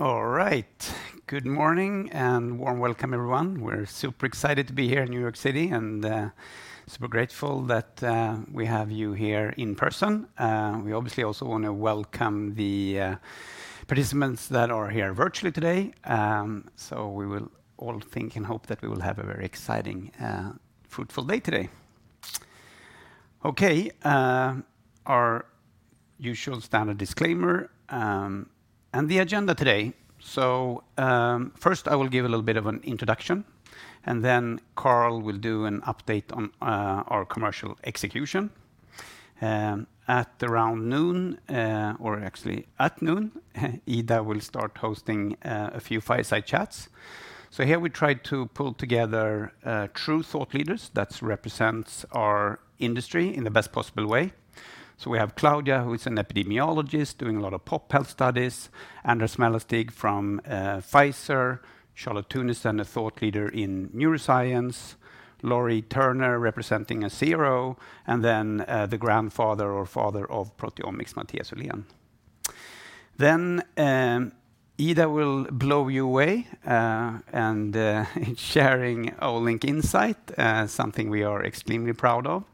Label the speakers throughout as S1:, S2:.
S1: All right. Good morning and warm welcome, everyone. We're super excited to be here in New York City, and, super grateful that, we have you here in person. We obviously also wanna welcome the, participants that are here virtually today. We will all think and hope that we will have a very exciting, fruitful day today. Okay, our usual standard disclaimer, and the agenda today. First, I will give a little bit of an introduction, and then Carl will do an update on, our commercial execution. At around noon, or actually at noon, Ida will start hosting, a few fireside chats. Here, we try to pull together, true thought leaders that represents our industry in the best possible way. We have Claudia, who is an epidemiologist doing a lot of pop health studies, Anders Mälarstig from Pfizer, Charlotte Teunissen, a thought leader in neuroscience, Lori Turner representing Azenta, and then the grandfather or father of proteomics, Mathias Uhlén. Then Ida will blow you away, and sharing Olink Insight, something we are extremely proud of.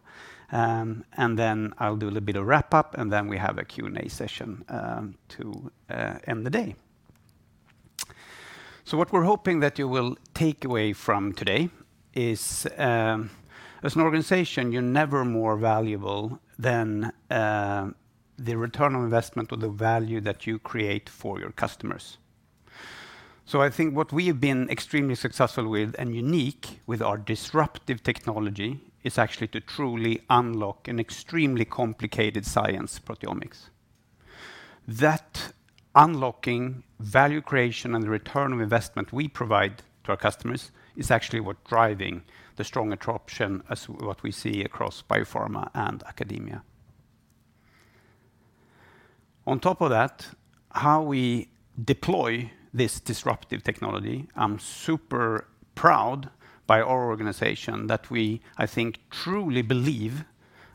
S1: And then I'll do a little bit of wrap-up, and then we have a Q&A session to end the day. What we're hoping that you will take away from today is, as an organization, you're never more valuable than the return on investment or the value that you create for your customers. I think what we have been extremely successful with and unique with our disruptive technology is actually to truly unlock an extremely complicated science proteomics. That unlocking value creation and the return on investment we provide to our customers is actually what's driving the strong attraction that we see across biopharma and academia. On top of that, how we deploy this disruptive technology, I'm super proud of our organization that we, I think, truly believe,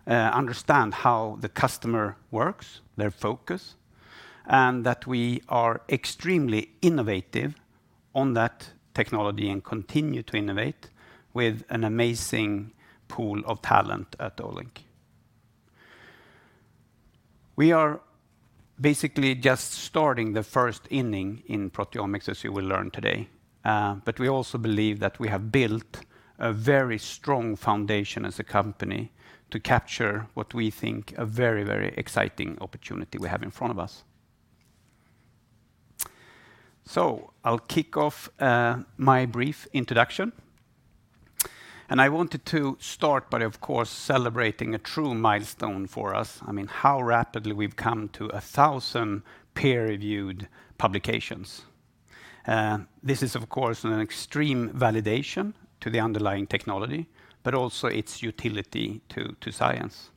S1: understand how the customer works, their focus, and that we are extremely innovative on that technology and continue to innovate with an amazing pool of talent at Olink. We are basically just starting the first inning in proteomics as you will learn today. But we also believe that we have built a very strong foundation as a company to capture what we think a very, very exciting opportunity we have in front of us. I'll kick off my brief introduction. I wanted to start by, of course, celebrating a true milestone for us. I mean, how rapidly we've come to 1,000 peer-reviewed publications. This is of course an extreme validation to the underlying technology, but also its utility to science.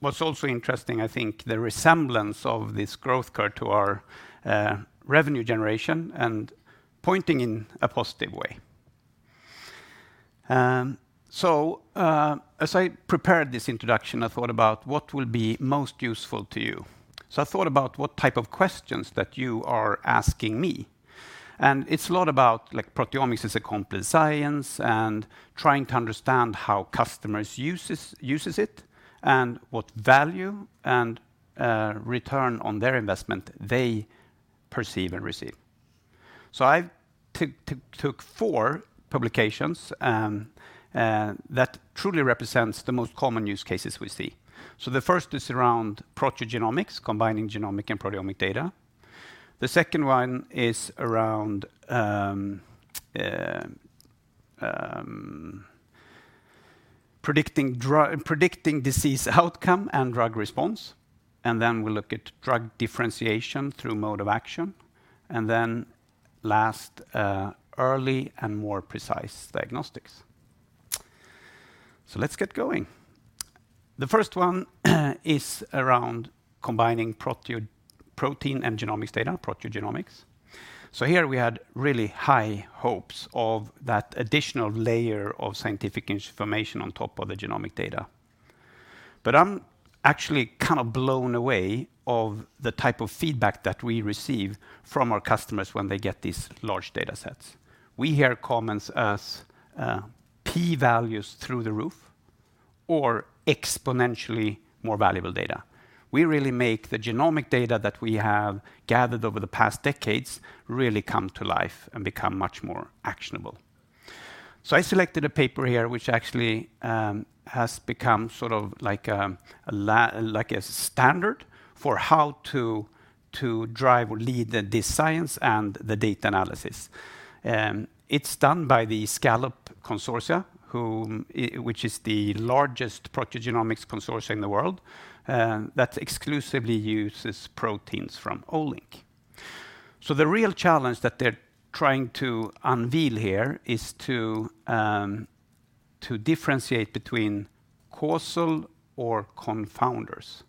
S1: What's also interesting, I think, the resemblance of this growth curve to our revenue generation and pointing in a positive way. As I prepared this introduction, I thought about what will be most useful to you. I thought about what type of questions that you are asking me. It's a lot about like proteomics as a complex science and trying to understand how customers uses it, and what value and return on their investment they perceive and receive. I took four publications that truly represents the most common use cases we see. The first is around proteogenomics, combining genomic and proteomic data. The second one is around predicting disease outcome and drug response. Then we look at drug differentiation through mode of action. Then last, early and more precise diagnostics. Let's get going. The first one is around combining protein and genomics data, proteogenomics. Here, we had really high hopes of that additional layer of scientific information on top of the genomic data. I'm actually kind of blown away of the type of feedback that we receive from our customers when they get these large data sets. We hear comments as p-values through the roof or exponentially more valuable data. We really make the genomic data that we have gathered over the past decades really come to life and become much more actionable. I selected a paper here, which actually has become sort of like a standard for how to drive or lead this science and the data analysis. It's done by the SCALLOP Consortium, which is the largest proteogenomics consortium in the world, that exclusively uses proteins from Olink. The real challenge that they're trying to unveil here is to differentiate between causal or confounders.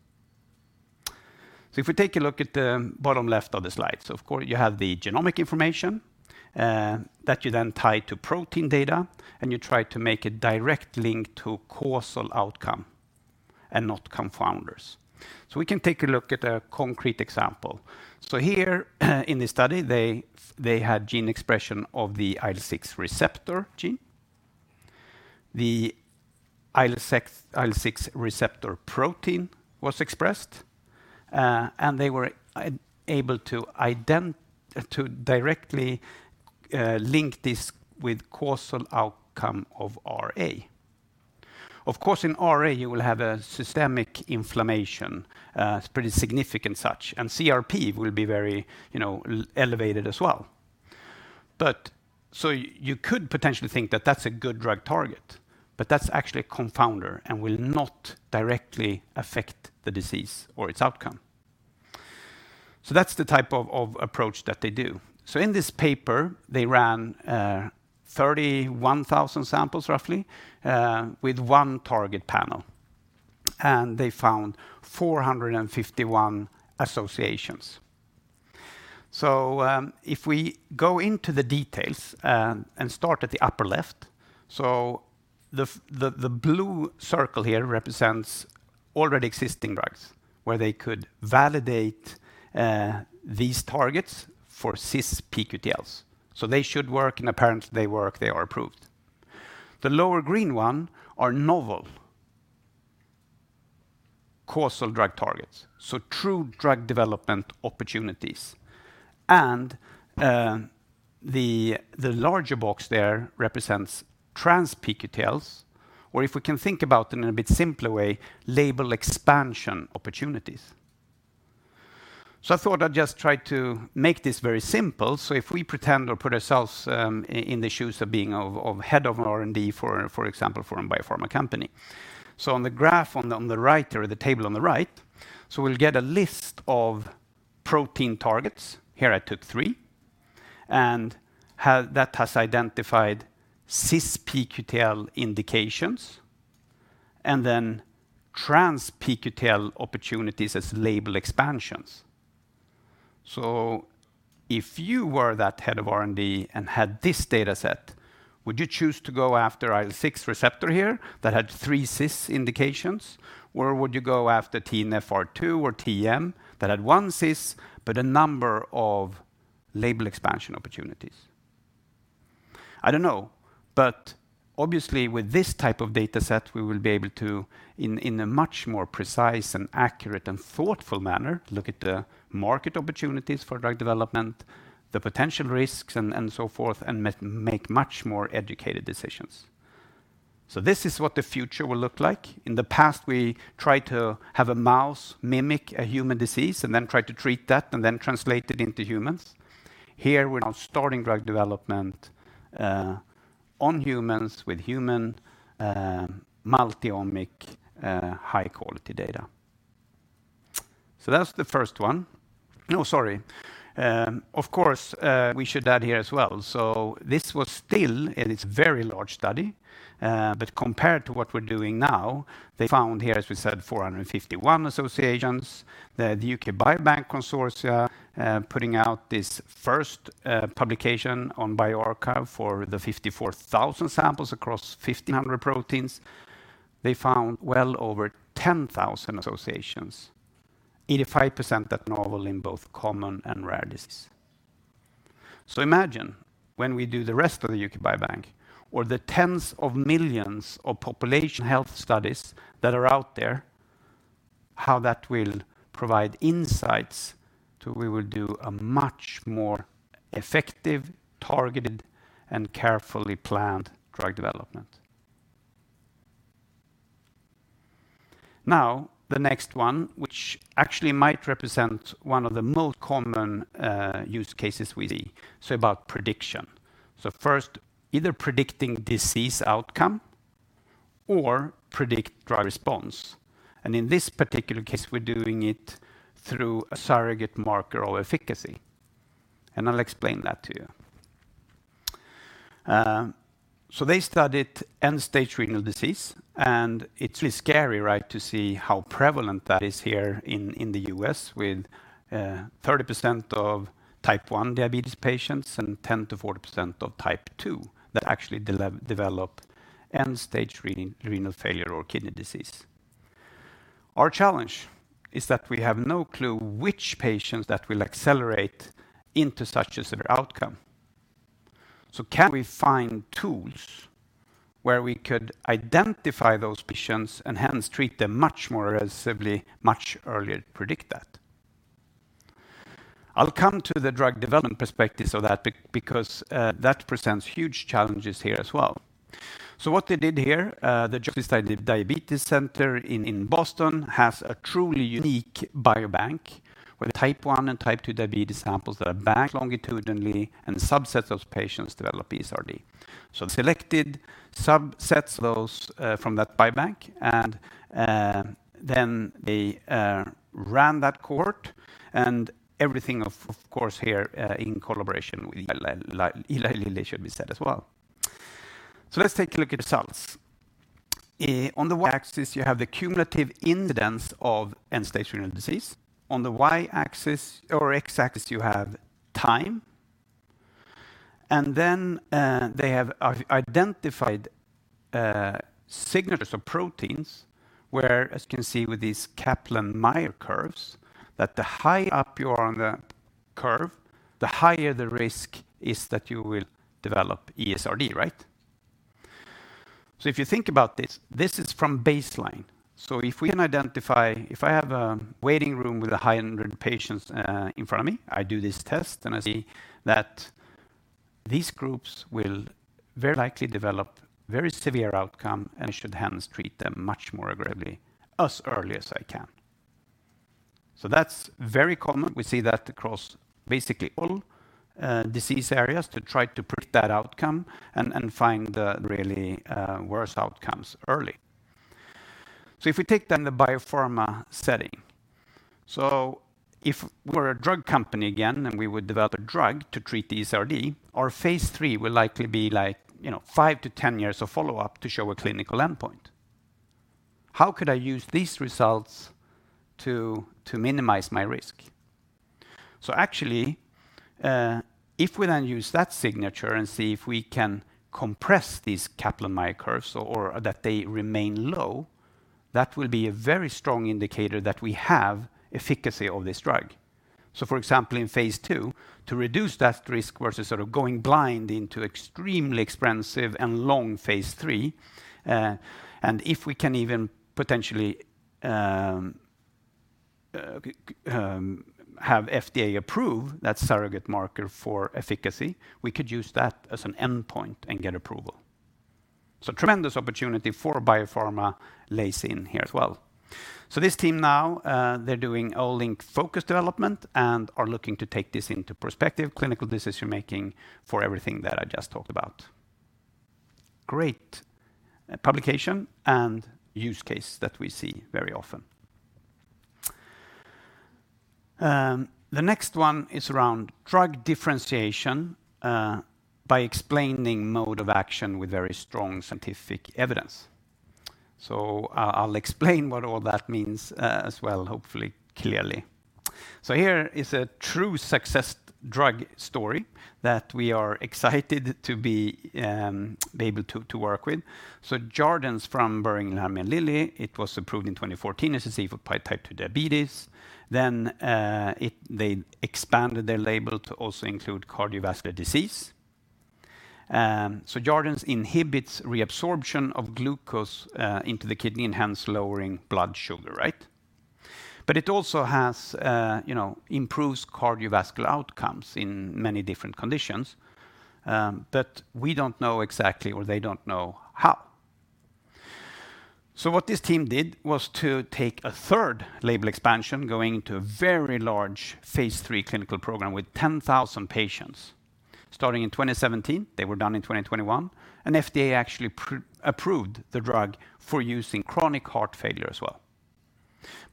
S1: If we take a look at the bottom left of the slide. Of course, you have the genomic information that you then tie to protein data, and you try to make a direct link to causal outcome. Not confounders. We can take a look at a concrete example. Here, in this study, they had gene expression of the IL-6 receptor gene. The IL-6, IL-6 receptor protein was expressed, and they were able to directly link this with causal outcome of RA. Of course, in RA, you will have a systemic inflammation, it's pretty significant such, and CRP will be very, you know, elevated as well. You could potentially think that that's a good drug target, but that's actually a confounder and will not directly affect the disease or its outcome. That's the type of approach that they do. In this paper, they ran 31,000 samples roughly with Olink Target panel, and they found 451 associations. If we go into the details and start at the upper left, the blue circle here represents already existing drugs where they could validate these targets for cis-pQTLs. They should work, and apparently they work, they are approved. The lower green one are novel causal drug targets, so true drug development opportunities. The larger box there represents trans-pQTLs or if we can think about them in a bit simpler way, label expansion opportunities. I thought I'd just try to make this very simple. If we pretend or put ourselves in the shoes of being of head of R&D for example, biopharma company. On the graph on the right or the table on the right, we'll get a list of protein targets. Here I took three. That has identified cis-pQTL indications and then trans-pQTL opportunities as label expansions. If you were that head of R&D and had this dataset, would you choose to go after IL-6 receptor here that had three cis indications or would you go after TNFR2 or TM that had one cis, but a number of label expansion opportunities? I don't know. Obviously, with this type of dataset, we will be able to in a much more precise and accurate and thoughtful manner look at the market opportunities for drug development, the potential risks and so forth, and make much more educated decisions. This is what the future will look like. In the past, we tried to have a mouse mimic a human disease and then try to treat that and then translate it into humans. Here we're now starting drug development on humans with human multi-omic high-quality data. That's the first one. No, sorry. Of course, we should add here as well. This was still in its very large study, but compared to what we're doing now, they found here, as we said, 451 associations. The UK Biobank consortium, putting out this first publication on bioRxiv for the 54,000 samples across 1,500 proteins. They found well over 10,000 associations, 85% that novel in both common and rare disease. Imagine when we do the rest of the UK Biobank or the tens of millions of population health studies that are out there, how that will provide insights to we will do a much more effective, targeted, and carefully planned drug development. Now, the next one, which actually might represent one of the most common use cases we see, so about prediction. First, either predicting disease outcome or predict drug response. In this particular case, we're doing it through a surrogate marker or efficacy. I'll explain that to you. They studied end-stage renal disease, and it's really scary, right, to see how prevalent that is here in the U.S. with 30% of type 1 diabetes patients and 10%-40% of type 2 that actually develop end-stage renal failure or kidney disease. Our challenge is that we have no clue which patients that will accelerate into such a severe outcome. Can we find tools where we could identify those patients and hence treat them much more aggressively much earlier to predict that? I'll come to the drug development perspective of that because that presents huge challenges here as well. What they did here, the Joslin Diabetes Center in Boston has a truly unique biobank with type one and type two diabetes samples that are banked longitudinally, and subsets of patients develop ESRD. Selected subsets of those from that biobank, and then they ran that cohort and everything, of course, here, in collaboration with Eli Lilly, it should be said as well. Let's take a look at the results. On the y-axis, you have the cumulative incidence of end-stage renal disease. On the y-axis or x-axis, you have time. They have identified signatures of proteins where, as you can see with these Kaplan-Meier curves, that the high up you are on the curve, the higher the risk is that you will develop ESRD, right? If you think about this is from baseline. If I have a waiting room with 100 patients in front of me, I do this test, and I see that these groups will very likely develop very severe outcome, and I should hence treat them much more aggressively as early as I can. That's very common. We see that across basically all disease areas to try to predict that outcome and find the really worse outcomes early. If we take then the biopharma setting. If we're a drug company again, and we would develop a drug to treat the ESRD, our phase 3 will likely be like 5-10 years of follow-up to show a clinical endpoint. How could I use these results to minimize my risk? Actually, if we then use that signature and see if we can compress these Kaplan-Meier curves or that they remain low, that will be a very strong indicator that we have efficacy of this drug. For example, in phase two, to reduce that risk versus sort of going blind into extremely expensive and long phase three, and if we can even potentially have FDA approve that surrogate marker for efficacy, we could use that as an endpoint and get approval. Tremendous opportunity for biopharma lies in here as well. This team now, they're doing Olink Focus development and are looking to take this into prospective clinical decision-making for everything that I just talked about. Great publication and use case that we see very often. The next one is around drug differentiation by explaining mode of action with very strong scientific evidence. I'll explain what all that means as well, hopefully clearly. Here is a true success drug story that we are excited to be able to work with. Jardiance from Boehringer Ingelheim and Lilly, it was approved in 2014 as an SGLT2 for type 2 diabetes. They expanded their label to also include cardiovascular disease. Jardiance inhibits reabsorption of glucose into the kidney, hence lowering blood sugar, right? It also has, you know, improves cardiovascular outcomes in many different conditions, but we don't know exactly or they don't know how. What this team did was to take a third label expansion going into a very large phase 3 clinical program with 10,000 patients. Starting in 2017, they were done in 2021, FDA actually pre-approved the drug for use in chronic heart failure as well.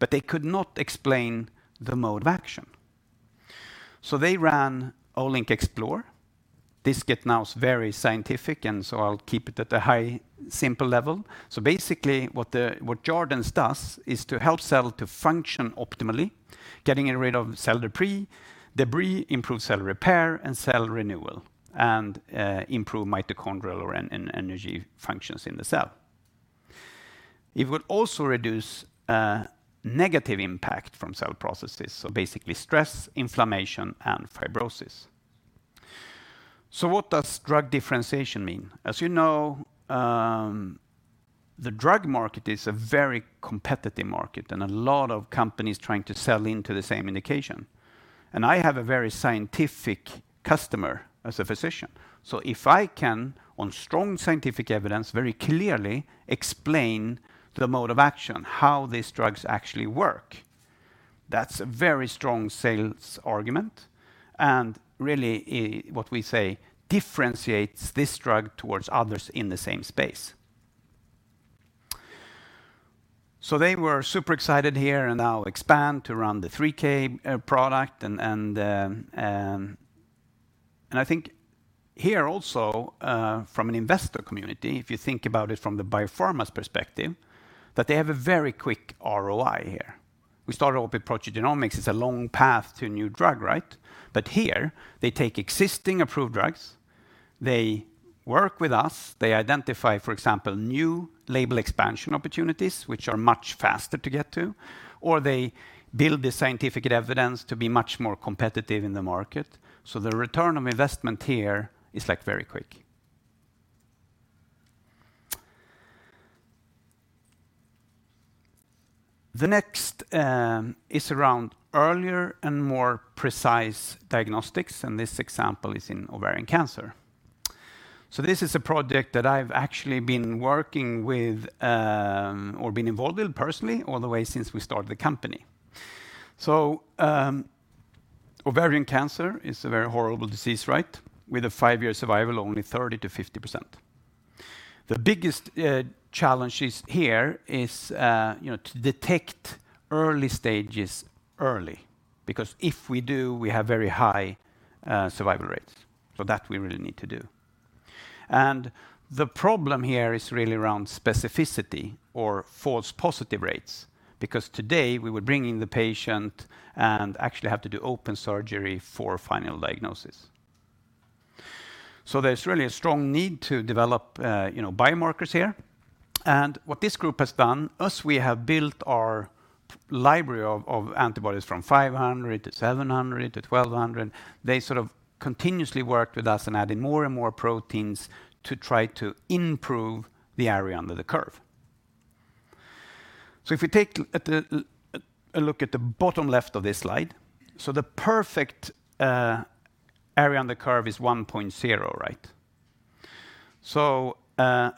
S1: They could not explain the mode of action. They ran Olink Explore. This gets technical, I'll keep it at a high, simple level. Basically, what Jardiance does is to help cell to function optimally, getting rid of cell debris, improve cell repair, and cell renewal, improve mitochondrial or energy functions in the cell. It would also reduce negative impact from cell processes, basically stress, inflammation, and fibrosis. What does drug differentiation mean? As you know, the drug market is a very competitive market, a lot of companies trying to sell into the same indication. I have a very scientific customer as a physician. If I can, on strong scientific evidence, very clearly explain the mode of action, how these drugs actually work, that's a very strong sales argument, and really, what we say, differentiates this drug towards others in the same space. They were super excited here and now expand to run the 3K product. I think here also, from an investor community, if you think about it from the biopharma's perspective, that they have a very quick ROI here. We started off with proteogenomics. It's a long path to a new drug, right? Here they take existing approved drugs, they work with us, they identify, for example, new label expansion opportunities, which are much faster to get to, or they build the scientific evidence to be much more competitive in the market. The return on investment here is, like, very quick. The next is around earlier and more precise diagnostics, and this example is in ovarian cancer. This is a project that I've actually been working with, or been involved with personally all the way since we started the company. Ovarian cancer is a very horrible disease, right? With a five-year survival, only 30%-50%. The biggest challenge here is, you know, to detect early stages early, because if we do, we have very high survival rates. That we really need to do. The problem here is really around specificity or false positive rates because today we would bring in the patient and actually have to do open surgery for final diagnosis. There's really a strong need to develop, you know, biomarkers here. What this group has done, we have built our library of antibodies from 500 to 700 to 1200. They sort of continuously worked with us and added more and more proteins to try to improve the area under the curve. If we take a look at the bottom left of this slide, the perfect area under the curve is 1.0, right?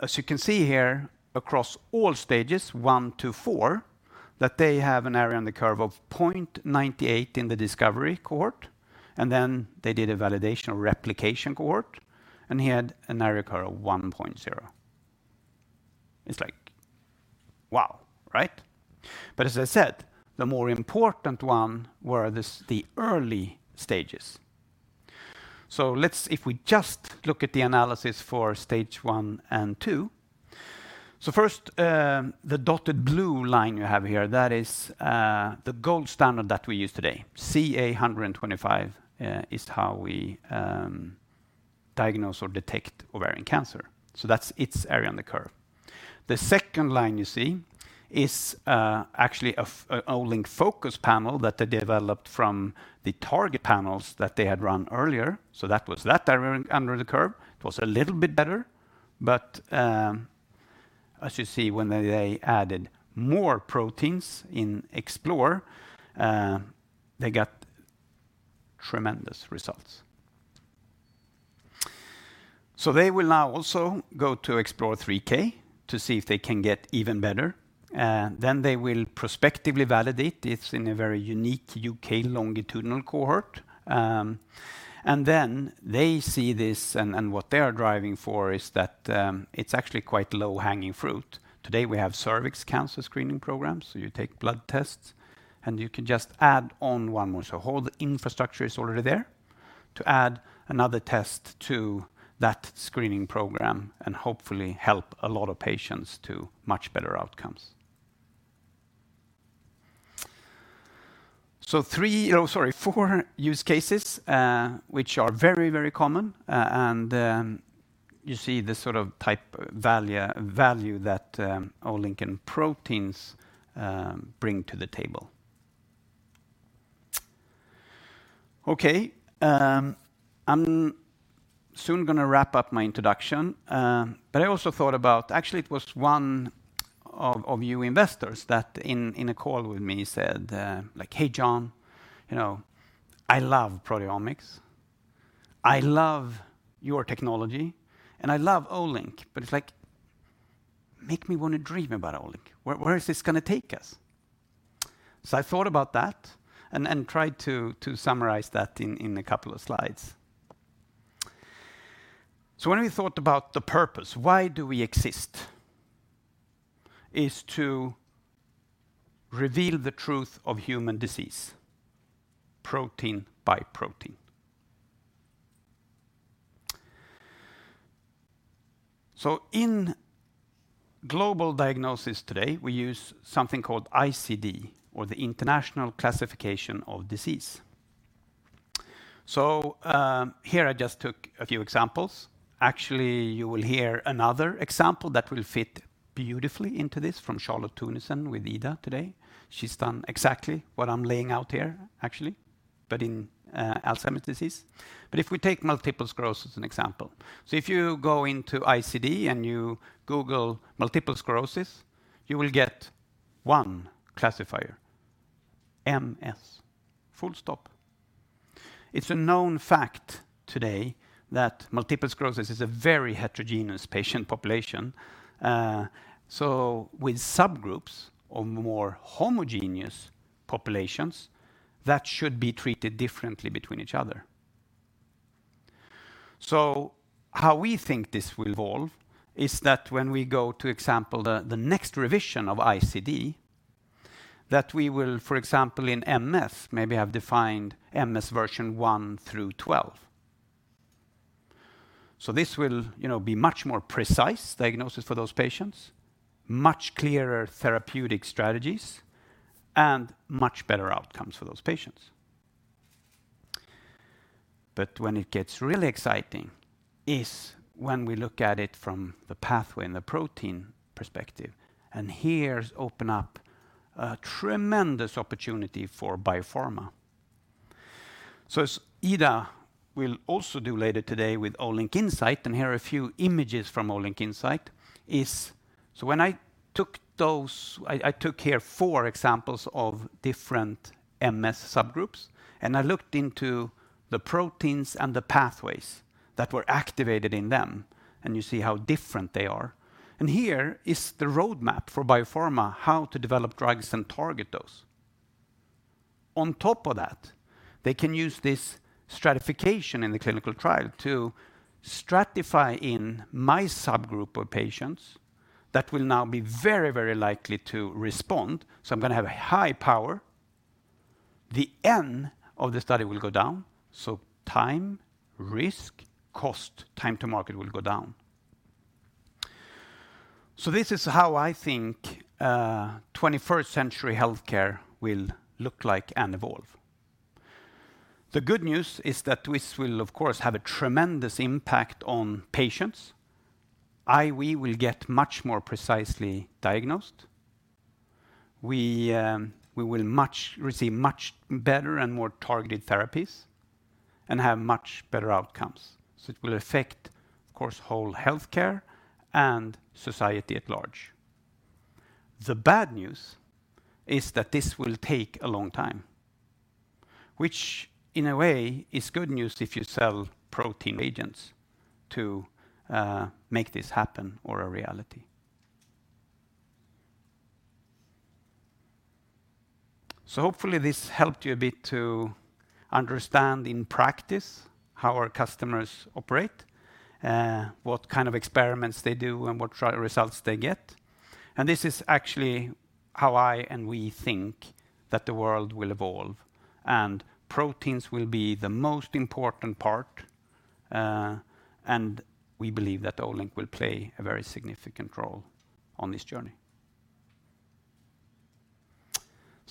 S1: As you can see here across all stages one to four, they have an area under the curve of 0.98 in the discovery cohort, and then they did a validation replication cohort, and they had an area under the curve of 1.0. It's like wow, right? But as I said, the more important one was this the early stages. If we just look at the analysis for stage 1 and 2. First, the dotted blue line you have here, that is, the gold standard that we use today. CA-125 is how we diagnose or detect ovarian cancer. That's its area under the curve. The second line you see is, actually an Olink Focus panel that they developed from the Olink Target panels that they had run earlier. That was that area under the curve. It was a little bit better, but, as you see when they added more proteins in Olink Explore, they got tremendous results. They will now also go to Explore 3K to see if they can get even better, and then they will prospectively validate it in a very unique UK longitudinal cohort. They see this, and what they are driving for is that it's actually quite low-hanging fruit. Today, we have cervical cancer screening program. You take blood tests, and you can just add on one more. Whole infrastructure is already there to add another test to that screening program and hopefully help a lot of patients to much better outcomes. 4 use cases, which are very, very common, and you see the sort of value that Olink and proteins bring to the table. Okay, I'm soon gonna wrap up my introduction, but I also thought about actually it was one of you investors that in a call with me said, like, "Hey, Jon, you know, I love proteomics. I love your technology, and I love Olink, but it's like make me wanna dream about Olink. Where, where is this gonna take us? I thought about that and tried to summarize that in a couple of slides. When we thought about the purpose, why do we exist? It's to reveal the truth of human disease protein by protein. In global diagnosis today, we use something called ICD or the International Classification of Diseases. Here I just took a few examples. Actually, you will hear another example that will fit beautifully into this from Charlotte Teunissen with Ida today. She's done exactly what I'm laying out here actually but in Alzheimer's disease. If we take multiple sclerosis as an example. If you go into ICD, and you google multiple sclerosis, you will get one classifier, MS, full stop. It's a known fact today that multiple sclerosis is a very heterogeneous patient population, so with subgroups or more homogeneous populations that should be treated differently between each other. How we think this will evolve is that when we go to, for example, the next revision of ICD, that we will, for example, in MS maybe have defined MS version 1 through 12. This will, you know, be much more precise diagnosis for those patients, much clearer therapeutic strategies, and much better outcomes for those patients. When it gets really exciting is when we look at it from the pathway and the protein perspective, and here it opens up a tremendous opportunity for biopharma. As Ida will also do later today with Olink Insight, here are a few images from Olink Insight. When I took those, I took here four examples of different MS subgroups, and I looked into the proteins and the pathways that were activated in them, and you see how different they are. Here is the roadmap for biopharma how to develop drugs and target those. On top of that, they can use this stratification in the clinical trial to stratify in my subgroup of patients that will now be very, very likely to respond. I'm gonna have a high power. The end of the study will go down, time, risk, cost, time to market will go down. This is how I think 21st century healthcare will look like and evolve. The good news is that this will, of course, have a tremendous impact on patients. We will get much more precisely diagnosed. We will receive much better and more targeted therapies and have much better outcomes. It will affect, of course, whole healthcare and society at large. The bad news is that this will take a long time. Which in a way is good news if you sell protein agents to make this happen or a reality. Hopefully, this helped you a bit to understand in practice how our customers operate, what kind of experiments they do and what results they get. This is actually how I and we think that the world will evolve. Proteins will be the most important part, and we believe that Olink will play a very significant role on this journey.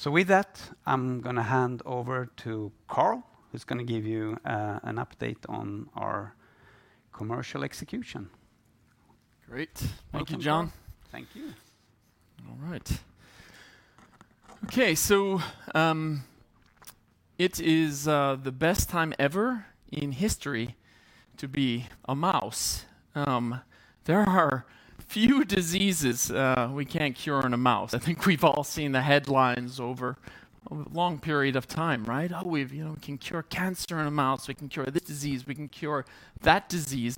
S1: With that, I'm gonna hand over to Carl, who's gonna give you an update on our commercial execution.
S2: Great. Thank you, Jon.
S1: Welcome, Carl. Thank you.
S2: All right. Okay. It is the best time ever in history to be a mouse. There are few diseases we can't cure in a mouse. I think we've all seen the headlines over a long period of time, right? Oh, you know, we can cure cancer in a mouse. We can cure this disease. We can cure that disease.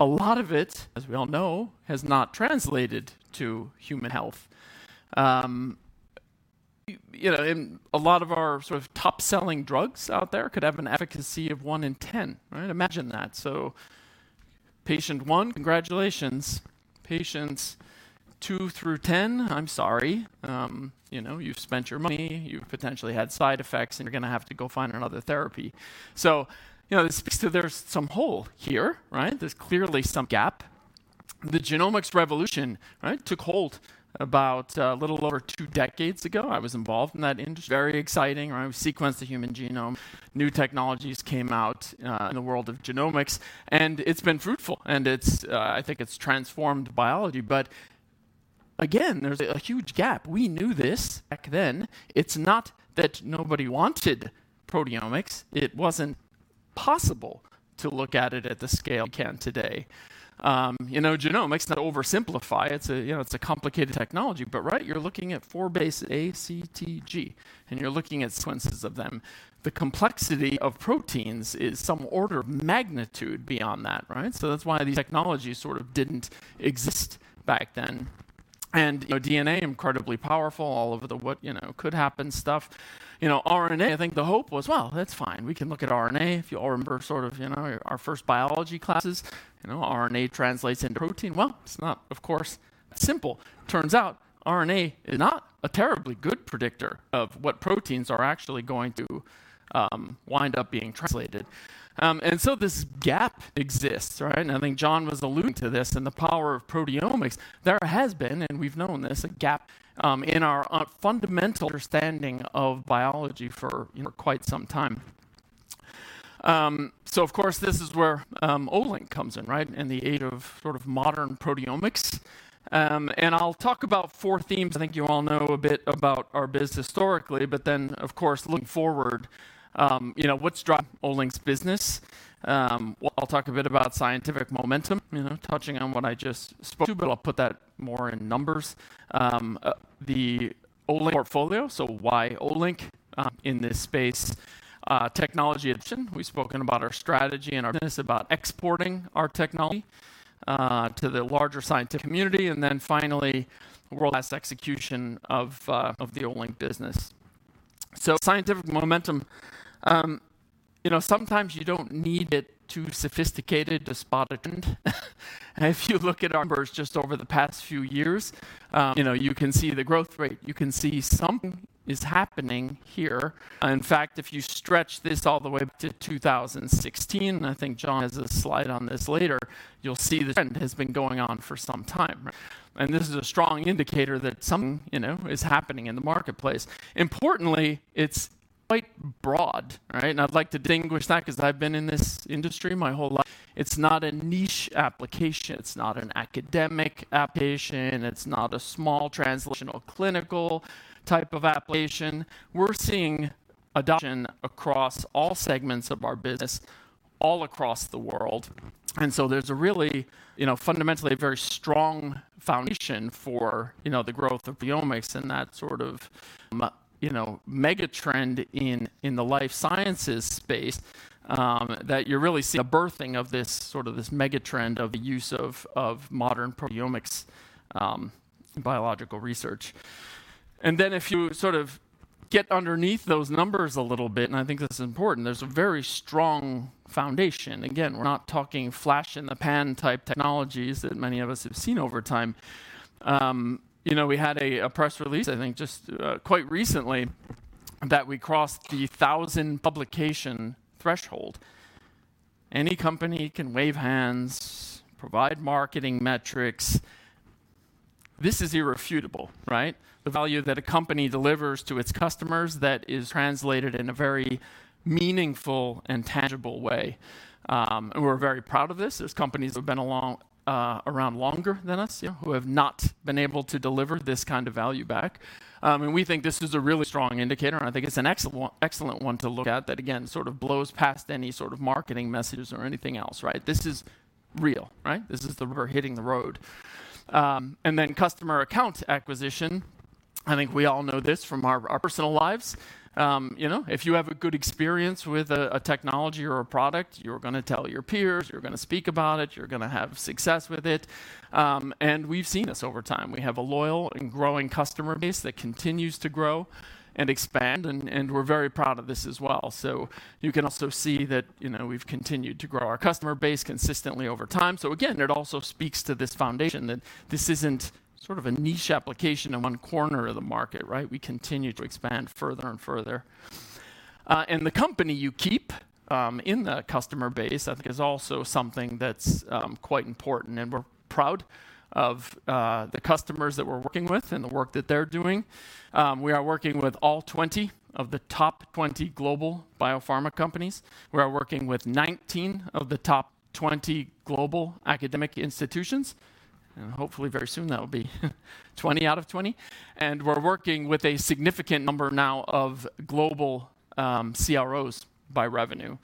S2: A lot of it, as we all know, has not translated to human health. You know, in a lot of our sort of top-selling drugs out there could have an efficacy of 1 in 10, right? Imagine that. Patient 1, congratulations. Patients 2 through 10, I'm sorry. You know, you've spent your money. You've potentially had side effects, and you're gonna have to go find another therapy. You know, this speaks to there's some hole here, right? There's clearly some gap. The genomics revolution, right, took hold about a little over two decades ago. I was involved in that industry. Very exciting. I sequenced the human genome. New technologies came out in the world of genomics, and it's been fruitful. It's, I think it's transformed biology. Again, there's a huge gap. We knew this back then. It's not that nobody wanted proteomics. It wasn't possible to look at it at the scale we can today. You know, genomics, not to oversimplify, it's a, you know, it's a complicated technology. Right, you're looking at four bases A, C, T, G, and you're looking at sequences of them. The complexity of proteins is some order of magnitude beyond that, right? That's why these technologies sort of didn't exist back then. You know, DNA, incredibly powerful all over the what, you know, could happen stuff. You know, RNA, I think the hope was, well, that's fine. We can look at RNA. If you all remember sort of, you know, our first biology classes. You know, RNA translates into protein. Well, it's not, of course, that simple. Turns out RNA is not a terribly good predictor of what proteins are actually going to wind up being translated. And so this gap exists, right? I think Jon was alluding to this and the power of proteomics. There has been, and we've known this, a gap in our fundamental understanding of biology for, you know, quite some time. Of course, this is where Olink comes in, right? In the aid of sort of modern proteomics. I'll talk about four themes. I think you all know a bit about our business historically, but then, of course, looking forward, you know, what's driving Olink's business? Well, I'll talk a bit about scientific momentum, you know, touching on what I just spoke to, but I'll put that more in numbers. The Olink portfolio, so why Olink in this space? Technology adoption. We've spoken about our strategy and our business about exporting our technology to the larger scientific community. Then finally, world-class execution of the Olink business. Scientific momentum, you know, sometimes you don't need it too sophisticated to spot a trend. If you look at our numbers just over the past few years, you know, you can see the growth rate. You can see something is happening here. In fact, if you stretch this all the way back to 2016, and I think Jon has a slide on this later, you'll see the trend has been going on for some time. This is a strong indicator that something, you know, is happening in the marketplace. Importantly, it's quite broad, right? I'd like to distinguish that because I've been in this industry my whole life. It's not a niche application. It's not an academic application. It's not a small translational clinical type of application. We're seeing adoption across all segments of our business all across the world. There's a really, you know, fundamentally a very strong foundation for, you know, the growth of proteomics and that sort of mega trend in the life sciences space that you really see a birthing of this sort of mega trend of the use of modern proteomics biological research. Then if you sort of get underneath those numbers a little bit, and I think this is important, there's a very strong foundation. Again, we're not talking flash in the pan type technologies that many of us have seen over time. We had a press release, I think, just quite recently that we crossed the 1,000 publication threshold. Any company can wave hands, provide marketing metrics. This is irrefutable, right? The value that a company delivers to its customers that is translated in a very meaningful and tangible way. We're very proud of this. There's companies that have been around longer than us, yeah, who have not been able to deliver this kind of value back. We think this is a really strong indicator, and I think it's an excellent one to look at that again, sort of blows past any sort of marketing messages or anything else, right? This is real, right? This is the rubber hitting the road. Then customer account acquisition, I think we all know this from our personal lives. You know, if you have a good experience with a technology or a product, you're gonna tell your peers, you're gonna speak about it, you're gonna have success with it. We've seen this over time. We have a loyal and growing customer base that continues to grow and expand, and we're very proud of this as well. You can also see that, you know, we've continued to grow our customer base consistently over time. Again, it also speaks to this foundation that this isn't sort of a niche application in one corner of the market, right? We continue to expand further and further. The company you keep in the customer base, I think is also something that's quite important. We're proud of the customers that we're working with and the work that they're doing. We are working with all 20 of the top 20 global biopharma companies. We are working with 19 of the top 20 global academic institutions, and hopefully very soon that will be 20 out of 20. We're working with a significant number now of global CROs by revenue,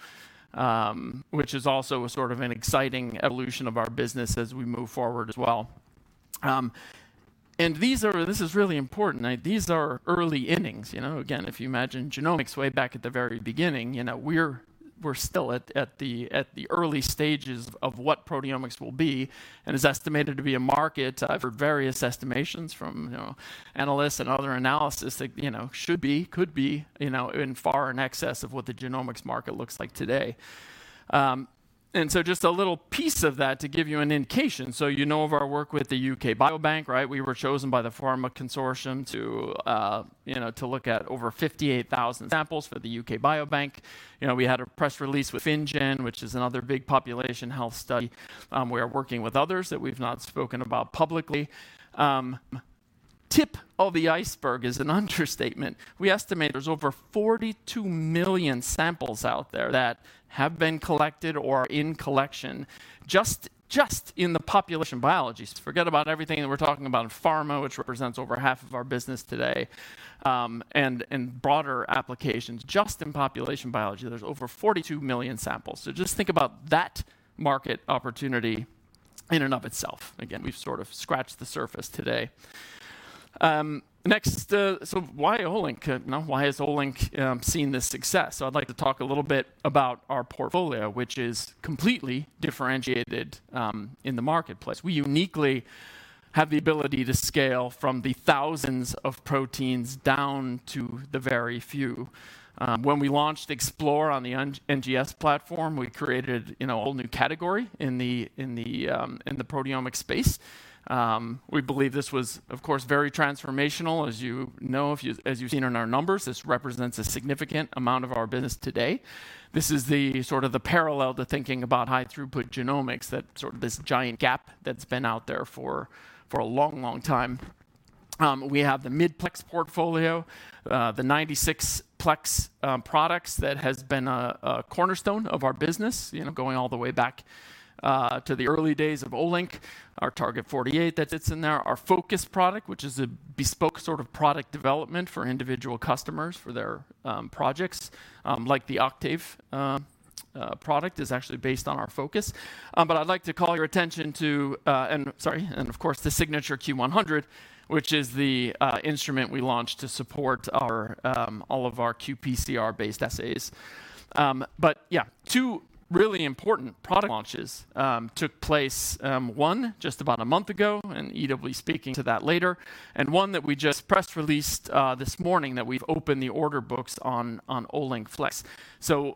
S2: which is also a sort of an exciting evolution of our business as we move forward as well. This is really important. These are early innings. You know, again, if you imagine genomics way back at the very beginning, you know, we're still at the early stages of what proteomics will be, and is estimated to be a market for various estimations from, you know, analysts and other analysis that, you know, should be, could be, you know, in far in excess of what the genomics market looks like today. Just a little piece of that to give you an indication. You know of our work with the UK Biobank, right? We were chosen by the pharma consortium to, you know, to look at over 58,000 samples for the UK Biobank. You know, we had a press release with FinnGen, which is another big population health study. We are working with others that we've not spoken about publicly. Tip of the iceberg is an understatement. We estimate there's over 42 million samples out there that have been collected or are in collection just in the population biologies. Forget about everything that we're talking about in pharma, which represents over half of our business today, and broader applications. Just in population biology, there's over 42 million samples. Just think about that market opportunity in and of itself. Again, we've sort of scratched the surface today. Next, why Olink? You know, why has Olink seen this success? I'd like to talk a little bit about our portfolio, which is completely differentiated in the marketplace. We uniquely have the ability to scale from the thousands of proteins down to the very few. When we launched Explore on the NGS platform, we created, you know, a whole new category in the proteomic space. We believe this was, of course, very transformational, as you know, as you've seen in our numbers. This represents a significant amount of our business today. This is the sort of parallel to thinking about high throughput genomics, that's this giant gap that's been out there for a long time. We have the mid-plex portfolio, the 96-plex products that has been a cornerstone of our business, you know, going all the way back to the early days of Olink, our Target 48 that sits in there. Our Focus product, which is a bespoke sort of product development for individual customers for their projects, like the Octave product is actually based on our Focus. But I'd like to call your attention to, and sorry, and of course, the Signature Q100, which is the instrument we launched to support all of our qPCR-based assays. Yeah, two really important product launches took place, one just about a month ago, and Ida Grundberg will be speaking to that later, and one that we just press released this morning that we've opened the order books on Olink Flex.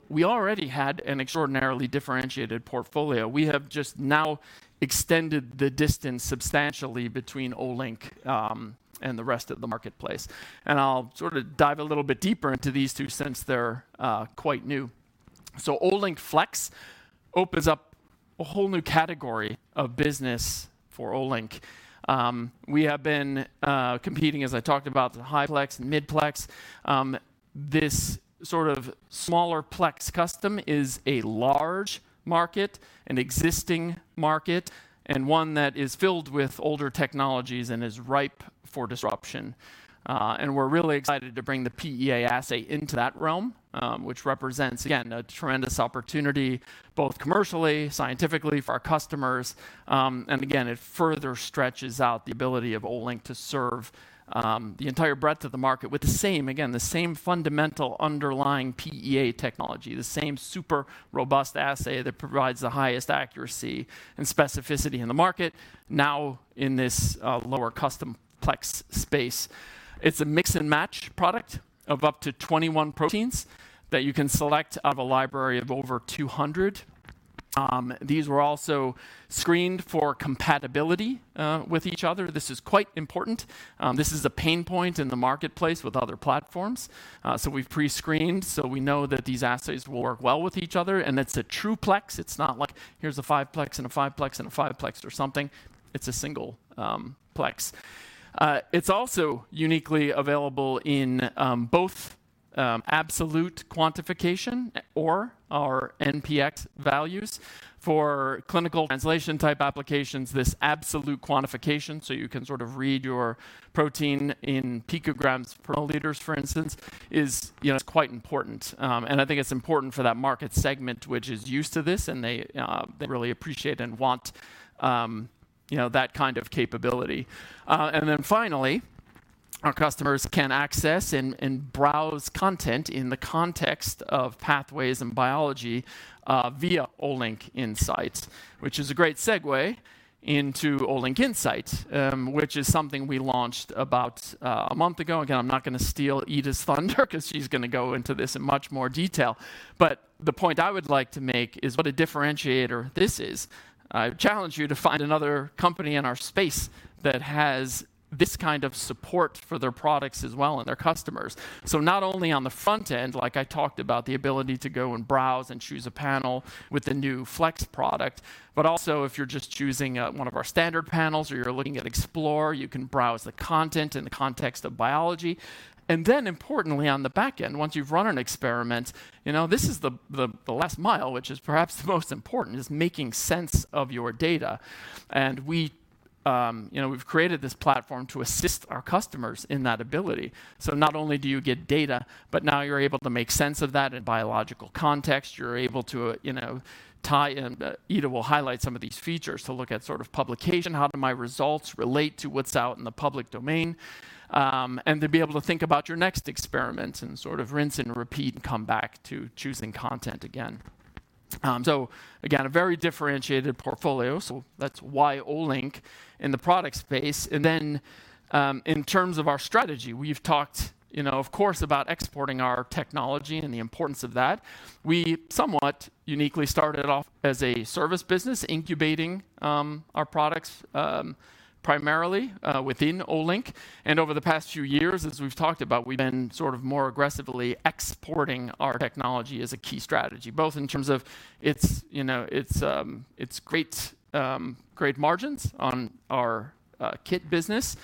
S2: We already had an extraordinarily differentiated portfolio. We have just now extended the distance substantially between Olink and the rest of the marketplace. I'll sort of dive a little bit deeper into these two since they're quite new. Olink Flex opens up a whole new category of business for Olink. We have been competing, as I talked about, the high-plex and mid-plex. This sort of smaller plex custom is a large market, an existing market, and one that is filled with older technologies and is ripe for disruption. We're really excited to bring the PEA assay into that realm, which represents, again, a tremendous opportunity both commercially, scientifically for our customers, and again, it further stretches out the ability of Olink to serve, the entire breadth of the market with the same, again, the same fundamental underlying PEA technology, the same super robust assay that provides the highest accuracy and specificity in the market now in this, lower custom plex space. It's a mix-and-match product of up to 21 proteins that you can select out of a library of over 200. These were also screened for compatibility with each other. This is quite important. This is a pain point in the marketplace with other platforms. So we've pre-screened, so we know that these assays will work well with each other, and it's a true plex. It's not like here's a five plex and a five plex and a five plex or something. It's a single plex. It's also uniquely available in both absolute quantification or our NPX values. For clinical translation type applications, this absolute quantification, so you can sort of read your protein in picograms per milliliters, for instance, is, you know, it's quite important. I think it's important for that market segment which is used to this, and they really appreciate and want, you know, that kind of capability. Finally, our customers can access and browse content in the context of pathways and biology via Olink Insight, which is a great segue into Olink Insight, which is something we launched about a month ago. Again, I'm not gonna steal Ida's thunder 'cause she's gonna go into this in much more detail. The point I would like to make is what a differentiator this is. I challenge you to find another company in our space that has this kind of support for their products as well and their customers. Not only on the front end, like I talked about, the ability to go and browse and choose a panel with the new Flex product, but also if you're just choosing one of our standard panels or you're looking at Explore, you can browse the content in the context of biology. Then importantly, on the back end, once you've run an experiment, you know, this is the last mile, which is perhaps the most important, is making sense of your data. We, you know, we've created this platform to assist our customers in that ability. Not only do you get data, but now you're able to make sense of that in biological context. You're able to, you know, tie in, Ida will highlight some of these features to look at sort of publication, how do my results relate to what's out in the public domain, and to be able to think about your next experiment and sort of rinse and repeat and come back to choosing content again. Again, a very differentiated portfolio. That's why Olink in the product space. Then, in terms of our strategy, we've talked, you know, of course, about exporting our technology and the importance of that. We somewhat uniquely started off as a service business, incubating our products, primarily, within Olink. Over the past few years, as we've talked about, we've been sort of more aggressively exporting our technology as a key strategy, both in terms of its, you know, its great margins on our kit business,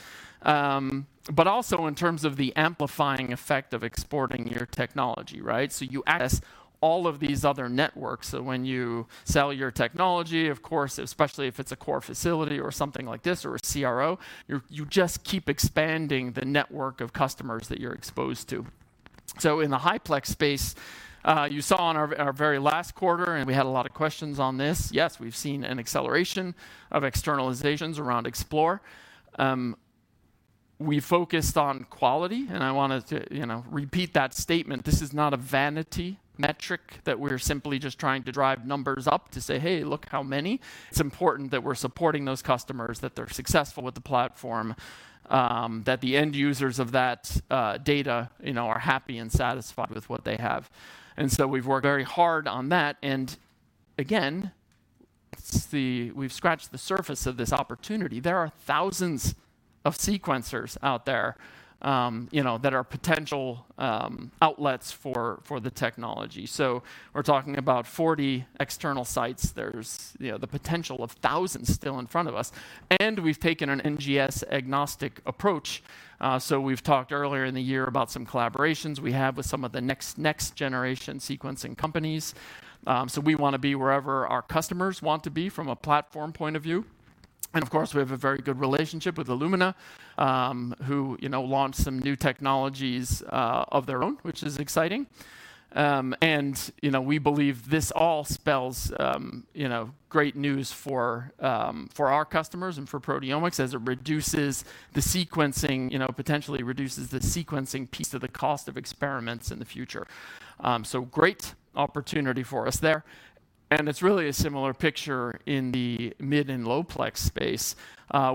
S2: but also in terms of the amplifying effect of exporting your technology, right? You ask all of these other networks that when you sell your technology, of course, especially if it's a core facility or something like this or a CRO, you're just keep expanding the network of customers that you're exposed to. In the high-plex space, you saw on our very last quarter, and we had a lot of questions on this, yes, we've seen an acceleration of externalizations around Explore. We focused on quality, and I wanted to, you know, repeat that statement. This is not a vanity metric that we're simply just trying to drive numbers up to say, "Hey, look how many." It's important that we're supporting those customers, that they're successful with the platform, that the end users of that data, you know, are happy and satisfied with what they have. We've scratched the surface of this opportunity. There are thousands of sequencers out there, you know, that are potential outlets for the technology. We're talking about 40 external sites. There's, you know, the potential of thousands still in front of us. We've taken an NGS-agnostic approach. We've talked earlier in the year about some collaborations we have with some of the next-generation sequencing companies. We wanna be wherever our customers want to be from a platform point of view. Of course, we have a very good relationship with Illumina, who, you know, launched some new technologies of their own, which is exciting. You know, we believe this all spells, you know, great news for our customers and for proteomics as it potentially reduces the sequencing piece of the cost of experiments in the future. Great opportunity for us there. It's really a similar picture in the mid-plex and low-plex space.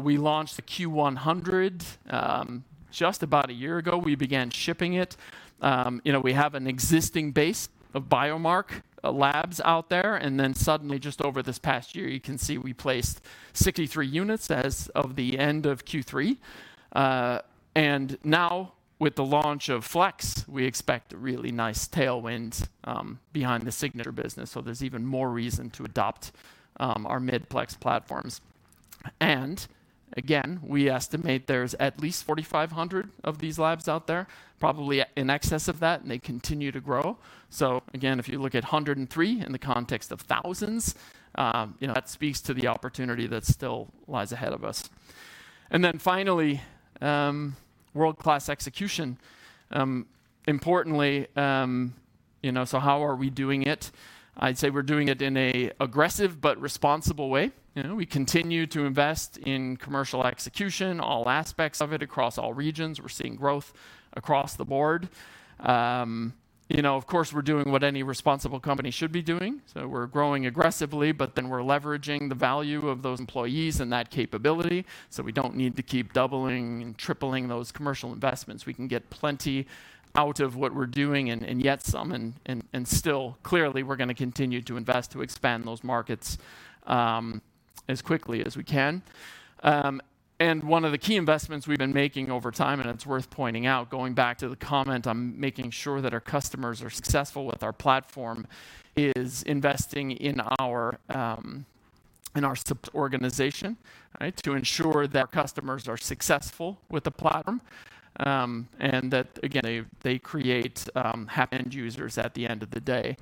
S2: We launched the Q100 just about a year ago. We began shipping it. You know, we have an existing base of BioMark labs out there, and then suddenly just over this past year, you can see we placed 63 units as of the end of Q3. Now with the launch of Flex, we expect a really nice tailwind behind the Signature business, so there's even more reason to adopt our mid-plex platforms. Again, we estimate there's at least 4,500 of these labs out there, probably in excess of that, and they continue to grow. Again, if you look at 103 in the context of thousands, you know, that speaks to the opportunity that still lies ahead of us. Then finally, world-class execution. Importantly, you know, so how are we doing it? I'd say we're doing it in an aggressive but responsible way. You know, we continue to invest in commercial execution, all aspects of it across all regions. We're seeing growth across the board. You know, of course, we're doing what any responsible company should be doing. We're growing aggressively, but then we're leveraging the value of those employees and that capability, so we don't need to keep doubling and tripling those commercial investments. We can get plenty out of what we're doing and yet, and still clearly we're gonna continue to invest to expand those markets. As quickly as we can. One of the key investments we've been making over time, and it's worth pointing out, going back to the comment on making sure that our customers are successful with our platform, is investing in our support organization, right? To ensure that our customers are successful with the platform, and that again, they create happy end users at the end of the day.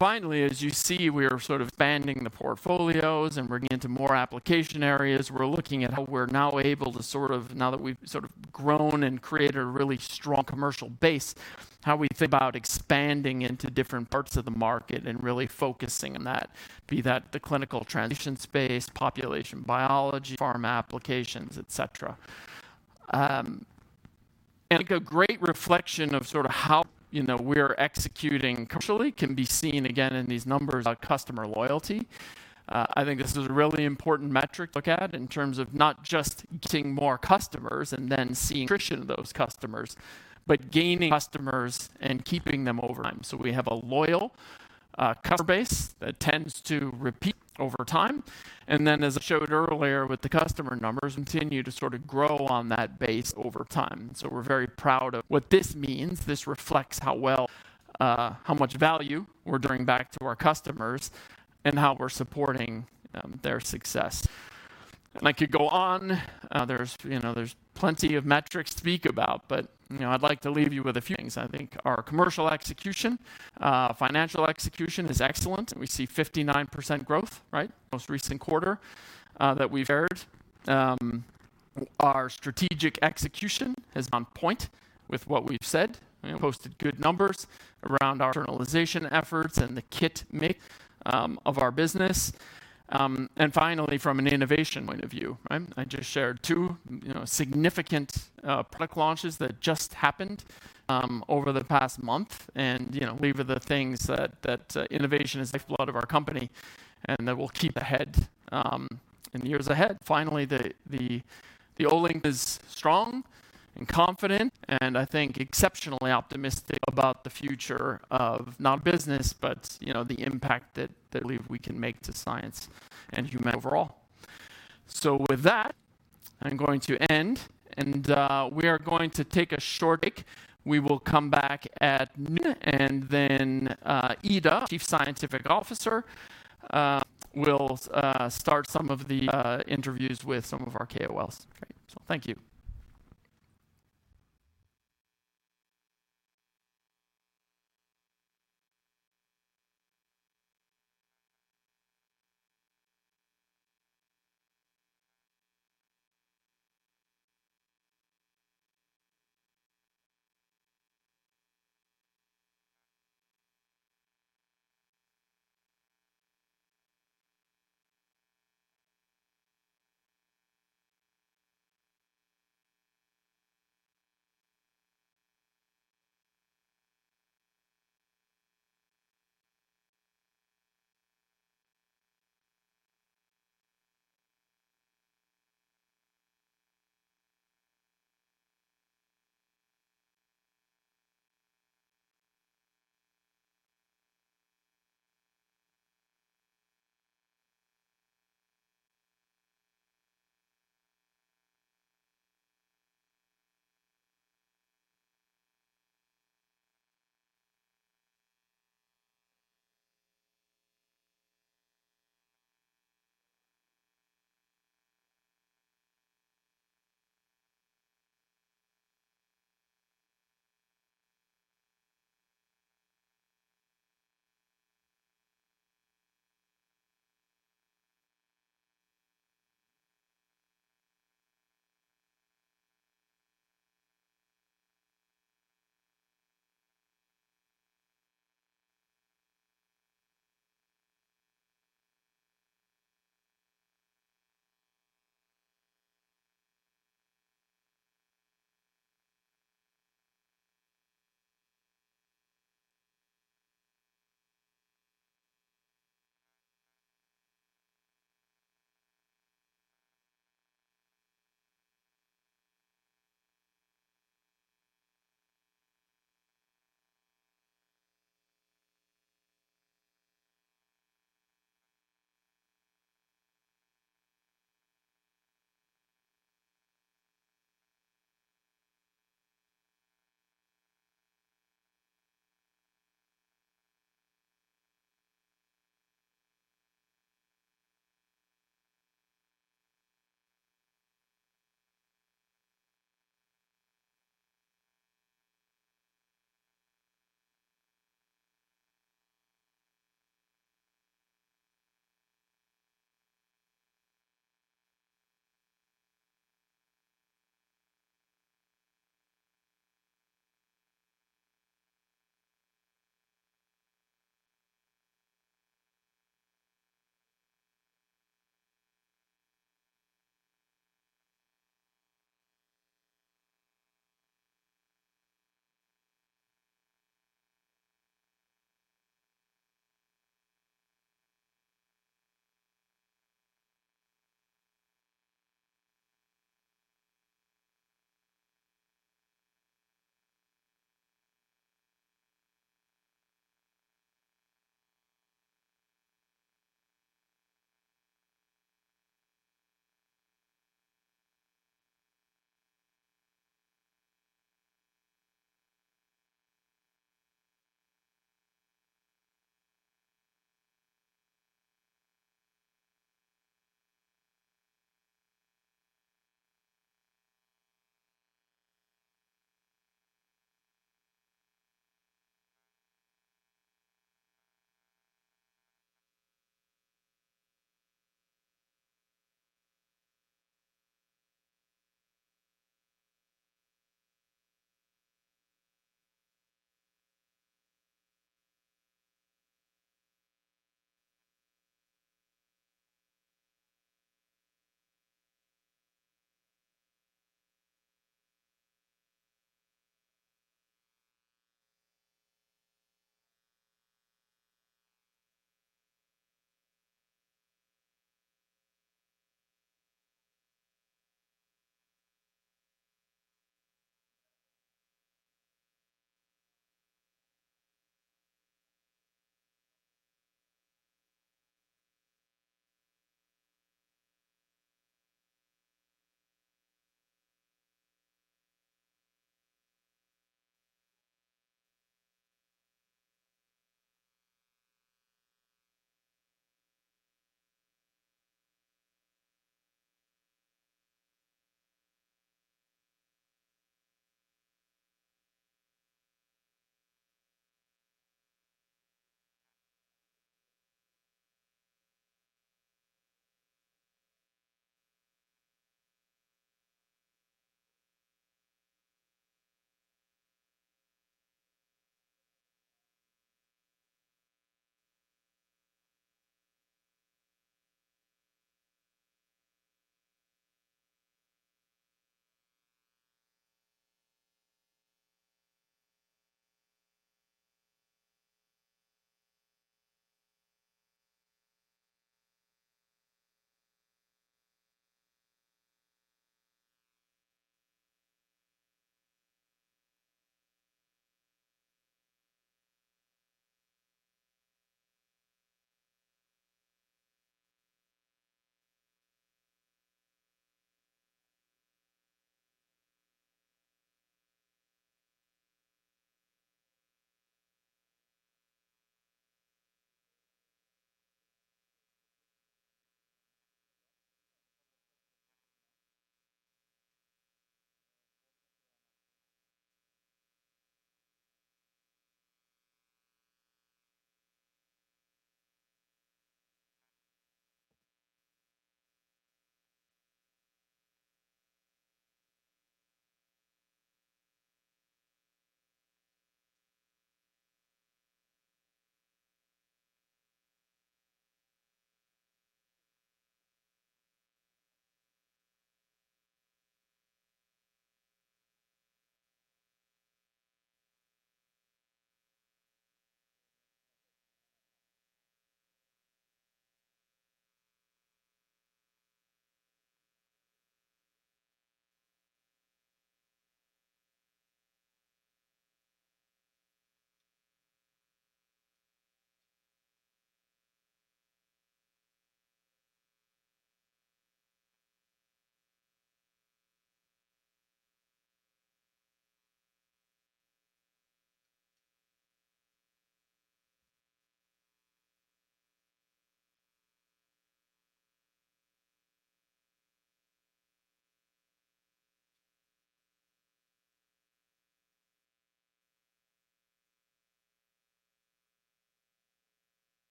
S2: Finally, as you see, we are sort of expanding the portfolios and bringing into more application areas. We're looking at how we're now able to, now that we've sort of grown and created a really strong commercial base, how we think about expanding into different parts of the market and really focusing on that, be that the clinical translation space, population biology, pharma applications, et cetera. I think a great reflection of sort of how, you know, we're executing commercially can be seen again in these numbers on customer loyalty. I think this is a really important metric to look at in terms of not just getting more customers and then seeing attrition of those customers, but gaining customers and keeping them over time. We have a loyal, customer base that tends to repeat over time. Then as I showed earlier with the customer numbers, continue to sort of grow on that base over time. We're very proud of what this means. This reflects how well, how much value we're bringing back to our customers and how we're supporting, their success. I could go on. There's, you know, plenty of metrics to speak about, but, you know, I'd like to leave you with a few things. I think our commercial execution, financial execution is excellent, and we see 59% growth, right, most recent quarter, that we've shared. Our strategic execution is on point with what we've said. You know, posted good numbers around our internalization efforts and the kit mix of our business. Finally, from an innovation point of view, right? I just shared two, you know, significant product launches that just happened over the past month. You know, I believe they are the things that innovation is the lifeblood of our company, and that we'll keep ahead in the years ahead. Finally, the whole team is strong and confident, and I think exceptionally optimistic about the future of not business, but, you know, the impact that I believe we can make to science and humanity overall. With that, I'm going to end, and we are going to take a short break. We will come back at noon, and then, Ida, Chief Scientific Officer, will start some of the interviews with some of our KOLs today. Thank you.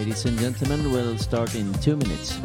S3: Ladies and gentlemen, we'll start in two minutes.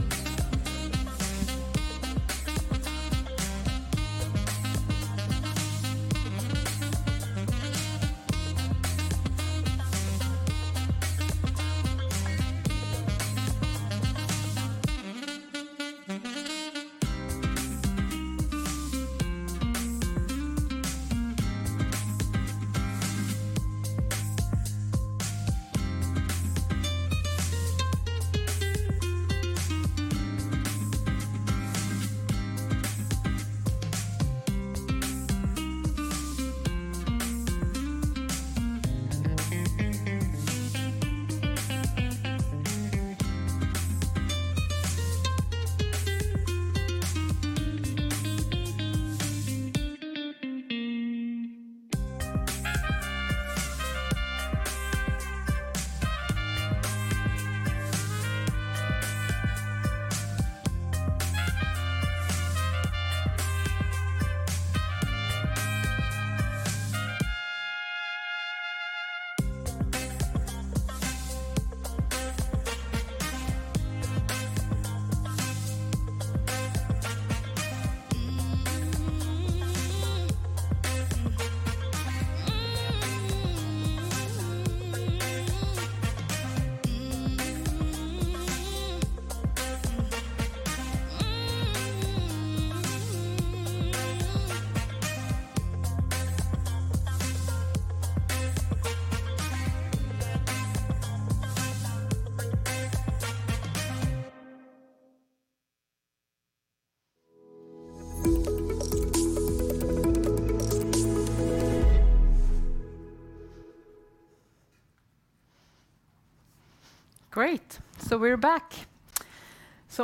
S4: Great. We're back.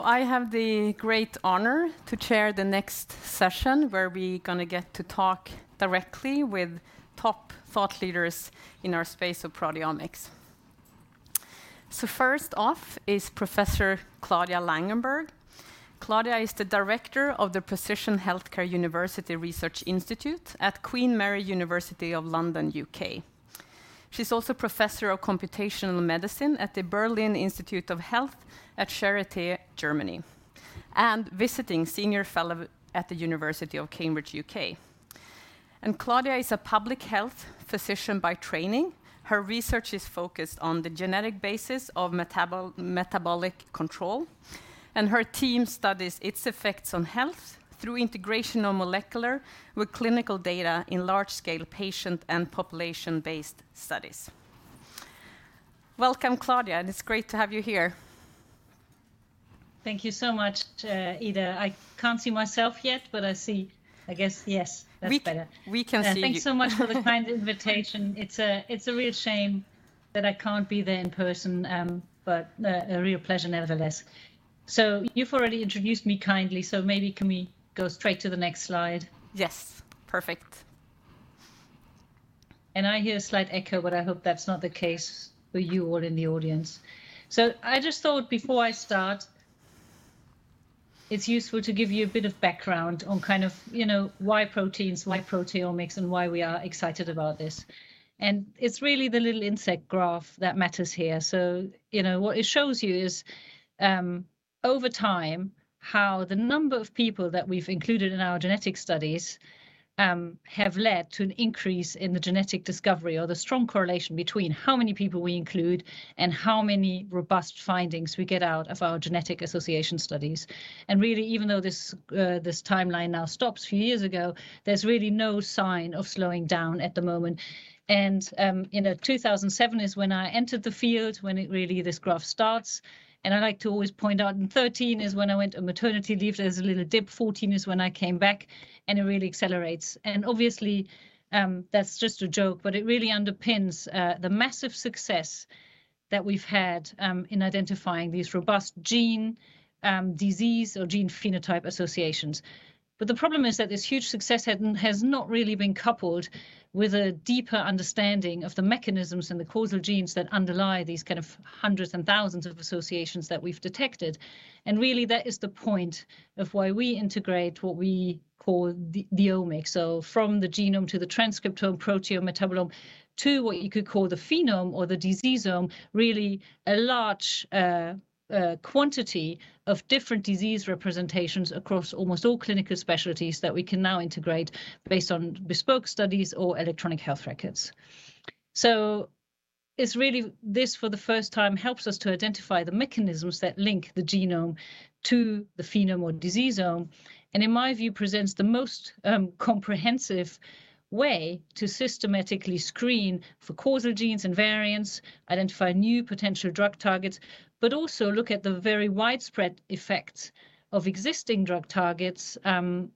S4: I have the great honor to chair the next session, where we gonna get to talk directly with top thought leaders in our space of proteomics. First off is Professor Claudia Langenberg. Claudia is the director of the Precision Healthcare University Research Institute at Queen Mary University of London, UK. She's also professor of computational medicine at the Berlin Institute of Health at Charité, Germany, and visiting senior fellow at the University of Cambridge, UK. Claudia is a public health physician by training. Her research is focused on the genetic basis of metabolic control, and her team studies its effects on health through integration of molecular with clinical data in large-scale patient and population-based studies. Welcome, Claudia. It is great to have you here.
S5: Thank you so much, Ida. I can't see myself yet, but I see. I guess yes. That's better.
S4: We can see you.
S5: Yeah. Thanks so much for the kind invitation. It's a real shame that I can't be there in person, but a real pleasure nevertheless. You've already introduced me kindly, maybe can we go straight to the next slide?
S4: Yes. Perfect.
S5: I hear a slight echo, but I hope that's not the case for you all in the audience. I just thought, before I start, it's useful to give you a bit of background on kind of, you know, why proteins, why proteomics, and why we are excited about this. It's really the little inset graph that matters here. You know, what it shows you is, over time, how the number of people that we've included in our genetic studies have led to an increase in the genetic discovery or the strong correlation between how many people we include and how many robust findings we get out of our genetic association studies. Really even though this timeline now stops a few years ago, there's really no sign of slowing down at the moment. In 2007 is when I entered the field, when it really this graph starts. I like to always point out in 2013 is when I went on maternity leave, there's a little dip. 2014 is when I came back and it really accelerates. Obviously, that's just a joke, but it really underpins the massive success that we've had in identifying these robust gene disease or gene phenotype associations. The problem is that this huge success has not really been coupled with a deeper understanding of the mechanisms and the causal genes that underlie these kind of hundreds and thousands of associations that we've detected. Really that is the point of why we integrate what we call the omics. From the genome to the transcriptome proteome metabolome to what you could call the phenome or the diseasome, really a large quantity of different disease representations across almost all clinical specialties that we can now integrate based on bespoke studies or electronic health records. It's really this for the first time helps us to identify the mechanisms that link the genome to the phenome or diseasome, and in my view, presents the most comprehensive way to systematically screen for causal genes and variants, identify new potential drug targets, but also look at the very widespread effects of existing drug targets,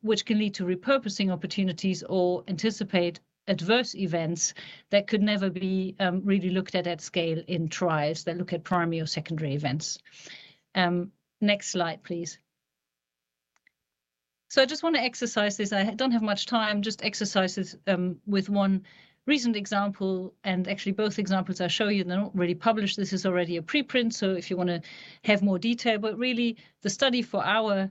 S5: which can lead to repurposing opportunities or anticipate adverse events that could never be really looked at at scale in trials that look at primary or secondary events. Next slide, please. I just wanna exercise this. I don't have much time, just illustrate this with one recent example, and actually both examples I show you, they're not really published. This is already a preprint, so if you wanna have more detail. But really the study for our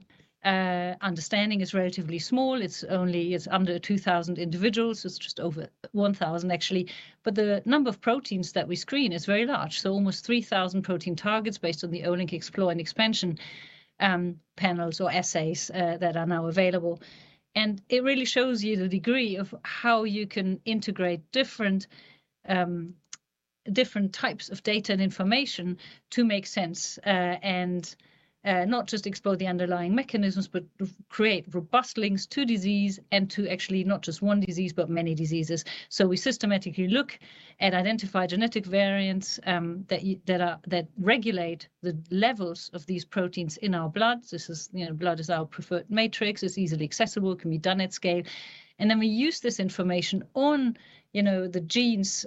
S5: understanding is relatively small. It's only it's under 2,000 individuals. It's just over 1,000 actually. But the number of proteins that we screen is very large, so almost 3,000 protein targets based on the Olink Explore and Olink Target 96 Expansion panels or assays that are now available. It really shows you the degree of how you can integrate different types of data and information to make sense and not just explore the underlying mechanisms, but create robust links to disease and to actually not just one disease, but many diseases. We systematically look and identify genetic variants that regulate the levels of these proteins in our blood. This is, you know, blood is our preferred matrix. It's easily accessible, can be done at scale. Then we use this information on, you know, the genes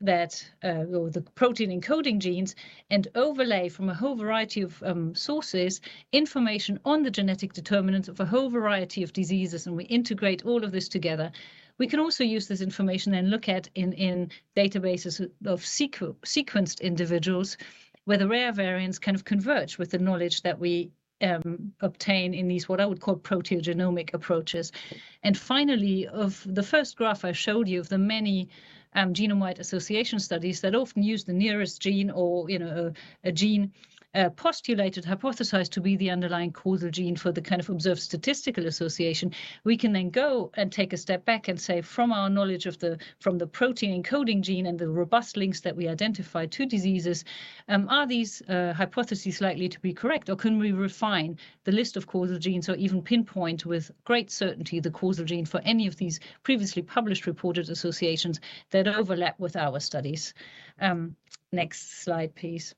S5: or the protein encoding genes and overlay from a whole variety of sources, information on the genetic determinants of a whole variety of diseases, and we integrate all of this together. We can also use this information and look at in databases of sequenced individuals where the rare variants kind of converge with the knowledge that we obtain in these, what I would call proteogenomic approaches. Finally, of the first graph I showed you of the many, genome-wide association studies that often use the nearest gene or, you know, a gene, postulated, hypothesized to be the underlying causal gene for the kind of observed statistical association. We can then go and take a step back and say, from the protein encoding gene and the robust links that we identify to diseases, are these hypotheses likely to be correct or can we refine the list of causal genes or even pinpoint with great certainty the causal gene for any of these previously published reported associations that overlap with our studies? Next slide please.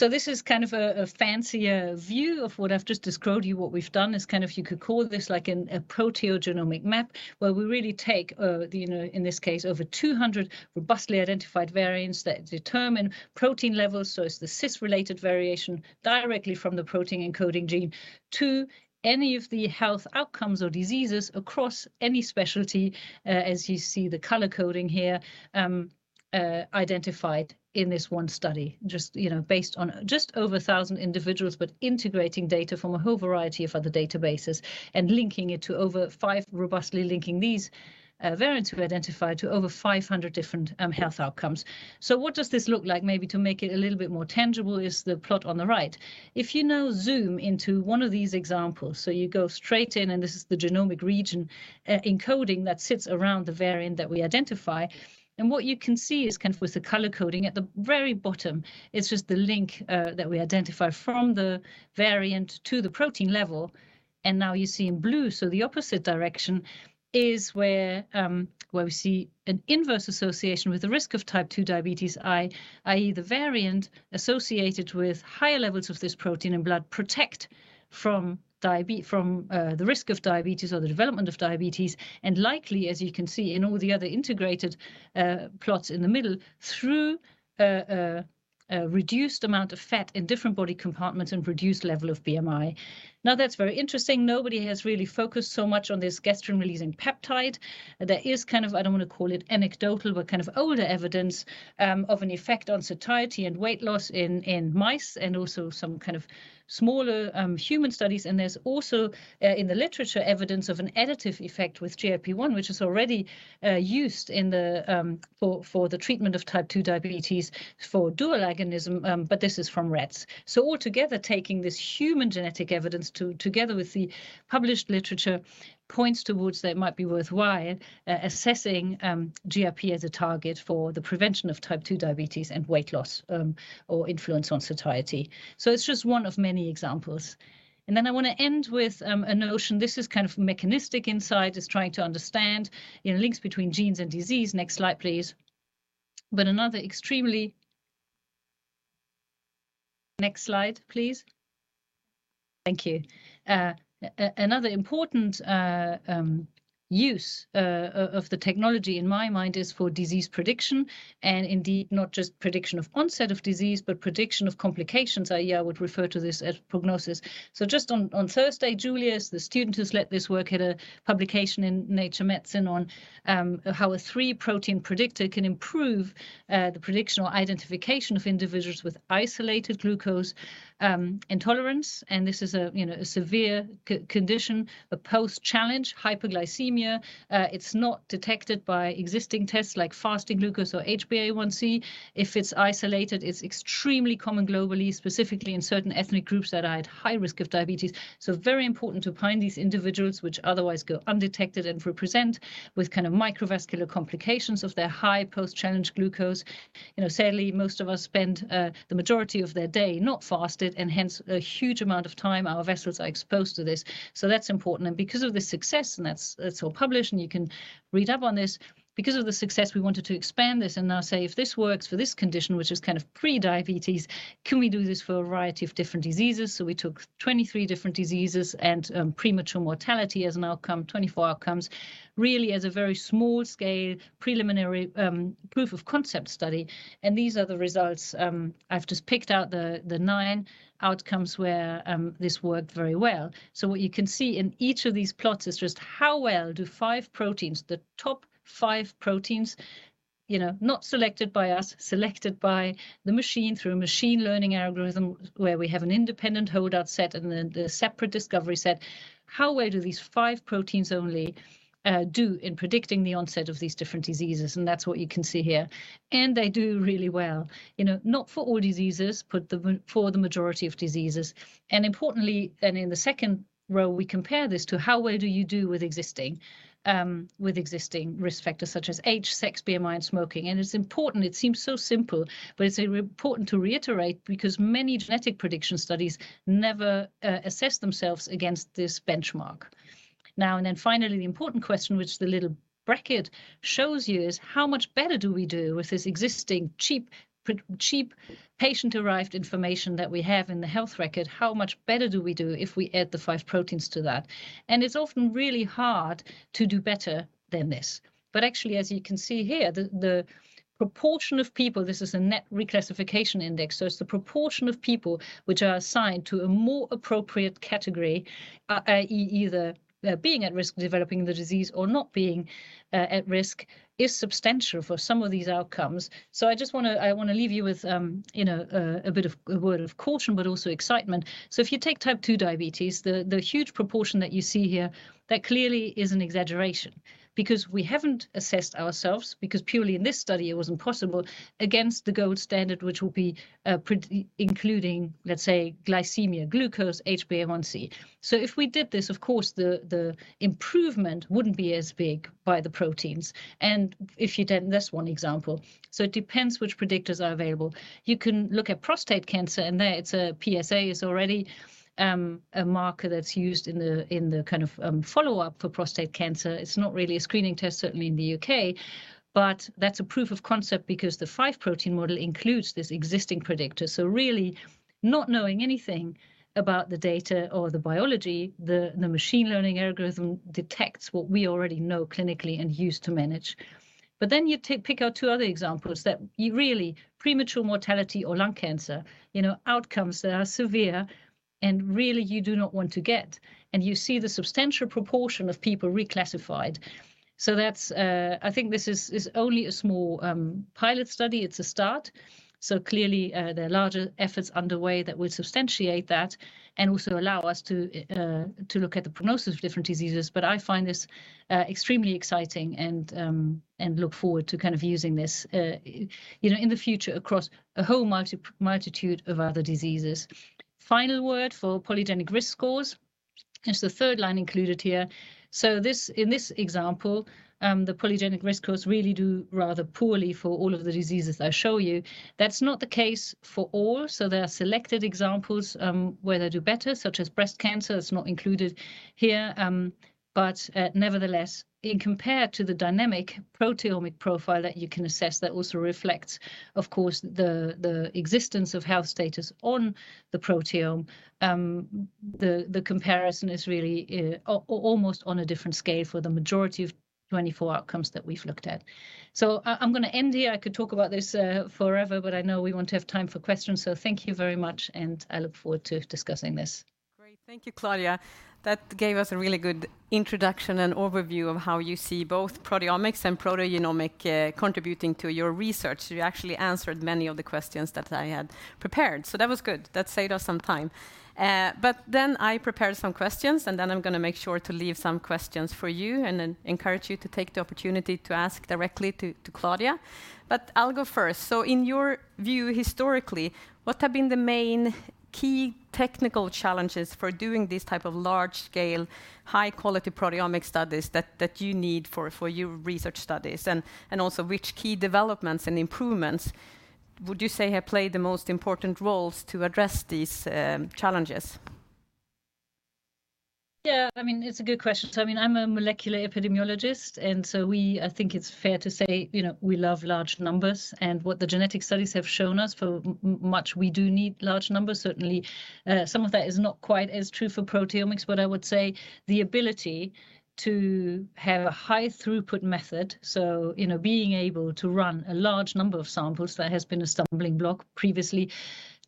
S5: This is kind of a fancier view of what I've just described to you. What we've done is kind of, you could call this like a proteogenomic map where we really take, you know, in this case over 200 robustly identified variants that determine protein levels. It's the cis-related variation directly from the protein encoding gene to any of the health outcomes or diseases across any specialty, as you see the color coding here, identified in this one study, just, you know, based on just over 1,000 individuals, but integrating data from a whole variety of other databases and robustly linking these variants we've identified to over 500 different health outcomes. What does this look like? Maybe to make it a little bit more tangible is the plot on the right. If you now zoom into one of these examples, so you go straight in and this is the genomic region encoding that sits around the variant that we identify. What you can see is kind of with the color coding at the very bottom is just the link that we identify from the variant to the protein level. Now you see in blue. The opposite direction is where we see an inverse association with the risk of type 2 diabetes, i.e., the variant associated with higher levels of this protein in blood protect from the risk of diabetes or the development of diabetes. Likely, as you can see in all the other integrated plots in the middle through a reduced amount of fat in different body compartments and reduced level of BMI. Now, that's very interesting. Nobody has really focused so much on this gastrin-releasing peptide. There is kind of, I don't wanna call it anecdotal, but kind of older evidence of an effect on satiety and weight loss in mice and also some kind of smaller human studies. There's also in the literature evidence of an additive effect with GLP-1, which is already used for the treatment of type 2 diabetes for dual agonism, but this is from rats. Altogether taking this human genetic evidence together with the published literature points towards that it might be worthwhile assessing GLP as a target for the prevention of type 2 diabetes and weight loss or influence on satiety. It's just one of many examples. Then I wanna end with a notion. This is kind of mechanistic insight, just trying to understand, you know, links between genes and disease. Next slide, please. Next slide, please. Thank you. Another important use of the technology in my mind is for disease prediction and indeed not just prediction of onset of disease, but prediction of complications. I yeah would refer to this as prognosis. Just on Thursday, Julius, the student who's led this work, had a publication in Nature Medicine on how a 3-protein predictor can improve the prediction or identification of individuals with isolated glucose intolerance, and this is, you know, a severe co-condition, a post-challenge hypoglycemia. It's not detected by existing tests like fasting glucose or HbA1c. If it's isolated, it's extremely common globally, specifically in certain ethnic groups that are at high risk of diabetes. Very important to find these individuals which otherwise go undetected and present with kind of microvascular complications of their high post-challenge glucose. You know, sadly, most of us spend the majority of their day not fasted, and hence a huge amount of time our vessels are exposed to this. That's important. Because of the success, that's all published, and you can read up on this, because of the success, we wanted to expand this and now say, if this works for this condition, which is kind of pre-diabetes, can we do this for a variety of different diseases? We took 23 different diseases and premature mortality as an outcome, 24 outcomes, really as a very small scale preliminary proof of concept study, and these are the results. I've just picked out the nine outcomes where this worked very well. What you can see in each of these plots is just how well do five proteins, the top five proteins, you know, not selected by us, selected by the machine through a machine learning algorithm where we have an independent holdout set and then the separate discovery set, how well do these five proteins only do in predicting the onset of these different diseases? That's what you can see here. They do really well. You know, not for all diseases, but for the majority of diseases. Importantly, in the second row, we compare this to how well do you do with existing risk factors such as age, sex, BMI, and smoking. It's important. It seems so simple, but it's important to reiterate because many genetic prediction studies never assess themselves against this benchmark. Now, finally, the important question which the little bracket shows you is how much better do we do with this existing cheap patient-derived information that we have in the health record? How much better do we do if we add the five proteins to that? It's often really hard to do better than this. Actually, as you can see here, the proportion of people, this is a Net Reclassification Index, so it's the proportion of people which are assigned to a more appropriate category, either being at risk of developing the disease or not being at risk, is substantial for some of these outcomes. I just wanna leave you with, you know, a bit of a word of caution, but also excitement. If you take type 2 diabetes, the huge proportion that you see here, that clearly is an exaggeration because we haven't assessed ourselves because purely in this study it was impossible against the gold standard which will be including let's say glycemia, glucose, HbA1c. If we did this, of course the improvement wouldn't be as big by the proteins that's one example. It depends which predictors are available. You can look at prostate cancer, and there it's PSA is already a marker that's used in the kind of follow-up for prostate cancer. It's not really a screening test certainly in the UK, but that's a proof of concept because the 5 protein model includes this existing predictor. Really not knowing anything about the data or the biology, the machine learning algorithm detects what we already know clinically and use to manage. You pick out two other examples that you really, premature mortality or lung cancer, you know, outcomes that are severe and really you do not want to get. You see the substantial proportion of people reclassified. That's, I think this is only a small pilot study. It's a start. Clearly, there are larger efforts underway that will substantiate that and also allow us to look at the prognosis of different diseases. I find this extremely exciting and look forward to kind of using this, you know, in the future across a whole multitude of other diseases. Final word for polygenic risk scores is the third line included here. This, in this example, the polygenic risk scores really do rather poorly for all of the diseases I show you. That's not the case for all, so there are selected examples where they do better, such as breast cancer. It's not included here, but nevertheless, in compared to the dynamic proteomic profile that you can assess that also reflects, of course, the existence of health status on the proteome, the comparison is really almost on a different scale for the majority of 24 outcomes that we've looked at. I'm gonna end here. I could talk about this forever, but I know we want to have time for questions. Thank you very much, and I look forward to discussing this.
S4: Great. Thank you, Claudia. That gave us a really good introduction and overview of how you see both proteomics and proteogenomic contributing to your research. You actually answered many of the questions that I had prepared, so that was good. That saved us some time. But then I prepared some questions, and then I'm gonna make sure to leave some questions for you and then encourage you to take the opportunity to ask directly to Claudia. I'll go first. In your view, historically, what have been the main key technical challenges for doing this type of large scale, high quality proteomic studies that you need for your research studies? Also which key developments and improvements would you say have played the most important roles to address these challenges?
S5: Yeah, I mean, it's a good question. I mean, I'm a molecular epidemiologist. I think it's fair to say, you know, we love large numbers, and what the genetic studies have shown us how much we do need large numbers. Certainly, some of that is not quite as true for proteomics, but I would say the ability to have a high throughput method, so, you know, being able to run a large number of samples, that has been a stumbling block previously.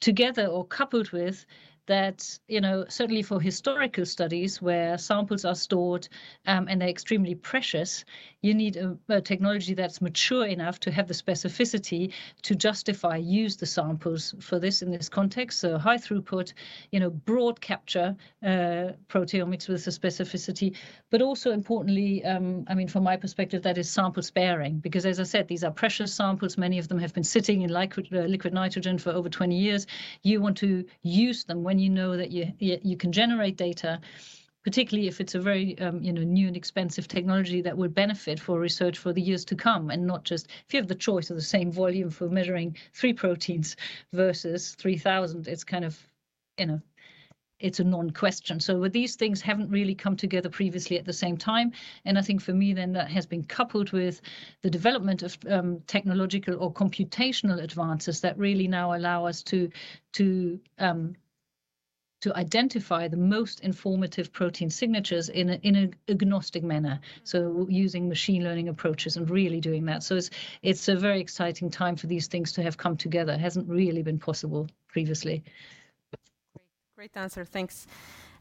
S5: Together or coupled with that, you know, certainly for historical studies where samples are stored, and they're extremely precious, you need a technology that's mature enough to have the specificity to justify using the samples for this in this context. High throughput, you know, broad capture, proteomics with a specificity. Also importantly, I mean from my perspective, that is sample sparing because as I said, these are precious samples. Many of them have been sitting in liquid nitrogen for over 20 years. You want to use them when you know that you can generate data, particularly if it's a very, you know, new and expensive technology that would benefit for research for the years to come and not just. If you have the choice of the same volume for measuring three proteins versus 3,000, it's kind of, you know, it's a non-question. With these things haven't really come together previously at the same time, and I think for me then that has been coupled with the development of technological or computational advances that really now allow us to to identify the most informative protein signatures in an agnostic manner. Using machine learning approaches and really doing that. It's a very exciting time for these things to have come together. It hasn't really been possible previously.
S4: Great. Great answer. Thanks.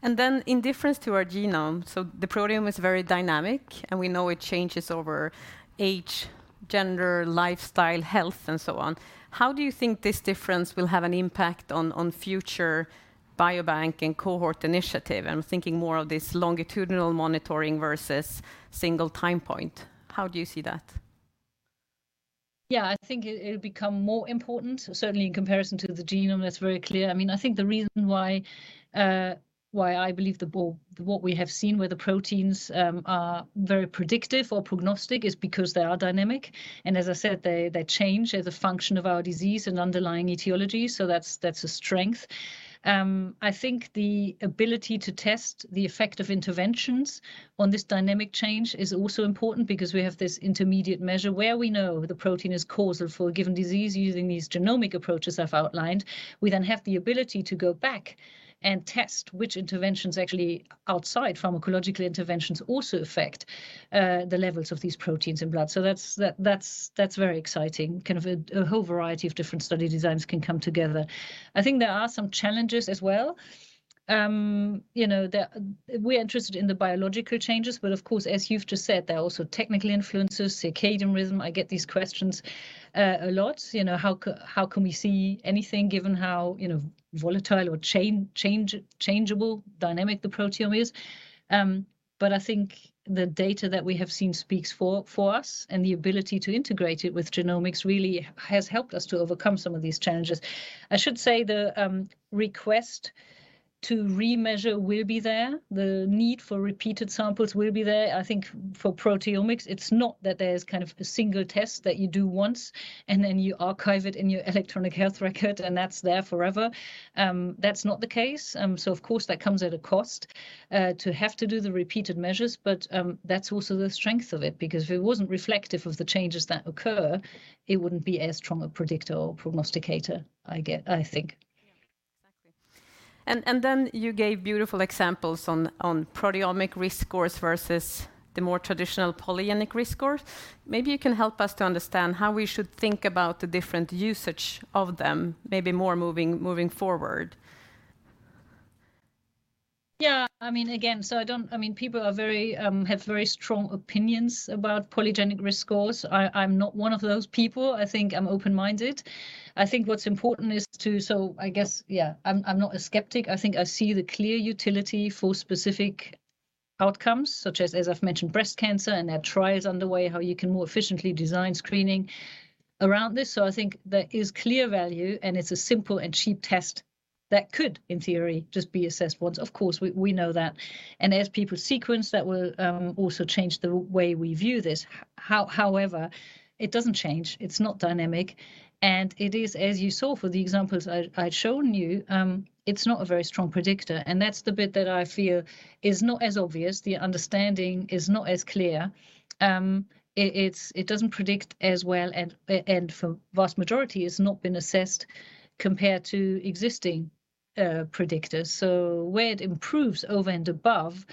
S4: In difference to our genome, so the proteome is very dynamic, and we know it changes over age, gender, lifestyle, health and so on. How do you think this difference will have an impact on future biobank and cohort initiative? I'm thinking more of this longitudinal monitoring versus single time point. How do you see that?
S5: Yeah, I think it'll become more important, certainly in comparison to the genome. That's very clear. I mean, I think the reason why I believe what we have seen where the proteins are very predictive or prognostic is because they are dynamic. As I said, they change as a function of our disease and underlying etiology, so that's a strength. I think the ability to test the effect of interventions on this dynamic change is also important because we have this intermediate measure where we know the protein is causal for a given disease using these genomic approaches I've outlined. We then have the ability to go back and test which interventions actually outside pharmacological interventions also affect the levels of these proteins in blood. That's very exciting. Kind of a whole variety of different study designs can come together. I think there are some challenges as well. We're interested in the biological changes, but of course, as you've just said, there are also technical influences, circadian rhythm. I get these questions a lot. You know, how can we see anything given how, you know, volatile or changeable dynamic the proteome is? But I think the data that we have seen speaks for us, and the ability to integrate it with genomics really has helped us to overcome some of these challenges. I should say the request to remeasure will be there. The need for repeated samples will be there. I think for proteomics, it's not that there's kind of a single test that you do once, and then you archive it in your electronic health record, and that's there forever. That's not the case. Of course, that comes at a cost to have to do the repeated measures, but that's also the strength of it because if it wasn't reflective of the changes that occur, it wouldn't be as strong a predictor or prognosticator, I think.
S4: Yeah. Exactly. You gave beautiful examples on proteomic risk scores versus the more traditional polygenic risk score. Maybe you can help us to understand how we should think about the different usage of them, maybe more moving forward.
S5: Yeah. I mean, again, people have very strong opinions about polygenic risk scores. I'm not one of those people. I think I'm open-minded. I think what's important is. I guess, yeah, I'm not a skeptic. I think I see the clear utility for specific outcomes, such as I've mentioned, breast cancer, and there are trials underway how you can more efficiently design screening around this. I think there is clear value, and it's a simple and cheap test that could, in theory, just be assessed once. Of course, we know that. As people sequence, that will also change the way we view this. However, it doesn't change. It's not dynamic. It is, as you saw for the examples I'd shown you, it's not a very strong predictor, and that's the bit that I feel is not as obvious. The understanding is not as clear. It doesn't predict as well and for vast majority has not been assessed compared to existing predictors. Where it improves over and above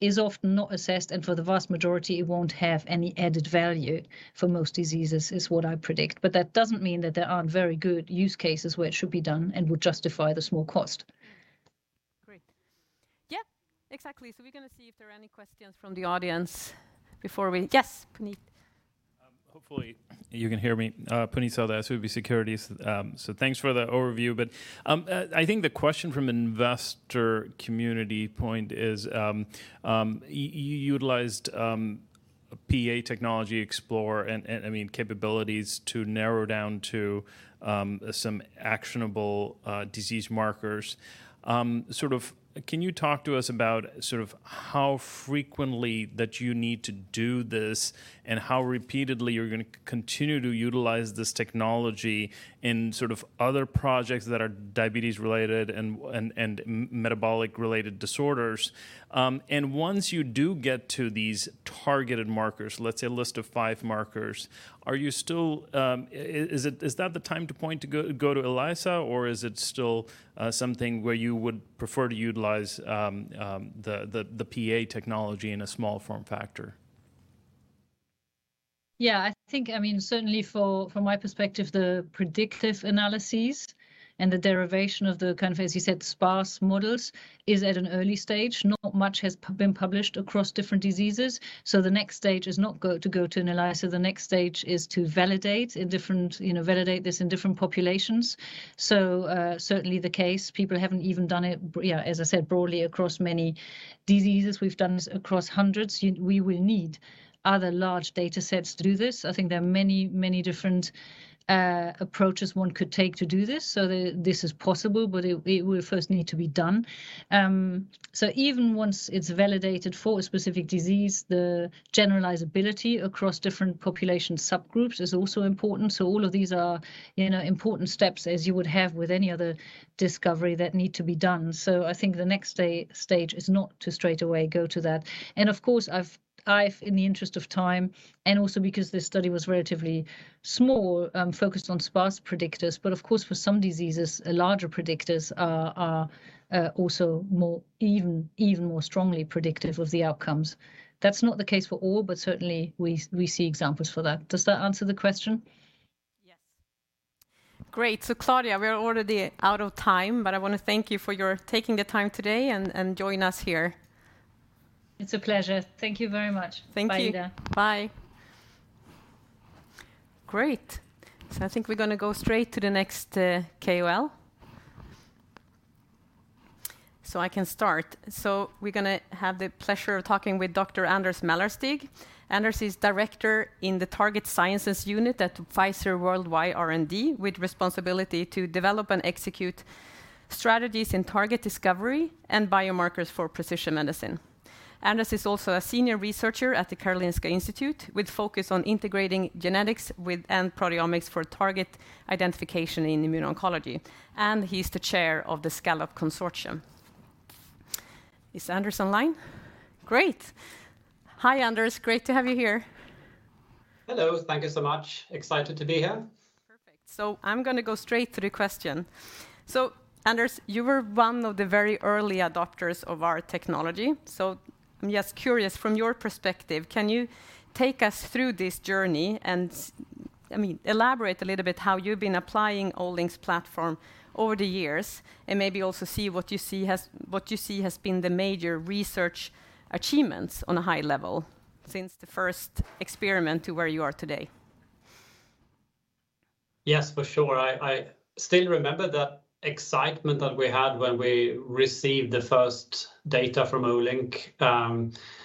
S5: is often not assessed, and for the vast majority, it won't have any added value for most diseases, is what I predict. That doesn't mean that there aren't very good use cases where it should be done and would justify the small cost.
S4: Great. Yeah. Exactly. We're gonna see if there are any questions from the audience before we. Yes, Puneet.
S6: Hopefully you can hear me. Puneet Souda, SVB Securities. Thanks for the overview. I think the question from investor community point is, you utilized PEA technology, Olink Explore, and I mean capabilities to narrow down to some actionable disease markers. Sort of can you talk to us about sort of how frequently that you need to do this and how repeatedly you're gonna continue to utilize this technology in sort of other projects that are diabetes-related and metabolic-related disorders? Once you do get to these targeted markers, let's say a list of five markers, are you still, is it the time to go to ELISA or is it still something where you would prefer to utilize the PEA technology in a small form factor?
S5: Yeah. I think, I mean, certainly for, from my perspective, the predictive analyses and the derivation of the kind of, as you said, sparse models is at an early stage. Not much has been published across different diseases, so the next stage is not to go to an ELISA. The next stage is to validate in different, you know, validate this in different populations. Certainly the case. People haven't even done it, yeah, as I said, broadly across many diseases. We've done this across hundreds. We will need other large datasets to do this. I think there are many, many different approaches one could take to do this. This is possible, but it will first need to be done. Even once it's validated for a specific disease, the generalizability across different population subgroups is also important. All of these are, you know, important steps as you would have with any other discovery that need to be done. I think the next stage is not to straightaway go to that. Of course, I've in the interest of time and also because this study was relatively small, focused on sparse predictors. Of course, for some diseases, larger predictors are even more strongly predictive of the outcomes. That's not the case for all, but certainly we see examples for that. Does that answer the question?
S4: Yes. Great. Claudia, we are already out of time, but I wanna thank you for your taking the time today and join us here.
S5: It's a pleasure. Thank you very much.
S4: Thank you.
S5: Bye, Ida.
S4: Bye. Great. I think we're gonna go straight to the next KOL. I can start. We're gonna have the pleasure of talking with Dr. Anders Mälarstig. Anders is director in the Target Sciences unit at Pfizer Worldwide R&D, with responsibility to develop and execute strategies in target discovery and biomarkers for precision medicine. Anders is also a senior researcher at the Karolinska Institutet, with focus on integrating genetics and proteomics for target identification in immuno-oncology. He's the chair of the SCALLOP Consortium. Is Anders online? Great. Hi, Anders. Great to have you here.
S7: Hello. Thank you so much. Excited to be here.
S4: Perfect. I'm gonna go straight to the question. Anders, you were one of the very early adopters of our technology. I'm just curious, from your perspective, can you take us through this journey and, I mean, elaborate a little bit how you've been applying Olink's platform over the years and maybe also see what you see has been the major research achievements on a high level since the first experiment to where you are today?
S7: Yes, for sure. I still remember the excitement that we had when we received the first data from Olink.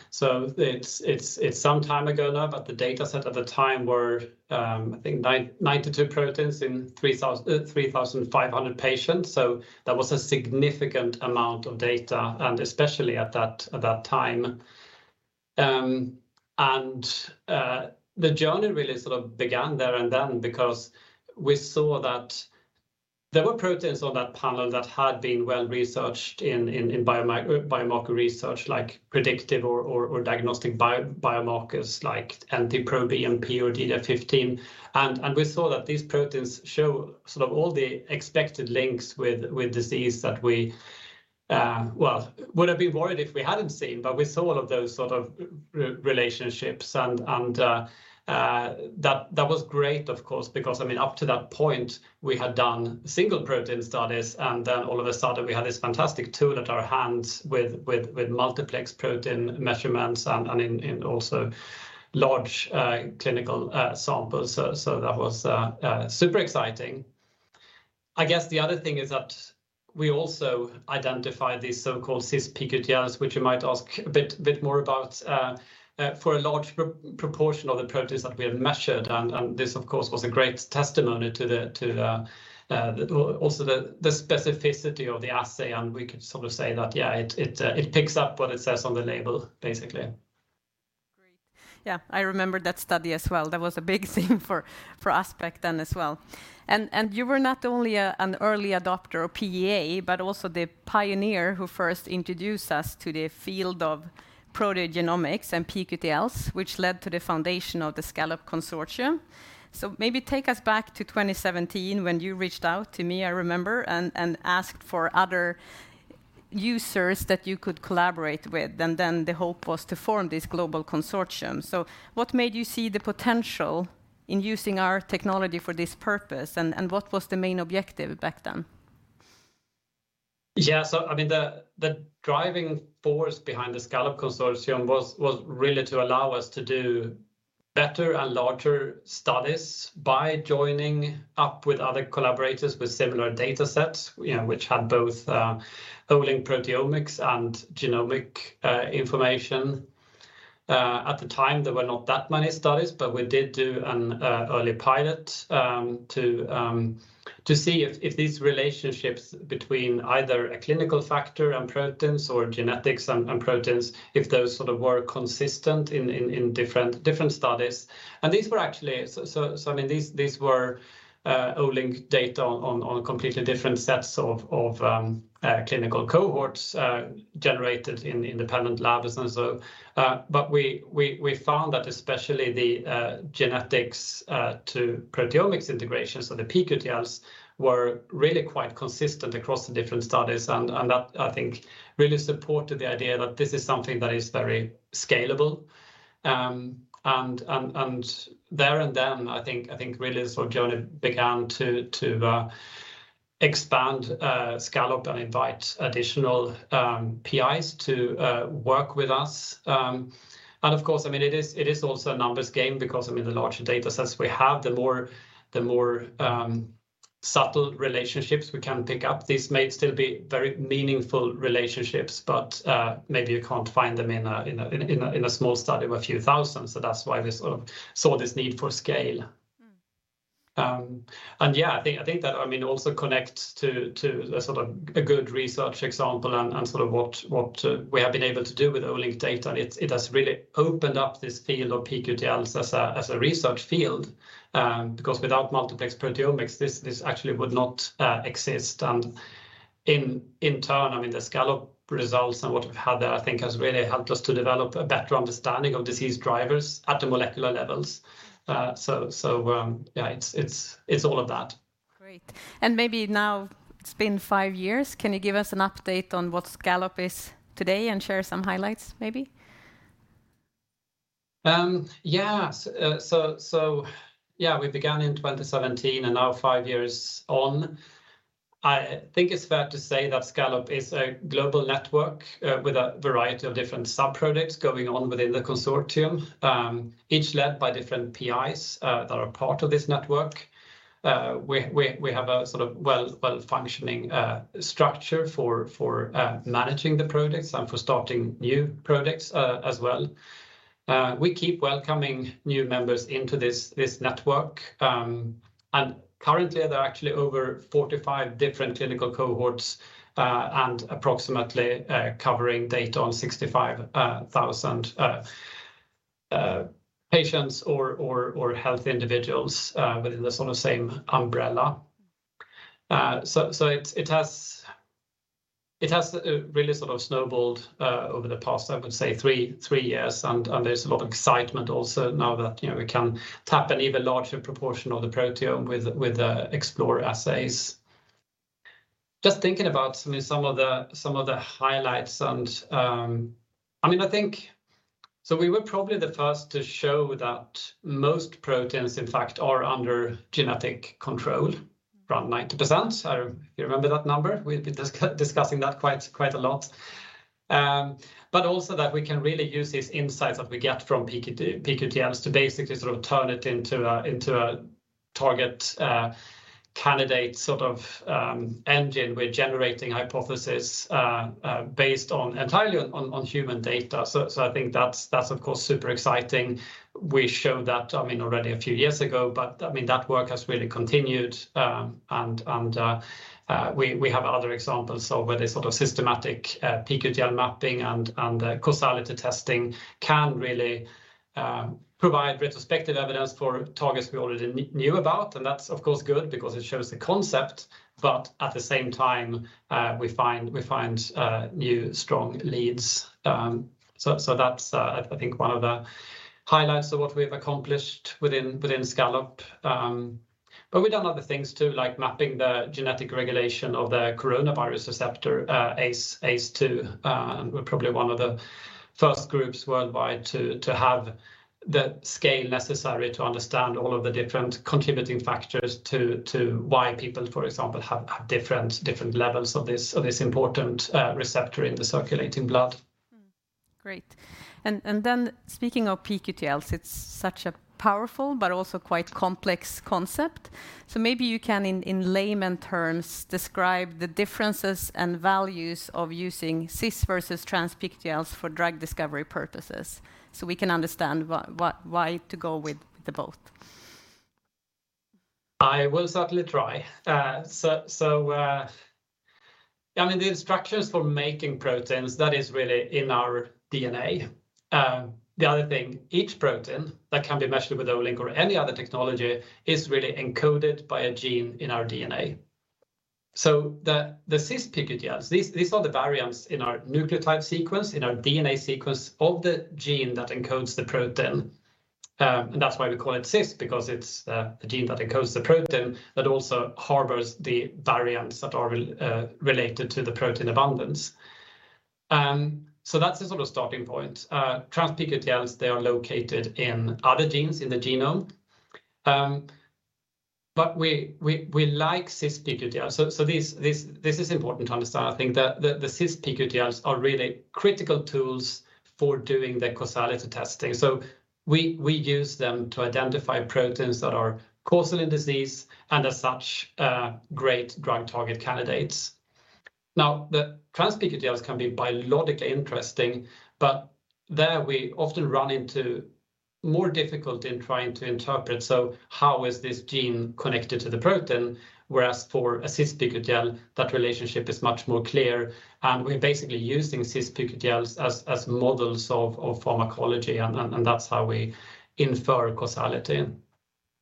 S7: So it's some time ago now, but the dataset at the time were, I think 992 proteins in 3,500 patients. That was a significant amount of data, and especially at that time. The journey really sort of began there and then because we saw that there were proteins on that panel that had been well-researched in biomarker research, like predictive or diagnostic biomarkers like NT-proBNP or IL-15. We saw that these proteins show sort of all the expected links with disease that we well would have been worried if we hadn't seen, but we saw all of those sort of relationships and that was great, of course, because, I mean, up to that point, we had done single protein studies, and then all of a sudden we had this fantastic tool at our hands with multiplex protein measurements and in also large clinical samples. That was super exciting. I guess the other thing is that we also identified these so-called cis-pQTLs, which you might ask a bit more about for a large proportion of the proteins that we have measured. This, of course, was a great testimony to the specificity of the assay, and we could sort of say that, yeah, it picks up what it says on the label, basically.
S4: Yeah, I remember that study as well. That was a big thing for us back then as well. You were not only an early adopter of PEA, but also the pioneer who first introduced us to the field of proteogenomics and pQTLs, which led to the foundation of the SCALLOP consortium. Maybe take us back to 2017 when you reached out to me, I remember, and asked for other users that you could collaborate with, and then the hope was to form this global consortium. What made you see the potential in using our technology for this purpose? What was the main objective back then?
S7: I mean, the driving force behind the SCALLOP consortium was really to allow us to do better and larger studies by joining up with other collaborators with similar datasets, you know, which had both Olink proteomics and genomic information. At the time, there were not that many studies, but we did do an early pilot to see if these relationships between either a clinical factor and proteins or genetics and proteins, if those sort of were consistent in different studies. These were actually, I mean, these were Olink data on completely different sets of clinical cohorts generated in independent labs and so. We found that especially the genetics to proteomics integration, so the pQTLs were really quite consistent across the different studies and that I think really supported the idea that this is something that is very scalable. I think really sort of journey began to expand SCALLOP and invite additional PIs to work with us. Of course, I mean, it is also a numbers game because, I mean, the larger datasets we have, the more subtle relationships we can pick up. These may still be very meaningful relationships, but maybe you can't find them in a small study of a few thousand. That's why we sort of saw this need for scale.
S4: Mm.
S7: Yeah, I think that I mean also connects to a sort of a good research example and sort of what we have been able to do with Olink data. It has really opened up this field of pQTLs as a research field because without multiplex proteomics this actually would not exist. In turn, I mean, the SCALLOP results and what we've had there I think has really helped us to develop a better understanding of disease drivers at the molecular levels. Yeah, it's all of that.
S4: Great. Maybe now it's been 5 years, can you give us an update on what SCALLOP is today and share some highlights maybe?
S7: Yeah, we began in 2017 and now 5 years on, I think it's fair to say that SCALLOP is a global network with a variety of different sub-projects going on within the consortium, each led by different PIs that are part of this network. We have a sort of well-functioning structure for managing the projects and for starting new projects as well. We keep welcoming new members into this network, and currently there are actually over 45 different clinical cohorts and approximately covering data on 65,000 patients or healthy individuals within the sort of same umbrella. It has really sort of snowballed over the past. I would say 3 years. There's a lot of excitement also now that, you know, we can tap an even larger proportion of the proteome with the Explorer assays. Just thinking about sort of some of the, some of the highlights and, I mean, I think. We were probably the first to show that most proteins in fact are under genetic control, around 90%. You remember that number? We've been discussing that quite a lot. But also that we can really use these insights that we get from pQTLs to basically sort of turn it into a target candidate sort of engine. We're generating hypothesis based entirely on human data. I think that's of course super exciting. We showed that, I mean already a few years ago, but I mean, that work has really continued. We have other examples of where this sort of systematic pQTL mapping and causality testing can really provide retrospective evidence for targets we already knew about. That's of course good because it shows the concept, but at the same time, we find new strong leads. I think that's one of the highlights of what we've accomplished within SCALLOP. We've done other things too, like mapping the genetic regulation of the coronavirus receptor ACE2. We're probably one of the first groups worldwide to have the scale necessary to understand all of the different contributing factors to why people, for example, have different levels of this important receptor in the circulating blood.
S4: Great. Then speaking of pQTLs, it's such a powerful but also quite complex concept. Maybe you can in layman terms describe the differences and values of using cis versus trans pQTLs for drug discovery purposes so we can understand why to go with the both.
S7: I will certainly try. I mean, the instructions for making proteins that is really in our DNA. The other thing, each protein that can be measured with Olink or any other technology is really encoded by a gene in our DNA. The cis-pQTLs, these are the variants in our nucleotide sequence, in our DNA sequence of the gene that encodes the protein. That's why we call it cis because it's the gene that encodes the protein but also harbors the variants that are related to the protein abundance. That's the sort of starting point. Trans-pQTLs, they are located in other genes in the genome. We like cis-pQTLs. This is important to understand, I think. The cis-pQTLs are really critical tools for doing the causality testing. We use them to identify proteins that are causal in disease and as such, great drug target candidates. Now, the trans-pQTLs can be biologically interesting, but there we often run into more difficulty in trying to interpret, so how is this gene connected to the protein? Whereas for a cis-pQTL, that relationship is much more clear, and we're basically using cis-pQTLs as models of pharmacology and that's how we infer causality.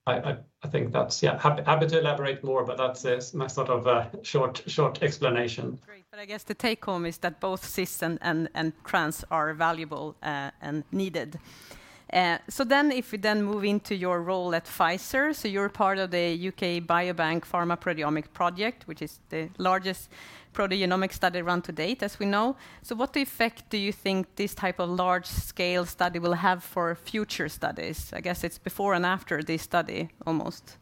S7: I think that's. Yeah. Happy to elaborate more, but that's my sort of short explanation.
S4: Great. I guess the take-home is that both cis and trans are valuable, and needed. If we then move into your role at Pfizer, you're part of the UK Biobank Pharma Proteomics Project, which is the largest proteomic study run to date, as we know. What effect do you think this type of large-scale study will have for future studies? I guess it's before and after this study almost.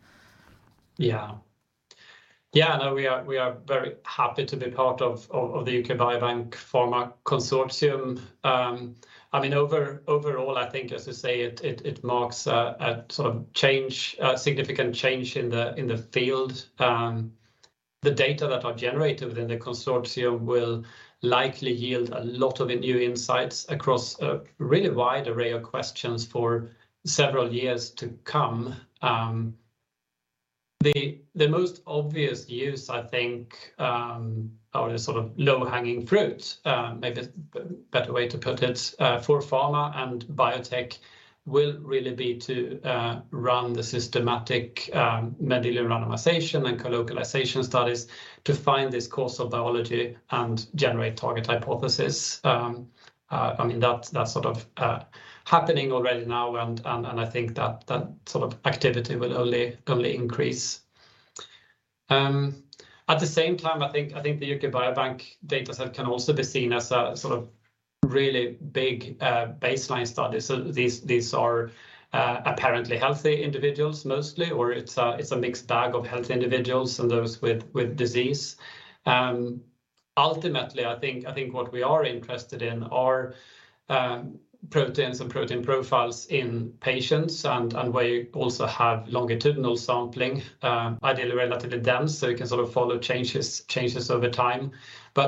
S7: Yeah. No, we are very happy to be part of the UK Biobank Pharma consortium. I mean, overall, I think, as I say, it marks a sort of change, a significant change in the field. The data that are generated within the consortium will likely yield a lot of new insights across a really wide array of questions for several years to come. The most obvious use, I think, or the sort of low-hanging fruit, maybe a better way to put it, for pharma and biotech will really be to run the systematic Mendelian randomization and colocalization studies to find this causal biology and generate target hypothesis. I mean, that's sort of happening already now, and I think that sort of activity will only increase. At the same time, I think the UK Biobank data set can also be seen as a sort of really big baseline study. These are apparently healthy individuals mostly, or it's a mixed bag of healthy individuals and those with disease. Ultimately, I think what we are interested in are proteins and protein profiles in patients and we also have longitudinal sampling, ideally relatively dense, so we can sort of follow changes over time.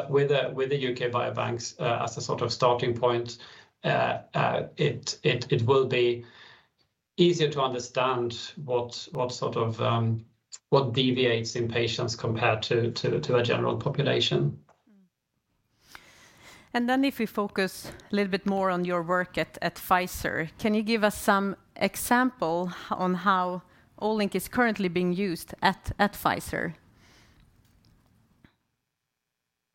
S7: With the UK Biobank as a sort of starting point, it will be easier to understand what sort of what deviates in patients compared to a general population.
S4: If we focus a little bit more on your work at Pfizer, can you give us some example on how Olink is currently being used at Pfizer?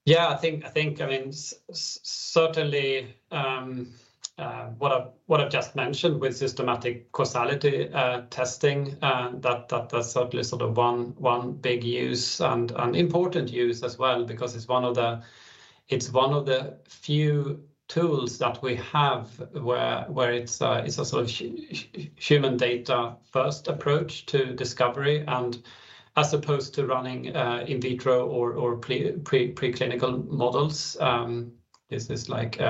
S7: Yeah. I think, I mean, certainly, what I've just mentioned with systematic causality testing, that's certainly sort of one big use and important use as well because it's one of the few tools that we have where it's a sort of human data first approach to discovery and as opposed to running in vitro or preclinical models, this is like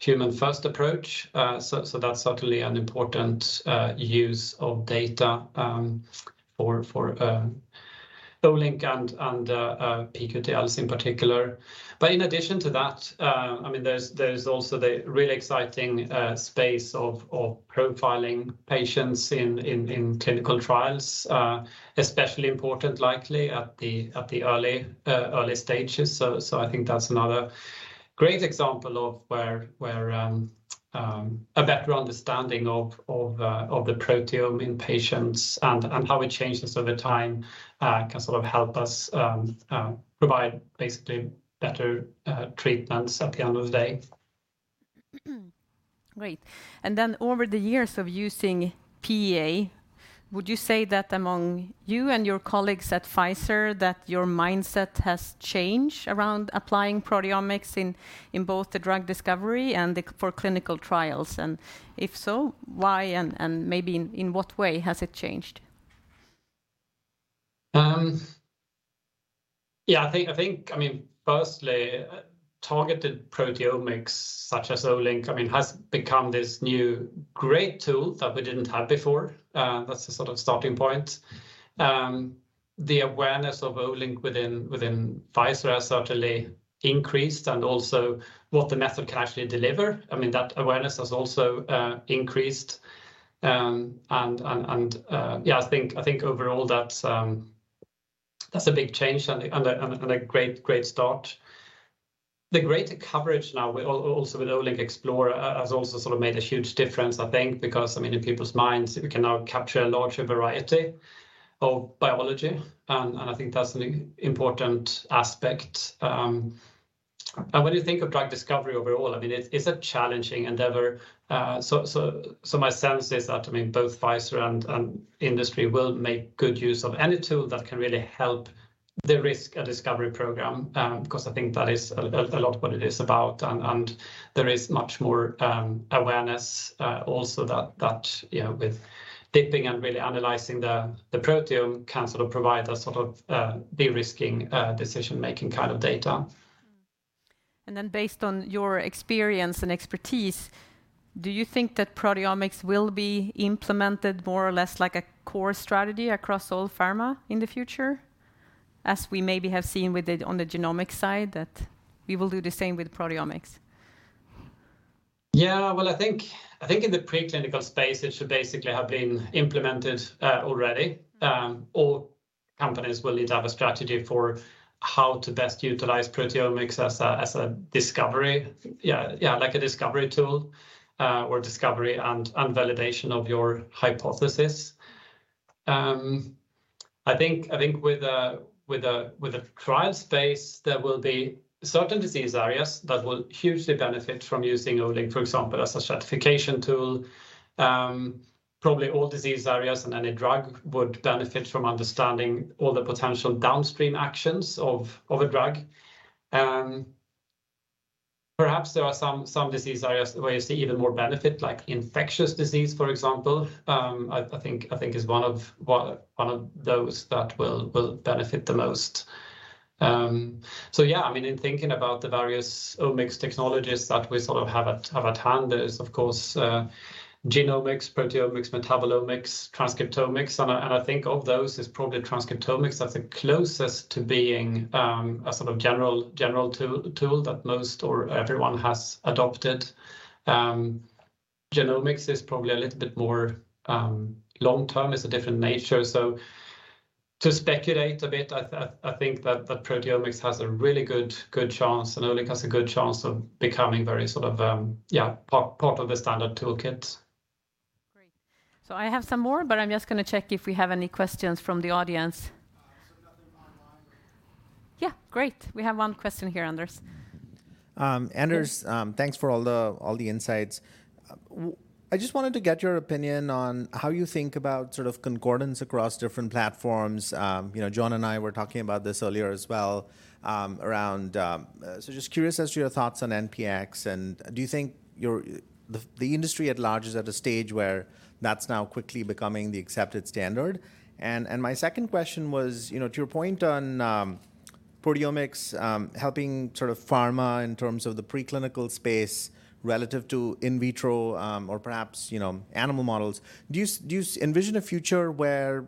S7: human first approach. That's certainly an important use of data for Olink and pQTLs in particular. In addition to that, I mean, there's also the really exciting space of profiling patients in clinical trials, especially important likely at the early stages. I think that's another great example of where a better understanding of the proteome in patients and how it changes over time can sort of help us provide basically better treatments at the end of the day.
S4: Great. Then over the years of using PEA, would you say that among you and your colleagues at Pfizer that your mindset has changed around applying proteomics in both the drug discovery and for clinical trials? If so, why and maybe in what way has it changed?
S7: Yeah, I think, I mean, firstly, targeted proteomics such as Olink, I mean, has become this new great tool that we didn't have before. That's the sort of starting point. The awareness of Olink within Pfizer has certainly increased and also what the method can actually deliver. I mean, that awareness has also increased. Yeah, I think overall that's a big change and a great start. The greater coverage now with also with Olink Explore has also sort of made a huge difference, I think, because, I mean, in people's minds, we can now capture a larger variety of biology, and I think that's an important aspect. When you think of drug discovery overall, I mean, it's a challenging endeavor. My sense is that, I mean, both Pfizer and industry will make good use of any tool that can really help de-risk a discovery program, 'cause I think that is a lot what it is about. There is much more awareness also that you know with dipping and really analyzing the proteome can sort of provide a sort of de-risking decision-making kind of data.
S4: Based on your experience and expertise, do you think that proteomics will be implemented more or less like a core strategy across all pharma in the future, as we maybe have seen with it on the genomic side, that we will do the same with proteomics?
S7: Yeah. Well, I think in the preclinical space, it should basically have been implemented already. All companies will need to have a strategy for how to best utilize proteomics as a discovery. Yeah, like a discovery tool, or discovery and validation of your hypothesis. I think with the trial space, there will be certain disease areas that will hugely benefit from using Olink, for example, as a stratification tool. Probably all disease areas and any drug would benefit from understanding all the potential downstream actions of a drug. Perhaps there are some disease areas where you see even more benefit, like infectious disease, for example. I think is one of those that will benefit the most. Yeah, I mean, in thinking about the various omics technologies that we sort of have at hand, there's of course genomics, proteomics, metabolomics, transcriptomics, and I think of those, it's probably transcriptomics that's the closest to being a sort of general tool that most or everyone has adopted. Genomics is probably a little bit more long-term. It's a different nature. To speculate a bit, I think that proteomics has a really good chance, and Olink has a good chance of becoming very sort of part of the standard toolkit.
S4: Great. I have some more, but I'm just going to check if we have any questions from the audience.
S3: Nothing online.
S4: Yeah. Great. We have one question here, Anders.
S8: Anders
S4: Yes.
S8: Thanks for all the insights. I just wanted to get your opinion on how you think about sort of concordance across different platforms. You know, Jon and I were talking about this earlier as well, around, so just curious as to your thoughts on NPX, and do you think the industry at large is at a stage where that's now quickly becoming the accepted standard? My second question was, you know, to your point on proteomics helping sort of pharma in terms of the preclinical space relative to in vitro or perhaps, you know, animal models, do you envision a future where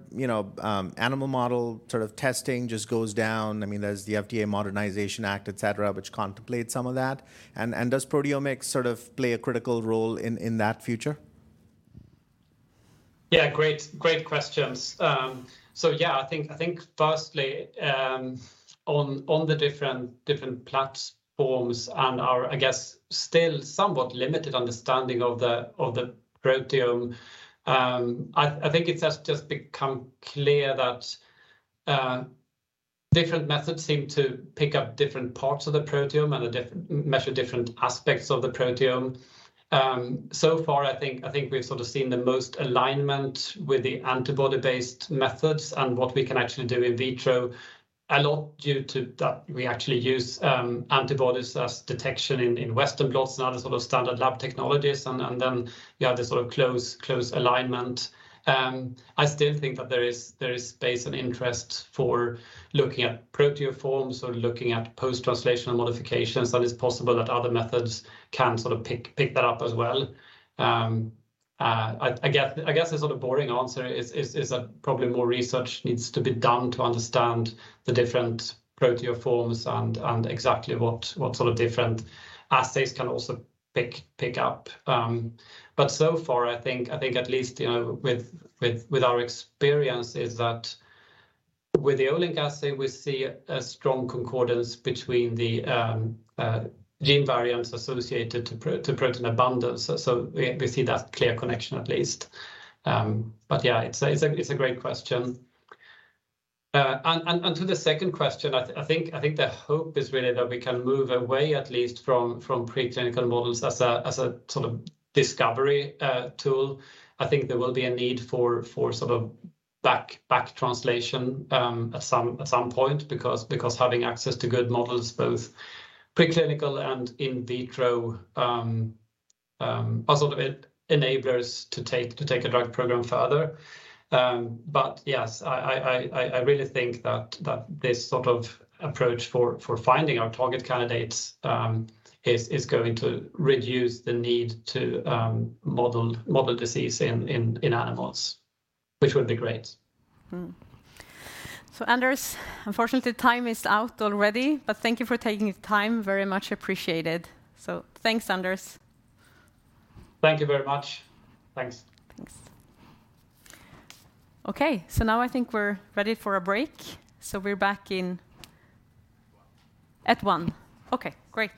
S8: animal model sort of testing just goes down? I mean, there's the FDA Modernization Act, et cetera, which contemplates some of that, and does proteomics sort of play a critical role in that future?
S7: Yeah, great. Great questions. So yeah, I think firstly, on the different platforms and our, I guess, still somewhat limited understanding of the proteome, I think it has just become clear that different methods seem to pick up different parts of the proteome and measure different aspects of the proteome. So far, I think we've sort of seen the most alignment with the antibody-based methods and what we can actually do in vitro a lot due to that we actually use antibodies as detection in Western blot and other sort of standard lab technologies. Then you have this sort of close alignment. I still think that there is space and interest for looking at proteoforms or looking at post-translational modifications, and it's possible that other methods can sort of pick that up as well. I guess the sort of boring answer is that probably more research needs to be done to understand the different proteoforms and exactly what sort of different assays can also pick up. So far, I think at least, you know, our experience is that with the Olink assay, we see a strong concordance between the gene variants associated to protein abundance. So we see that clear connection at least. Yeah, it's a great question. To the second question, I think the hope is really that we can move away, at least from preclinical models as a sort of discovery tool. I think there will be a need for sort of back translation at some point because having access to good models, both preclinical and in vitro, are sort of enablers to take a drug program further. Yes, I really think that this sort of approach for finding our target candidates is going to reduce the need to model disease in animals, which would be great.
S4: Anders, unfortunately time is out already, but thank you for taking the time. Very much appreciated. Thanks, Anders.
S3: Thank you very much. Thanks.
S4: Thanks. Okay, so now I think we're ready for a break. We're back in.
S3: One.
S4: At 1. Okay, great.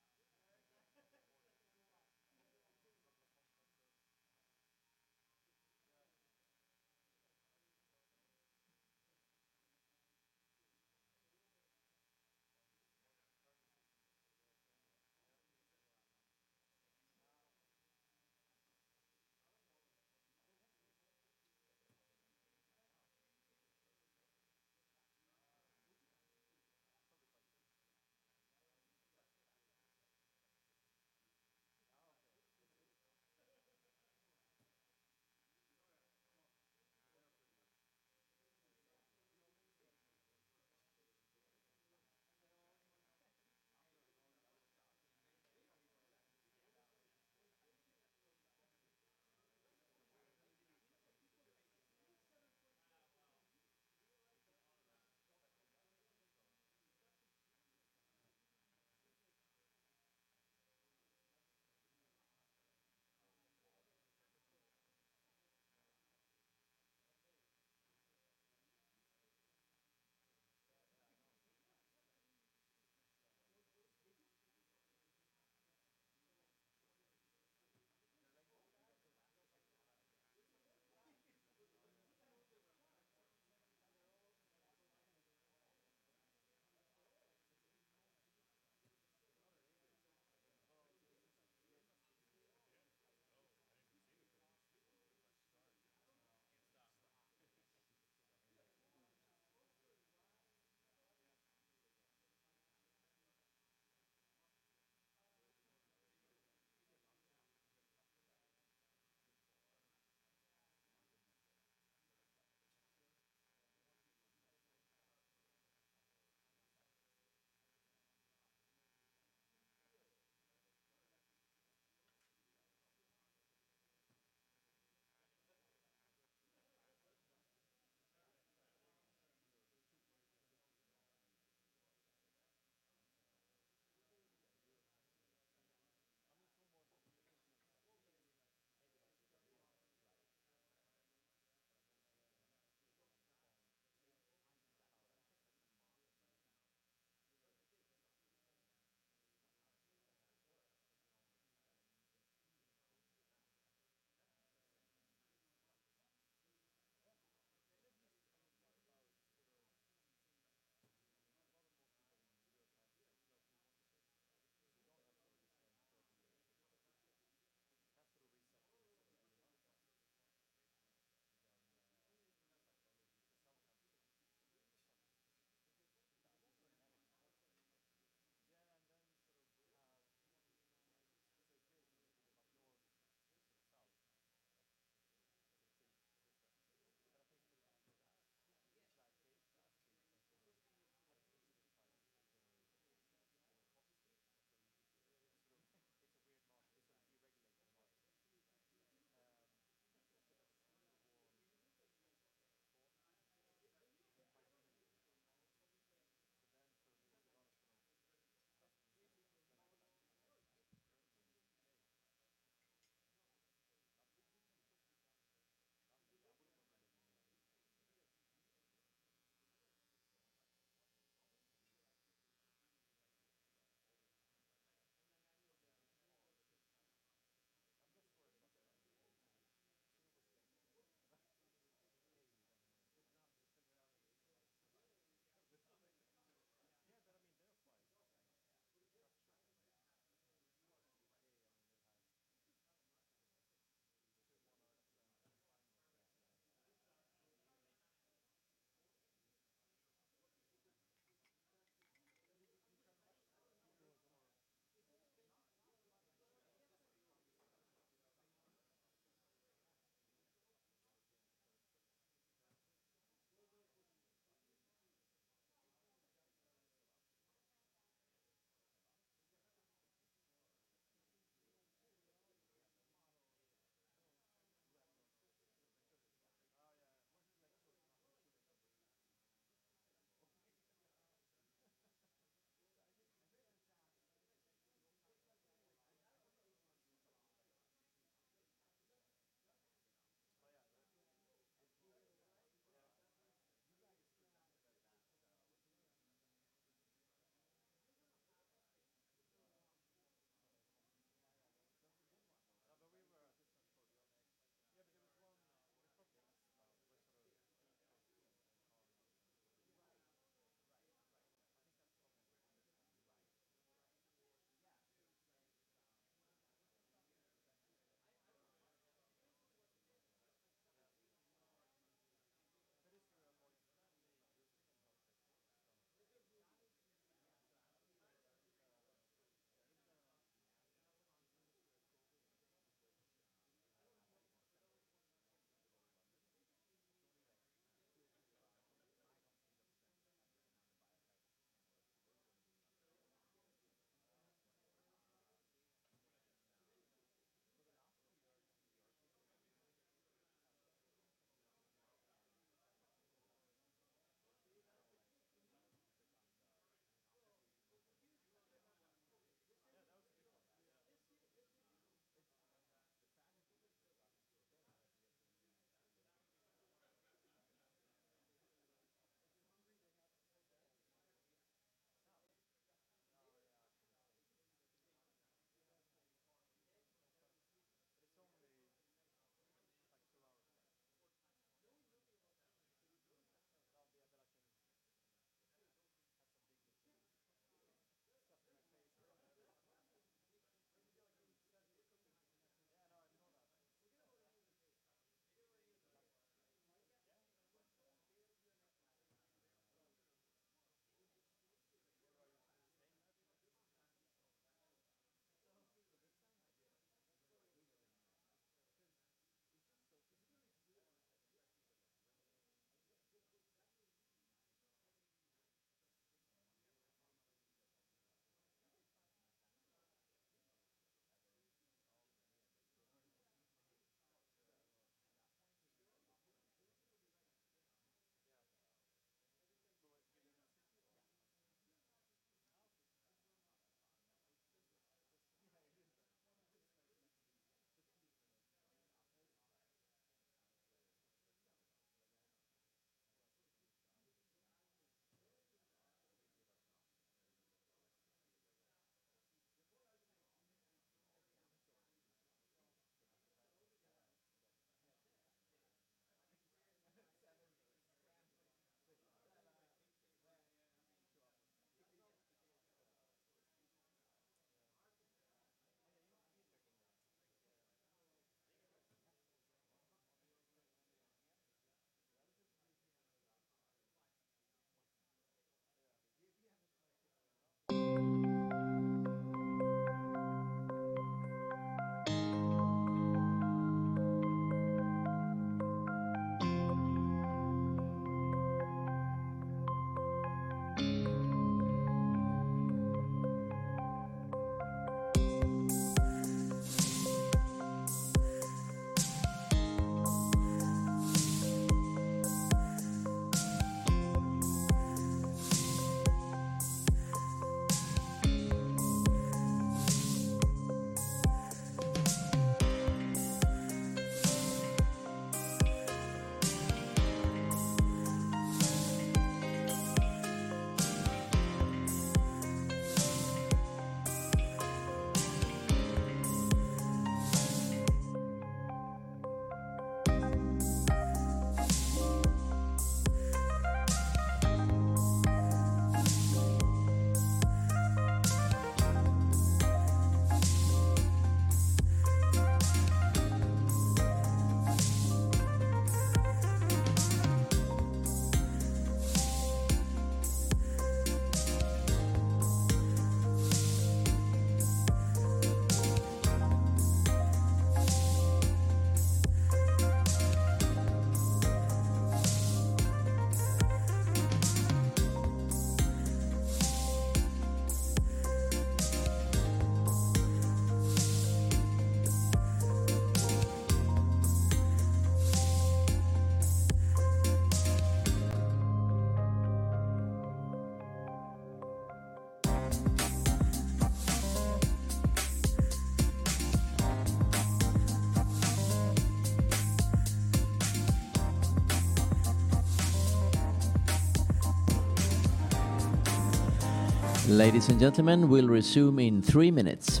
S4: Ladies and gentlemen, we'll resume in 3 minutes.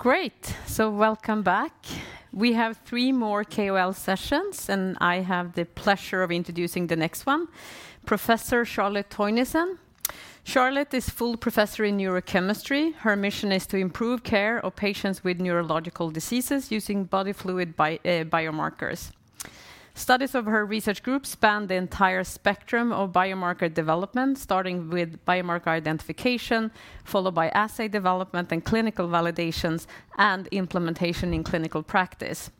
S9: I can see the fire in your eyes.
S4: Great. Welcome back. We have three more KOL sessions, and I have the pleasure of introducing the next one, Professor Charlotte Teunissen. Charlotte is full professor in neurochemistry. Her mission is to improve care of patients with neurological diseases using body fluid biomarkers. Studies of her research group span the entire spectrum of biomarker development, starting with biomarker identification, followed by assay development and clinical validations, and implementation in clinical practice.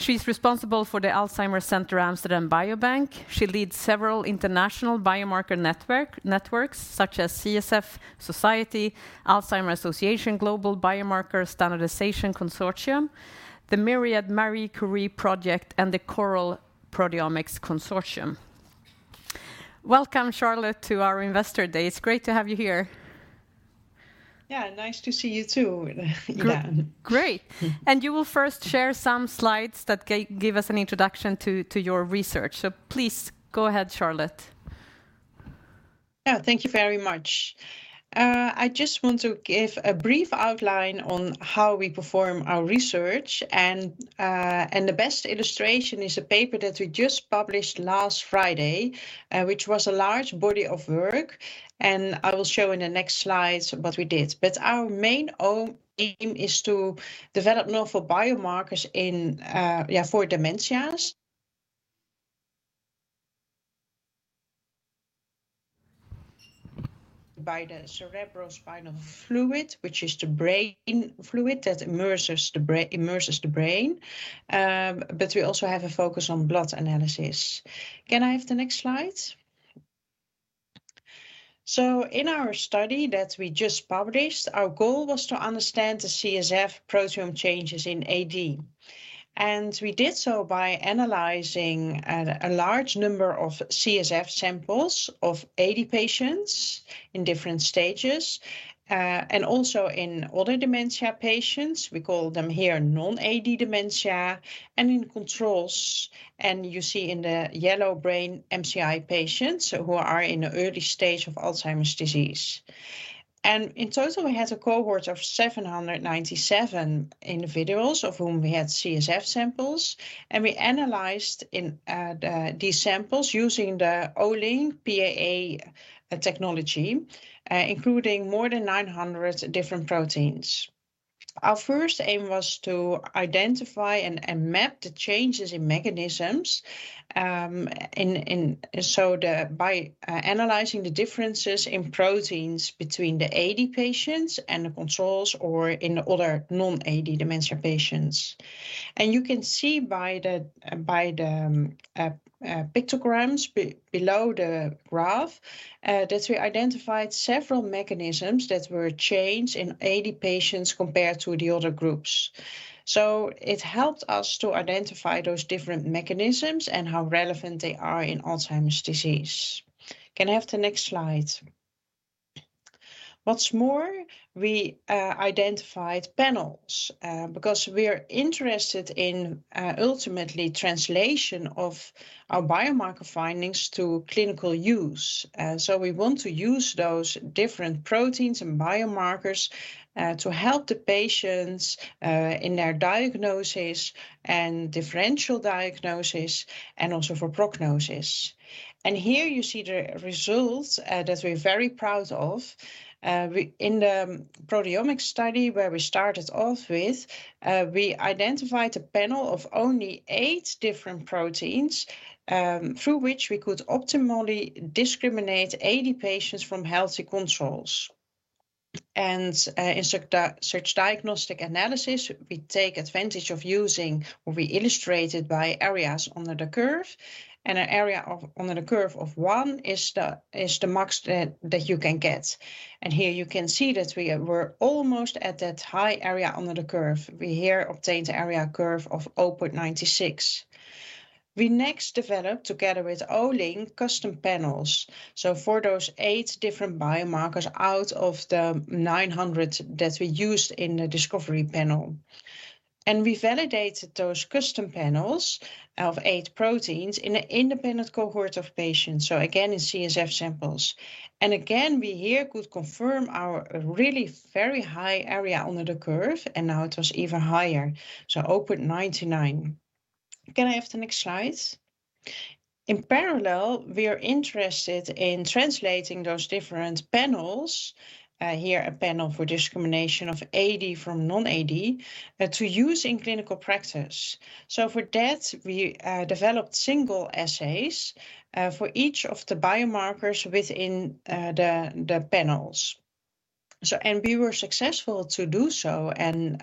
S4: She's responsible for the Alzheimer Center Amsterdam Biobank. She leads several international biomarker networks, such as CSF Society, Alzheimer's Association Global Biomarker Standardization Consortium, the MIRIADE Marie Curie project, and the Coral Proteomics Consortium. Welcome, Charlotte, to our Investor Day. It's great to have you here.
S10: Yeah. Nice to see you too. Yeah.
S4: Great. You will first share some slides that give us an introduction to your research. Please, go ahead, Charlotte.
S10: Yeah. Thank you very much. I just want to give a brief outline on how we perform our research, and the best illustration is a paper that we just published last Friday, which was a large body of work, and I will show in the next slides what we did. Our main aim is to develop novel biomarkers in for dementias by the cerebrospinal fluid, which is the brain fluid that immerses the brain. We also have a focus on blood analysis. Can I have the next slide? In our study that we just published, our goal was to understand the CSF proteome changes in AD, and we did so by analyzing a large number of CSF samples of AD patients in different stages, and also in other dementia patients, we call them here non-AD dementia, and in controls. You see in the yellow brain MCI patients who are in early stage of Alzheimer's disease. In total, we had a cohort of 797 individuals of whom we had CSF samples, and we analyzed these samples using the Olink PEA technology, including more than 900 different proteins. Our first aim was to identify and map the changes in mechanisms by analyzing the differences in proteins between the AD patients and the controls or in other non-AD dementia patients. You can see by the pictograms below the graph that we identified several mechanisms that were changed in AD patients compared to the other groups. It helped us to identify those different mechanisms and how relevant they are in Alzheimer's disease. Can I have the next slide? What's more, we identified panels because we are interested in ultimately translation of our biomarker findings to clinical use. We want to use those different proteins and biomarkers to help the patients in their diagnosis and differential diagnosis, and also for prognosis. Here you see the results that we're very proud of. We, in the proteomic study where we started off with, identified a panel of only eight different proteins through which we could optimally discriminate AD patients from healthy controls. In such diagnostic analysis, we take advantage of using what we illustrated by areas under the curve, and an area under the curve of 1 is the max that you can get. Here you can see that we were almost at that high area under the curve. We here obtained area under the curve of 0.96. We next developed, together with Olink, custom panels, so for those 8 different biomarkers out of the 900 that we used in the discovery panel. We validated those custom panels of 8 proteins in an independent cohort of patients, so again in CSF samples. We here could confirm our really very high area under the curve, and now it was even higher, so 0.99. Can I have the next slide? In parallel, we are interested in translating those different panels, here a panel for discrimination of AD from non-AD, to use in clinical practice. For that, we developed single assays for each of the biomarkers within the panels. We were successful to do so, and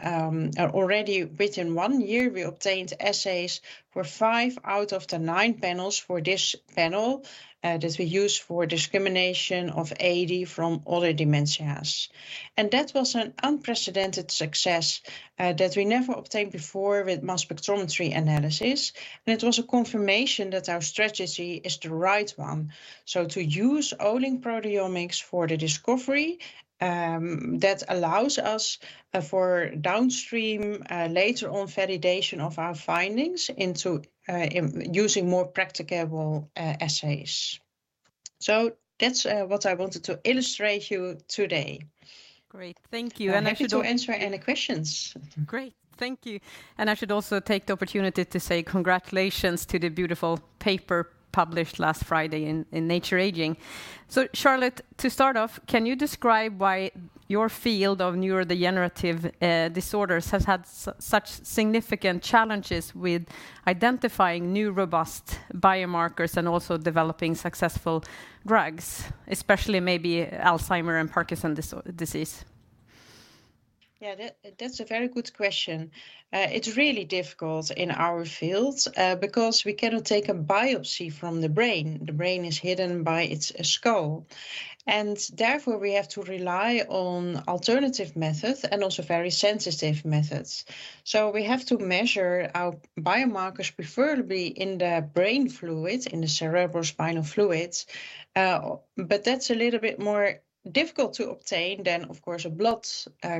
S10: already within one year, we obtained assays for five out of the nine panels for this panel that we use for discrimination of AD from other dementias. That was an unprecedented success that we never obtained before with mass spectrometry analysis, and it was a confirmation that our strategy is the right one. To use Olink proteomics for the discovery that allows us for downstream later on validation of our findings into using more practicable assays. That's what I wanted to illustrate you today.
S4: Great. Thank you.
S10: Happy to answer any questions.
S4: Great. Thank you. I should also take the opportunity to say congratulations to the beautiful paper published last Friday in Nature Aging. Charlotte, to start off, can you describe why your field of neurodegenerative disorders has had such significant challenges with identifying new robust biomarkers and also developing successful drugs, especially maybe Alzheimer and Parkinson disease?
S10: That's a very good question. It's really difficult in our field, because we cannot take a biopsy from the brain. The brain is hidden by its skull. Therefore, we have to rely on alternative methods and also very sensitive methods. We have to measure our biomarkers preferably in the brain fluid, in the cerebrospinal fluid. But that's a little bit more difficult to obtain than, of course, a blood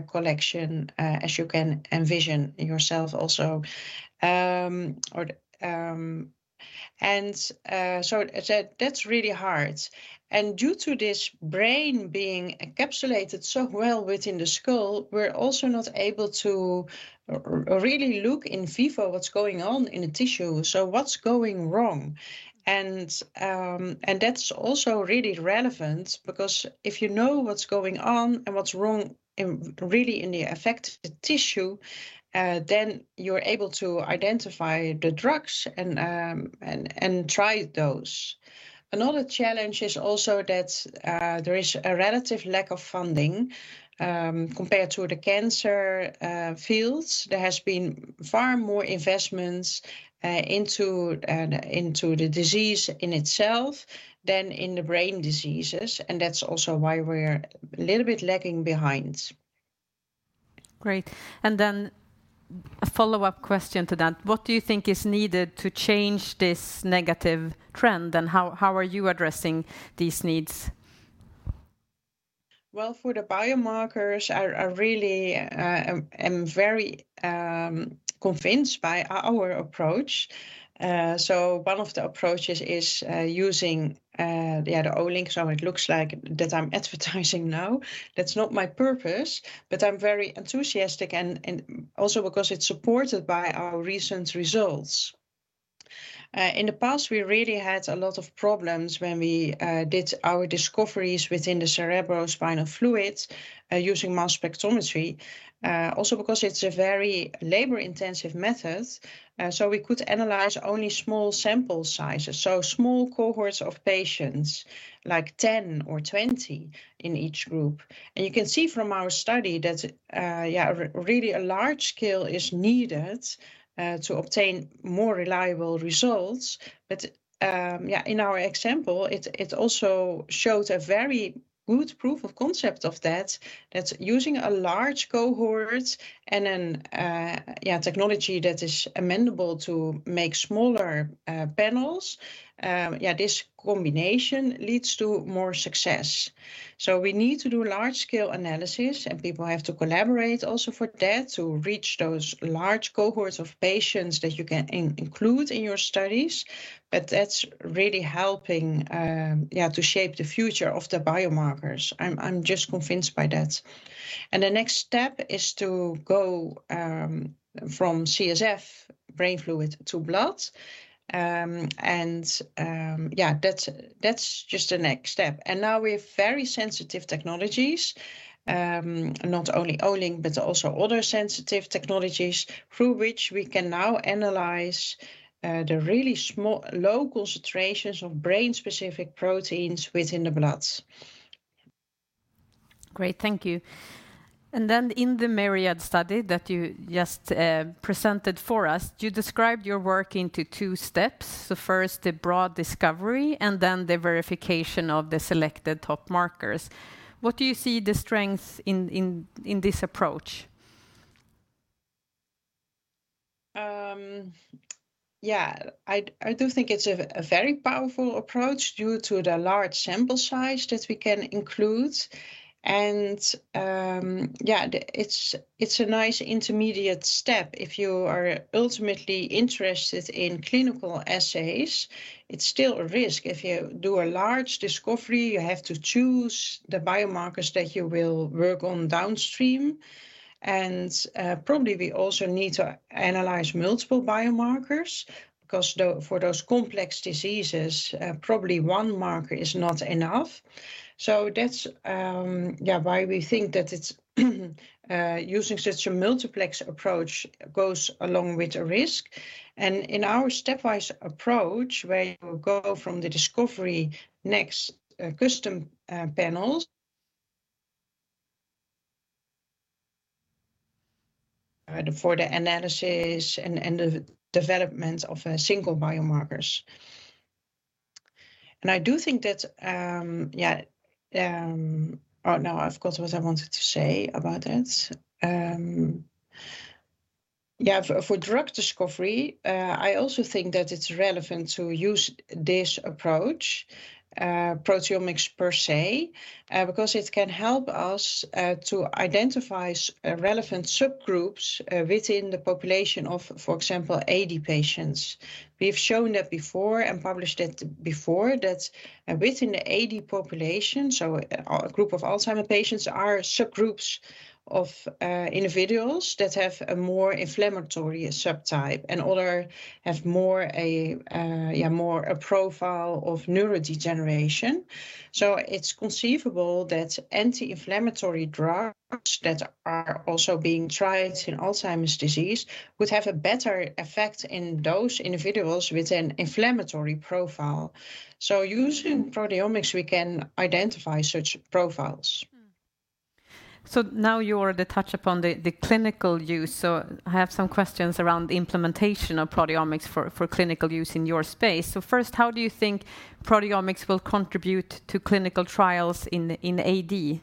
S10: collection, as you can envision yourself also. That's really hard. Due to this brain being encapsulated so well within the skull, we're also not able to really look in vivo what's going on in a tissue, so what's going wrong. That's also really relevant because if you know what's going on and what's wrong in, really in the affected tissue, then you're able to identify the drugs and try those. Another challenge is also that there is a relative lack of funding compared to the cancer fields. There has been far more investments into the disease in itself than in the brain diseases, and that's also why we're a little bit lagging behind.
S4: Great. A follow-up question to that. What do you think is needed to change this negative trend, and how are you addressing these needs?
S10: Well, for the biomarkers, I really am very convinced by our approach. One of the approaches is using the Olink, so it looks like that I'm advertising now. That's not my purpose, but I'm very enthusiastic and also because it's supported by our recent results. In the past we really had a lot of problems when we did our discoveries within the cerebrospinal fluids using mass spectrometry also because it's a very labor-intensive method so we could analyze only small sample sizes, so small cohorts of patients, like 10 or 20 in each group. You can see from our study that really a large scale is needed to obtain more reliable results. In our example, it also shows a very good proof of concept of that using a large cohort and then technology that is amenable to make smaller panels. This combination leads to more success. We need to do large-scale analysis, and people have to collaborate also for that to reach those large cohorts of patients that you can include in your studies. That's really helping to shape the future of the biomarkers. I'm just convinced by that. The next step is to go from CSF brain fluid to blood. That's just the next step. Now we have very sensitive technologies, not only Olink but also other sensitive technologies through which we can now analyze the really small, low concentrations of brain-specific proteins within the blood.
S4: Great. Thank you. In the MIRIADE study that you just presented for us, you described your work into two steps. The first, the broad discovery, and then the verification of the selected top markers. What do you see the strengths in this approach?
S10: Yeah, I do think it's a very powerful approach due to the large sample size that we can include. It's a nice intermediate step if you are ultimately interested in clinical assays. It's still a risk if you do a large discovery, you have to choose the biomarkers that you will work on downstream. Probably we also need to analyze multiple biomarkers for those complex diseases. Probably one marker is not enough. That's why we think that using such a multiplex approach goes along with the risk. In our stepwise approach where you go from the discovery next custom panels for the analysis and the development of single biomarkers. I do think that. Oh, now I've forgot what I wanted to say about it. For drug discovery, I also think that it's relevant to use this approach, proteomics per se, because it can help us to identify relevant subgroups within the population of, for example, AD patients. We've shown that before and published it before that, within the AD population, so a group of Alzheimer patients are subgroups of individuals that have a more inflammatory subtype and others have more a profile of neurodegeneration. It's conceivable that anti-inflammatory drugs that are also being tried in Alzheimer's disease would have a better effect in those individuals with an inflammatory profile. Using proteomics, we can identify such profiles.
S4: Now you already touch upon the clinical use, so I have some questions around the implementation of proteomics for clinical use in your space. First, how do you think proteomics will contribute to clinical trials in AD?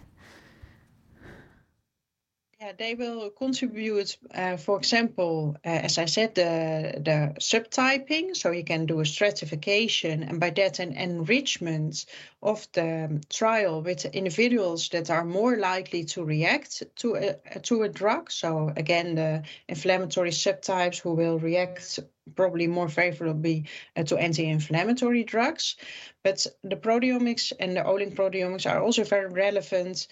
S10: Yeah. They will contribute, for example, as I said, the subtyping, so you can do a stratification, and by that an enrichment of the trial with individuals that are more likely to react to a drug. Again, the inflammatory subtypes who will react probably more favorably to anti-inflammatory drugs. The proteomics and the Olink proteomics are also very relevant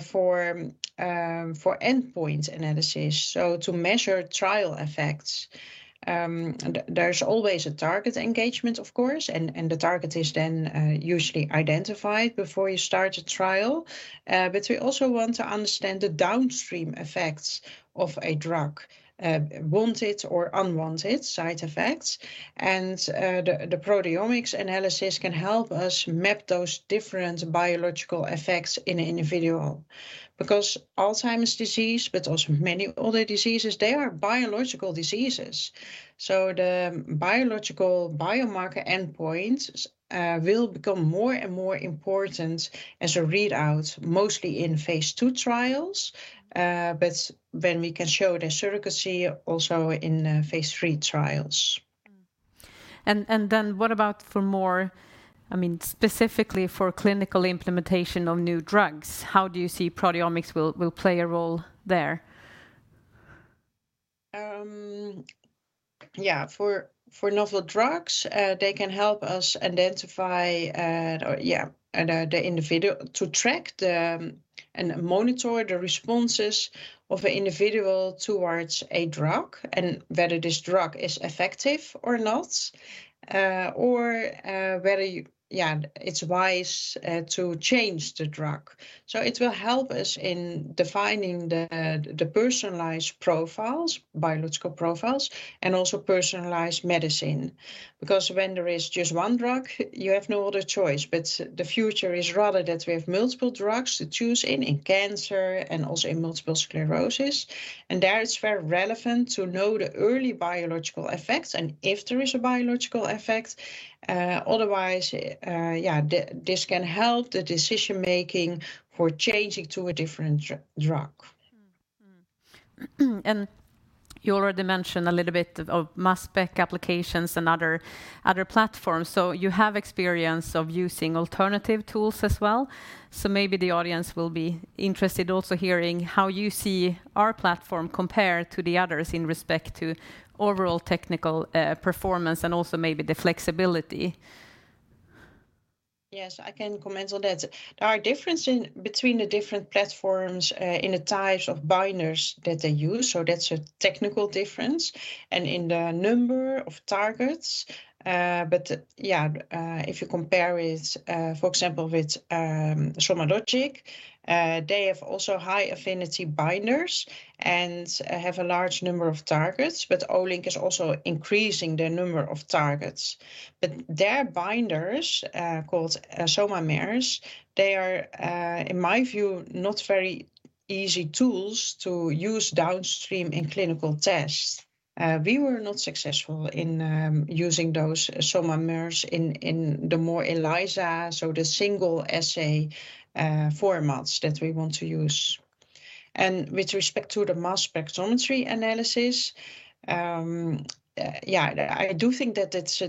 S10: for endpoint analysis, so to measure trial effects. There's always a target engagement of course, and the target is then usually identified before you start a trial. We also want to understand the downstream effects of a drug, wanted or unwanted side effects. The proteomics analysis can help us map those different biological effects in an individual. Because Alzheimer's disease, but also many other diseases, they are biological diseases, so the biological biomarker endpoint will become more and more important as a readout, mostly in phase 2 trials, but when we can show the surrogacy also in phase 3 trials.
S4: I mean, specifically for clinical implementation of new drugs, how do you see proteomics will play a role there?
S10: For novel drugs, they can help us identify the individual to track and monitor the responses of an individual towards a drug, and whether this drug is effective or not, or whether it's wise to change the drug. It will help us in defining the personalized profiles, biological profiles, and also personalized medicine. Because when there is just one drug, you have no other choice, but the future is rather that we have multiple drugs to choose in cancer and also in multiple sclerosis. There it's very relevant to know the early biological effects, and if there is a biological effect. Otherwise, this can help the decision making for changing to a different drug.
S4: Mm-hmm. You already mentioned a little bit of mass spec applications and other platforms. You have experience of using alternative tools as well. Maybe the audience will be interested also hearing how you see our platform compared to the others in respect to overall technical performance, and also maybe the flexibility.
S10: Yes. I can comment on that. There are differences between the different platforms in the types of binders that they use, so that's a technical difference, and in the number of targets. If you compare with, for example, with SomaLogic, they have also high-affinity binders and have a large number of targets, but Olink is also increasing their number of targets. Their binders, called SOMAmer, they are in my view not very easy tools to use downstream in clinical tests. We were not successful in using those SOMAmer in the more ELISA, so the single assay formats that we want to use. With respect to the mass spectrometry analysis, I do think that it's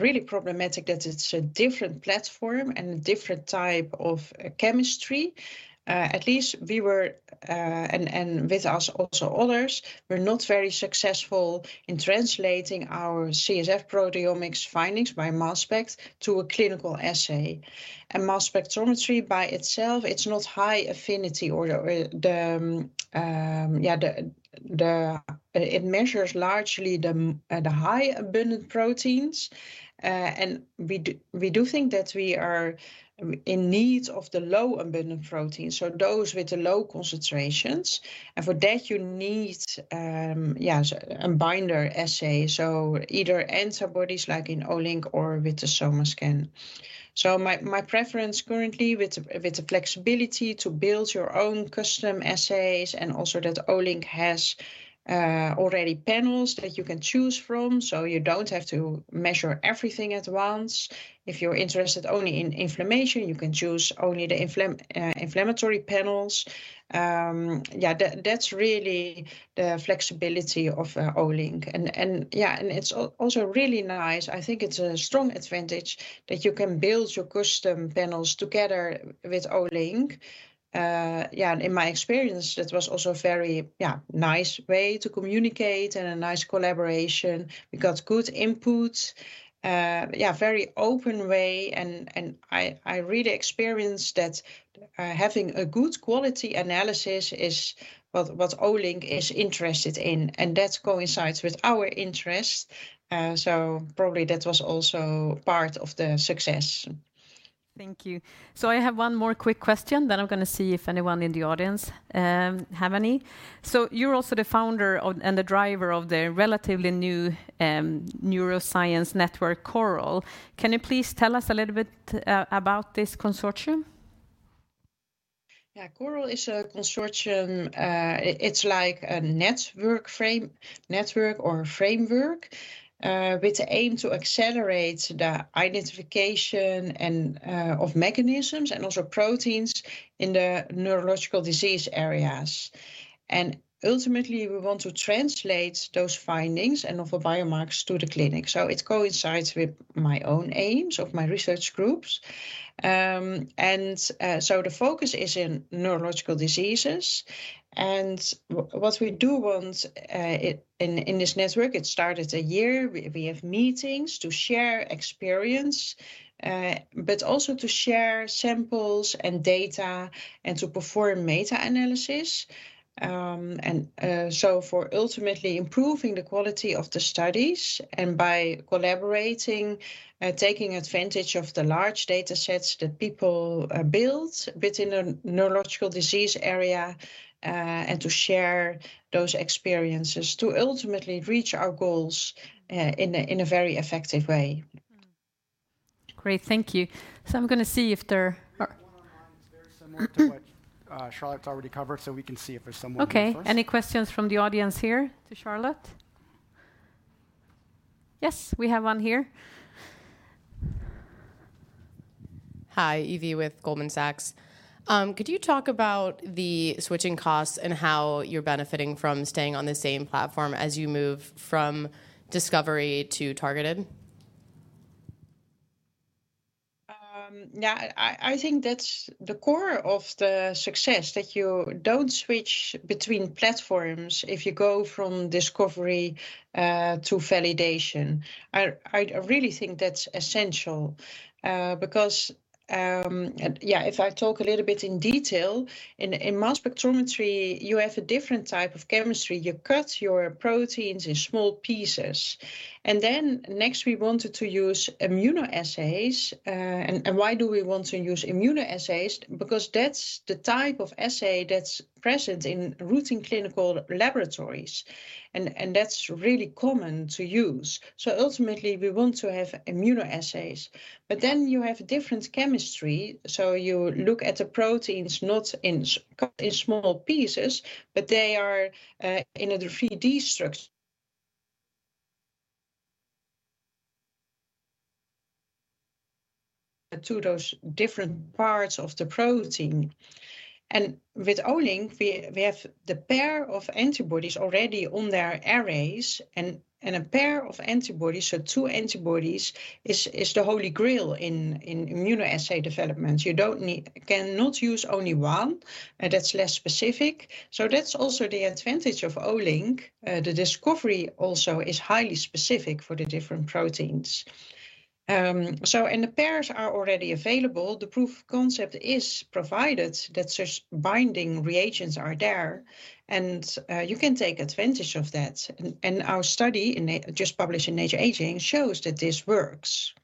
S10: really problematic that it's a different platform and a different type of chemistry. At least we were, and with us also others, were not very successful in translating our CSF proteomics findings by mass specs to a clinical assay. Mass spectrometry by itself, it's not high affinity or the. It measures largely the high abundant proteins. We do think that we are in need of the low abundant proteins, so those with the low concentrations. For that you need a binder assay. Either antibodies like in Olink or with the SomaScan. My preference currently with the flexibility to build your own custom assays, and also that Olink has already panels that you can choose from, so you don't have to measure everything at once. If you're interested only in inflammation, you can choose only the inflammatory panels. Yeah, that's really the flexibility of Olink. And it's also really nice, I think it's a strong advantage that you can build your custom panels together with Olink. Yeah, in my experience it was also very nice way to communicate and a nice collaboration. We got good input. Yeah, very open way and I really experienced that having a good quality analysis is what Olink is interested in, and that coincides with our interest. Probably that was also part of the success.
S4: Thank you. I have one more quick question, then I'm gonna see if anyone in the audience have any. You're also the founder of, and the driver of the relatively new, neuroscience network, CORAL. Can you please tell us a little bit about this consortium?
S10: Yeah. CORAL is a consortium. It's like a network or a framework with the aim to accelerate the identification and of mechanisms and also proteins in the neurological disease areas. Ultimately we want to translate those findings and offer biomarkers to the clinic. It coincides with my own aims of my research groups. The focus is in neurological diseases. What we do want in this network, it started a year. We have meetings to share experience, but also to share samples and data, and to perform meta-analysis. For ultimately improving the quality of the studies, and by collaborating, taking advantage of the large data sets that people build within a neurological disease area, and to share those experiences to ultimately reach our goals, in a very effective way.
S4: Great. Thank you.
S1: We have one online that's very similar to what Charlotte's already covered, so we can see if there's someone in front.
S4: Okay. Any questions from the audience here to Charlotte? Yes. We have one here.
S11: Hi. Evie with Goldman Sachs. Could you talk about the switching costs and how you're benefiting from staying on the same platform as you move from discovery to targeted?
S10: Yeah, I think that's the core of the success, that you don't switch between platforms if you go from discovery to validation. I really think that's essential. Yeah, if I talk a little bit in detail, in mass spectrometry, you have a different type of chemistry. You cut your proteins in small pieces. Then next, we wanted to use immunoassays. Why do we want to use immunoassays? Because that's the type of assay that's present in routine clinical laboratories, and that's really common to use. Ultimately, we want to have immunoassays. Then you have different chemistry, so you look at the proteins not cut in small pieces, but they are in a 3D structure to those different parts of the protein. With Olink, we have the pair of antibodies already on their arrays, and a pair of antibodies, so two antibodies, is the holy grail in immunoassay development. You cannot use only one, that's less specific. That's also the advantage of Olink. The discovery also is highly specific for the different proteins. The pairs are already available. The proof of concept is provided that such binding reagents are there, and you can take advantage of that. Our study just published in Nature Aging shows that this works.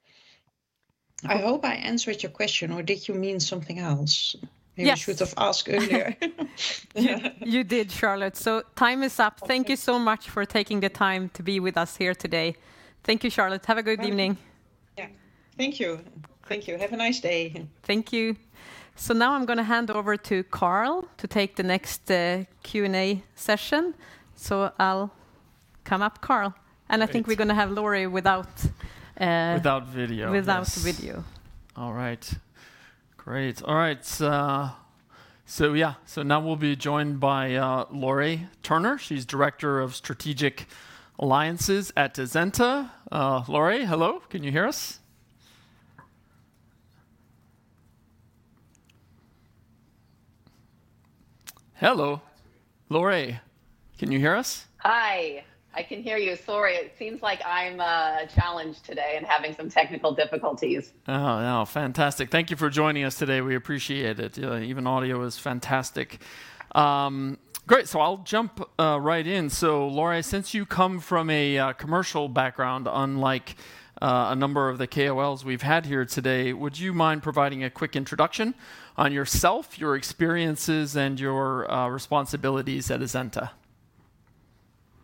S10: I hope I answered your question, or did you mean something else?
S4: Yes.
S10: Maybe you should have asked earlier.
S4: You did, Charlotte. Time is up.
S10: Okay.
S4: Thank you so much for taking the time to be with us here today. Thank you, Charlotte. Have a good evening.
S10: You're welcome. Yeah. Thank you. Thank you. Have a nice day.
S4: Thank you. Now I'm gonna hand over to Carl to take the next Q&A session. I'll come up, Carl.
S2: Great.
S4: I think we're gonna have Lori without.
S2: Without video. Yes
S4: without video.
S2: All right. Great. All right, now we'll be joined by Lori Turner. She's Director of Strategic Alliances at Azenta. Lori, hello? Can you hear us? Hello? Lori, can you hear us?
S12: Hi. I can hear you. Sorry, it seems like I'm challenged today and having some technical difficulties.
S2: Oh, oh, fantastic. Thank you for joining us today. We appreciate it. Even audio is fantastic. Great. I'll jump right in. Lori, since you come from a commercial background, unlike a number of the KOLs we've had here today, would you mind providing a quick introduction on yourself, your experiences, and your responsibilities at Azenta?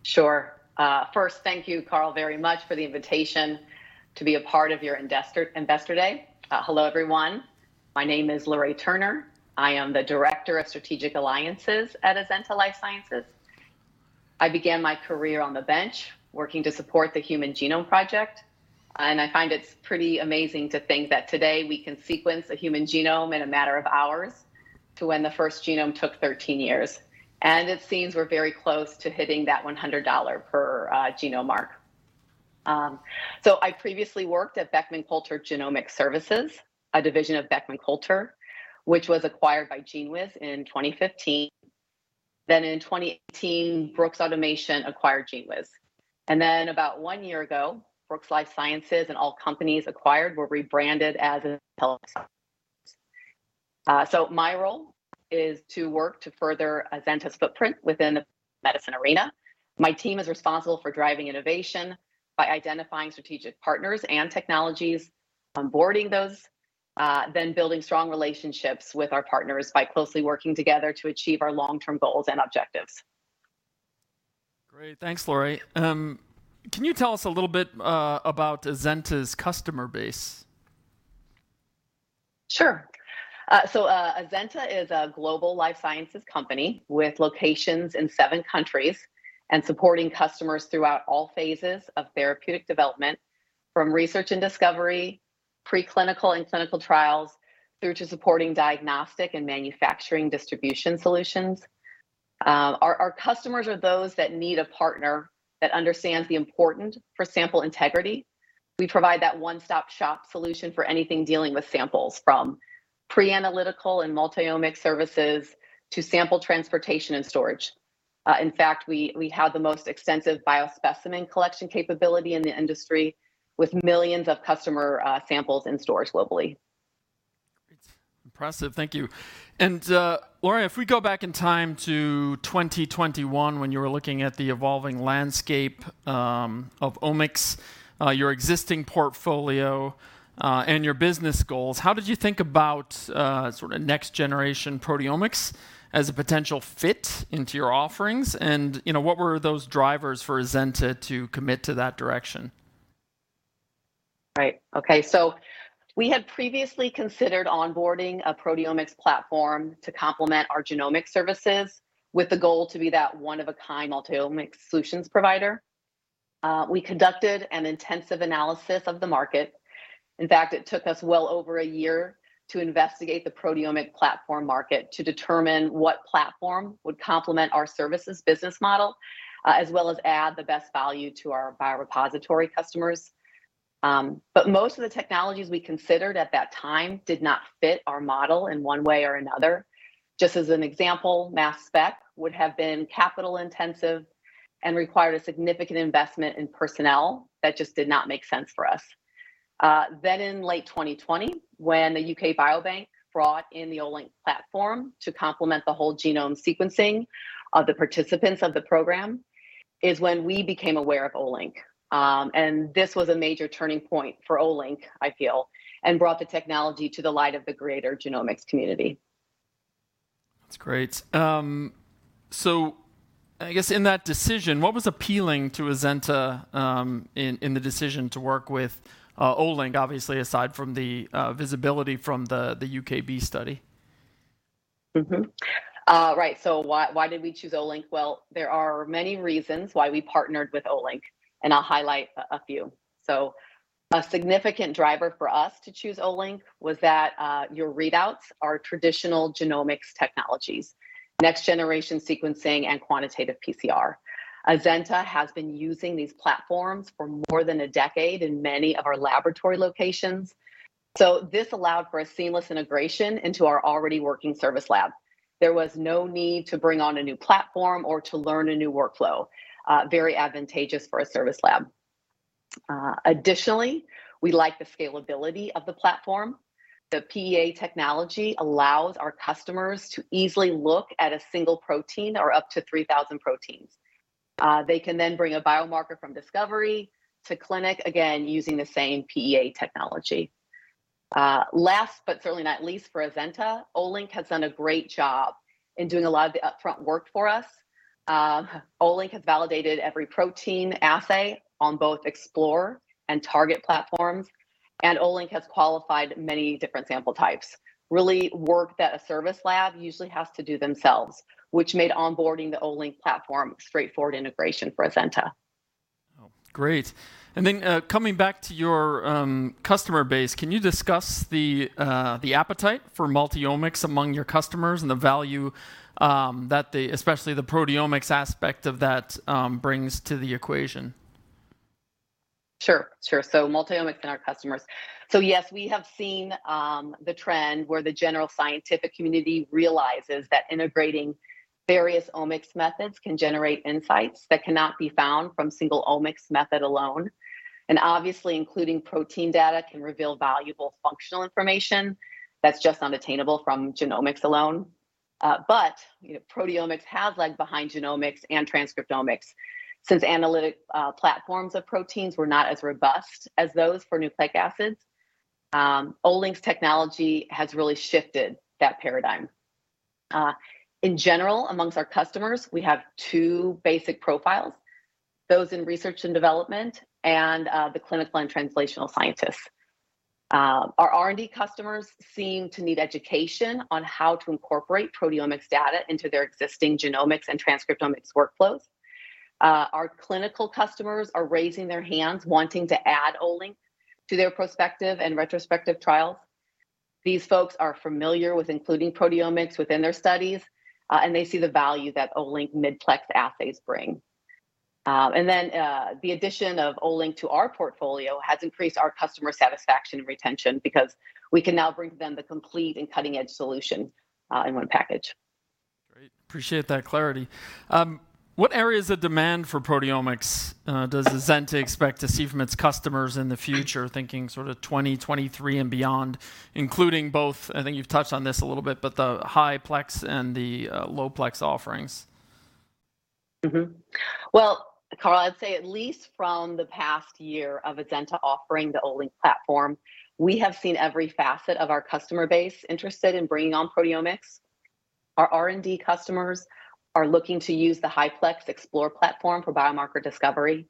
S12: Sure. First, thank you, Carl, very much for the invitation to be a part of your investor day. Hello, everyone. My name is Lori Turner. I am the Director of Strategic Alliances at Azenta Life Sciences. I began my career on the bench, working to support the Human Genome Project, and I find it's pretty amazing to think that today we can sequence a human genome in a matter of hours to when the first genome took 13 years. It seems we're very close to hitting that $100 per genome mark. I previously worked at Beckman Coulter Genomics, a division of Beckman Coulter, which was acquired by GENEWIZ in 2015. In 2018, Brooks Automation acquired GENEWIZ. About one year ago, Brooks Life Sciences and all companies acquired were rebranded as Azenta Life Sciences. My role is to work to further Azenta's footprint within the medicine arena. My team is responsible for driving innovation by identifying strategic partners and technologies, onboarding those, then building strong relationships with our partners by closely working together to achieve our long-term goals and objectives.
S2: Great. Thanks, Lori. Can you tell us a little bit about Azenta's customer base?
S12: Sure. Azenta is a global life sciences company with locations in seven countries and supporting customers throughout all phases of therapeutic development, from research and discovery, preclinical and clinical trials, through to supporting diagnostic and manufacturing distribution solutions. Our customers are those that need a partner that understands the importance of sample integrity. We provide that one-stop shop solution for anything dealing with samples, from pre-analytical and multi-omics services to sample transportation and storage. In fact, we have the most extensive biospecimen collection capability in the industry with millions of customer samples in storage globally.
S2: Great. Impressive. Thank you. Lori, if we go back in time to 2021 when you were looking at the evolving landscape of omics, your existing portfolio, and your business goals, how did you think about sort of next generation proteomics as a potential fit into your offerings? You know, what were those drivers for Azenta to commit to that direction?
S12: Right. Okay. We had previously considered onboarding a proteomics platform to complement our genomic services with the goal to be that one of a kind multi-omics solutions provider. We conducted an intensive analysis of the market. In fact, it took us well over a year to investigate the proteomic platform market to determine what platform would complement our services business model, as well as add the best value to our biorepository customers. Most of the technologies we considered at that time did not fit our model in one way or another. Just as an example, mass spec would have been capital intensive and required a significant investment in personnel that just did not make sense for us. In late 2020, when the UK Biobank brought in the Olink platform to complement the whole genome sequencing of the participants of the program, is when we became aware of Olink. This was a major turning point for Olink, I feel, and brought the technology to the light of the greater genomics community.
S2: That's great. I guess in that decision, what was appealing to Azenta, in the decision to work with Olink, obviously, aside from the visibility from the UKB study?
S12: Right. Why did we choose Olink? Well, there are many reasons why we partnered with Olink, and I'll highlight a few. A significant driver for us to choose Olink was that your readouts are traditional genomics technologies, next-generation sequencing and quantitative PCR. Azenta has been using these platforms for more than a decade in many of our laboratory locations, so this allowed for a seamless integration into our already working service lab. There was no need to bring on a new platform or to learn a new workflow, very advantageous for a service lab. Additionally, we like the scalability of the platform. The PEA technology allows our customers to easily look at a single protein or up to 3,000 proteins. They can then bring a biomarker from discovery to clinic, again, using the same PEA technology. Last but certainly not least for Azenta, Olink has done a great job in doing a lot of the upfront work for us. Olink has validated every protein assay on both Olink Explore and Olink Target platforms, and Olink has qualified many different sample types. Real work that a service lab usually has to do themselves, which made onboarding the Olink platform straightforward integration for Azenta.
S2: Oh, great. Coming back to your customer base, can you discuss the appetite for multi-omics among your customers and the value that they, especially the proteomics aspect of that, brings to the equation?
S12: Yes, we have seen the trend where the general scientific community realizes that integrating various omics methods can generate insights that cannot be found from single omics method alone. Obviously, including protein data can reveal valuable functional information that's just unattainable from genomics alone. But, you know, proteomics has lagged behind genomics and transcriptomics since analytic platforms of proteins were not as robust as those for nucleic acids. Olink's technology has really shifted that paradigm. In general, among our customers, we have two basic profiles, those in research and development and the clinical and translational scientists. Our R&D customers seem to need education on how to incorporate proteomics data into their existing genomics and transcriptomics workflows. Our clinical customers are raising their hands, wanting to add Olink to their prospective and retrospective trials. These folks are familiar with including proteomics within their studies, and they see the value that Olink mid-plex assays bring. The addition of Olink to our portfolio has increased our customer satisfaction and retention because we can now bring them the complete and cutting-edge solution, in one package.
S2: Great. Appreciate that clarity. What areas of demand for proteomics does Azenta expect to see from its customers in the future, thinking sort of 2023 and beyond, including both, I think you've touched on this a little bit, but the high-plex and the low-plex offerings?
S12: Well, Carl, I'd say at least from the past year of Azenta offering the Olink platform, we have seen every facet of our customer base interested in bringing on proteomics. Our R&D customers are looking to use the high-plex Explore platform for biomarker discovery.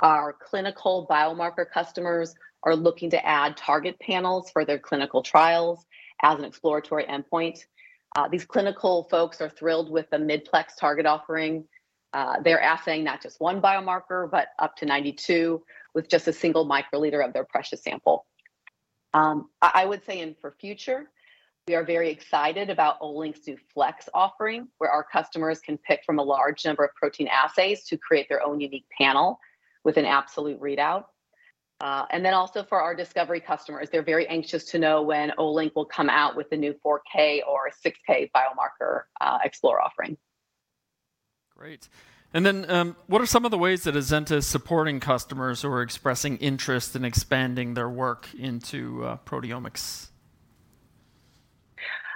S12: Our clinical biomarker customers are looking to add target panels for their clinical trials as an exploratory endpoint. These clinical folks are thrilled with the mid-plex target offering. They're assaying not just one biomarker, but up to 92 with just a single microliter of their precious sample. I would say for future, we are very excited about Olink's new Flex offering, where our customers can pick from a large number of protein assays to create their own unique panel with an absolute readout. Also, for our discovery customers, they're very anxious to know when Olink will come out with the new 4K or 6K biomarker Explore offering.
S2: Great. What are some of the ways that Azenta is supporting customers who are expressing interest in expanding their work into proteomics?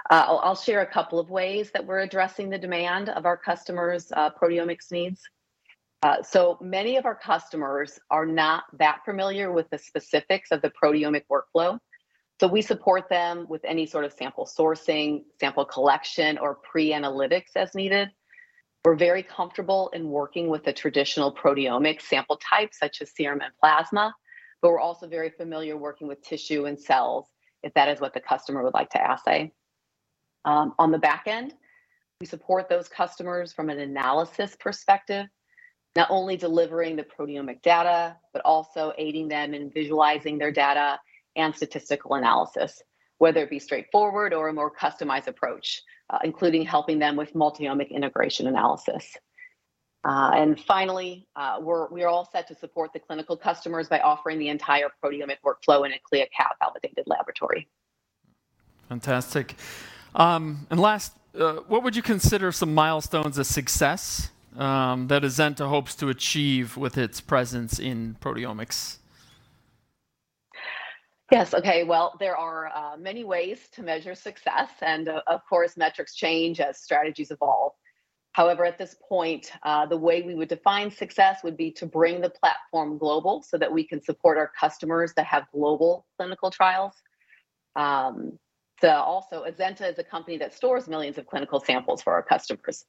S12: I'll share a couple of ways that we're addressing the demand of our customers' proteomics needs. Many of our customers are not that familiar with the specifics of the proteomic workflow, so we support them with any sort of sample sourcing, sample collection, or pre-analytics as needed. We're very comfortable in working with the traditional proteomic sample types such as serum and plasma, but we're also very familiar working with tissue and cells if that is what the customer would like to assay. On the back end, we support those customers from an analysis perspective, not only delivering the proteomic data, but also aiding them in visualizing their data and statistical analysis, whether it be straightforward or a more customized approach, including helping them with multi-omics integration analysis. Finally, we're all set to support the clinical customers by offering the entire proteomic workflow in a CLIA/CAP-validated laboratory.
S2: Fantastic. Last, what would you consider some milestones of success, that Azenta hopes to achieve with its presence in proteomics?
S12: Yes. Okay. Well, there are many ways to measure success, and of course, metrics change as strategies evolve. However, at this point, the way we would define success would be to bring the platform global so that we can support our customers that have global clinical trials. Also Azenta is a company that stores millions of clinical samples for our customers.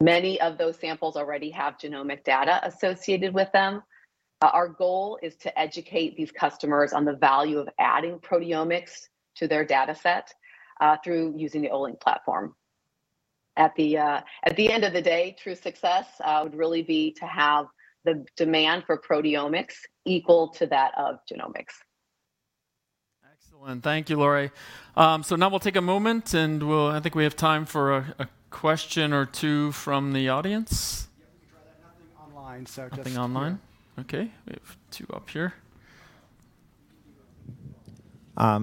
S12: Many of those samples already have genomic data associated with them. Our goal is to educate these customers on the value of adding proteomics to their dataset, through using the Olink platform. At the end of the day, true success would really be to have the demand for proteomics equal to that of genomics.
S2: Excellent. Thank you, Lori. Now we'll take a moment. I think we have time for a question or two from the audience.
S1: Yeah, we can try that. Nothing online, so just.
S2: Nothing online? Okay. We have 2 up here.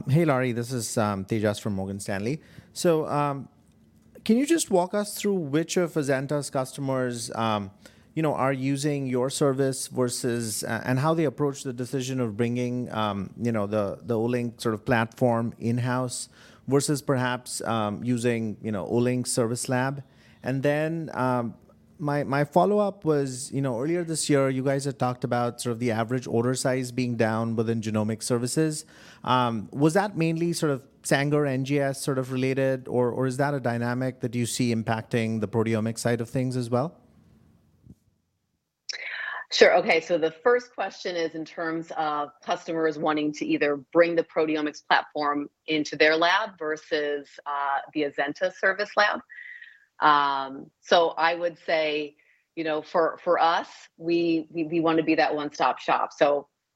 S8: Hey, Lori. This is Tejas from Morgan Stanley. Can you just walk us through which of Azenta's customers, you know, are using your service versus and how they approach the decision of bringing, you know, the Olink sort of platform in-house versus perhaps using, you know, Olink service lab? Then, my follow-up was, you know, earlier this year you guys had talked about sort of the average order size being down within genomic services. Was that mainly sort of Sanger and NGS sort of related, or is that a dynamic that you see impacting the proteomic side of things as well?
S12: Sure. Okay, the first question is in terms of customers wanting to either bring the proteomics platform into their lab versus the Azenta service lab. I would say, you know, for us, we wanna be that one-stop shop.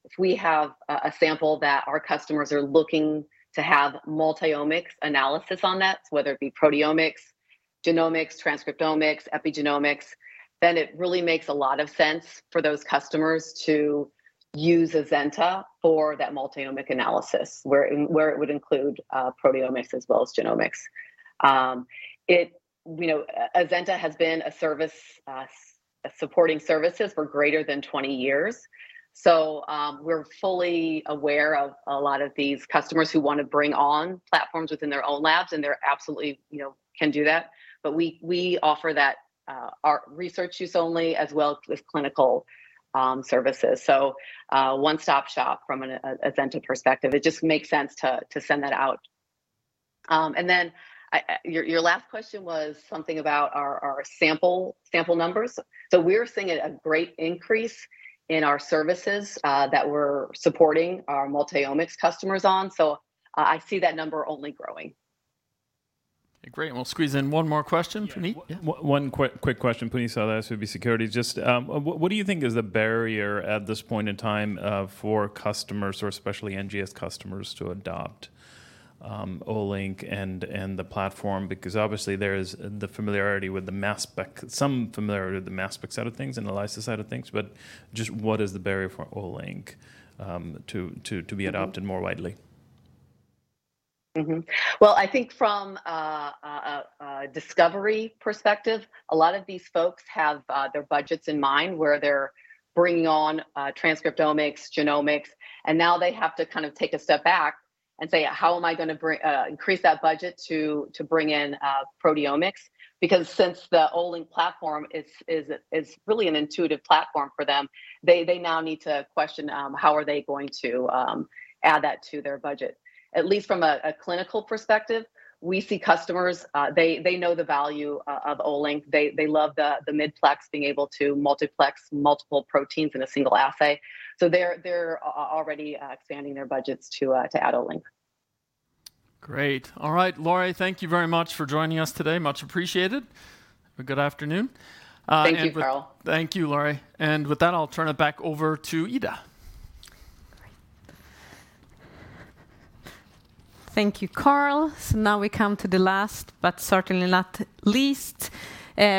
S12: If we have a sample that our customers are looking to have multi-omics analysis on that, whether it be proteomics, genomics, transcriptomics, epigenomics, then it really makes a lot of sense for those customers to use Azenta for that multi-omic analysis where it would include proteomics as well as genomics. It, you know, Azenta has been a service supporting services for greater than 20 years. We're fully aware of a lot of these customers who wanna bring on platforms within their own labs, and they're absolutely, you know, can do that. We offer that, our research use only as well with clinical services. One stop shop from an Azenta perspective. It just makes sense to send that out. Your last question was something about our sample numbers. We're seeing a great increase in our services that we're supporting our multi-omics customers on. I see that number only growing.
S2: Great. We'll squeeze in one more question from Puneet. Yeah.
S6: Yeah. One quick question please. This would be security. Just what do you think is the barrier at this point in time for customers or especially NGS customers to adopt Olink and the platform? Because obviously there is the familiarity with the mass spec, some familiarity with the mass spec side of things and the ELISA side of things. Just what is the barrier for Olink to be adopted more widely?
S12: Well, I think from a discovery perspective, a lot of these folks have their budgets in mind where they're bringing on transcriptomics, genomics, and now they have to kind of take a step back and say, "How am I gonna increase that budget to bring in proteomics?" Because since the Olink platform is really an intuitive platform for them, they now need to question how are they going to add that to their budget. At least from a clinical perspective, we see customers they know the value of Olink. They love the mid-plex being able to multiplex multiple proteins in a single assay. They're already expanding their budgets to add Olink.
S2: Great. All right. Lori, thank you very much for joining us today. Much appreciated. Have a good afternoon.
S12: Thank you, Carl.
S2: Thank you, Lori. With that, I'll turn it back over to Ida.
S12: Great.
S4: Thank you, Carl. Now we come to the last, but certainly not least,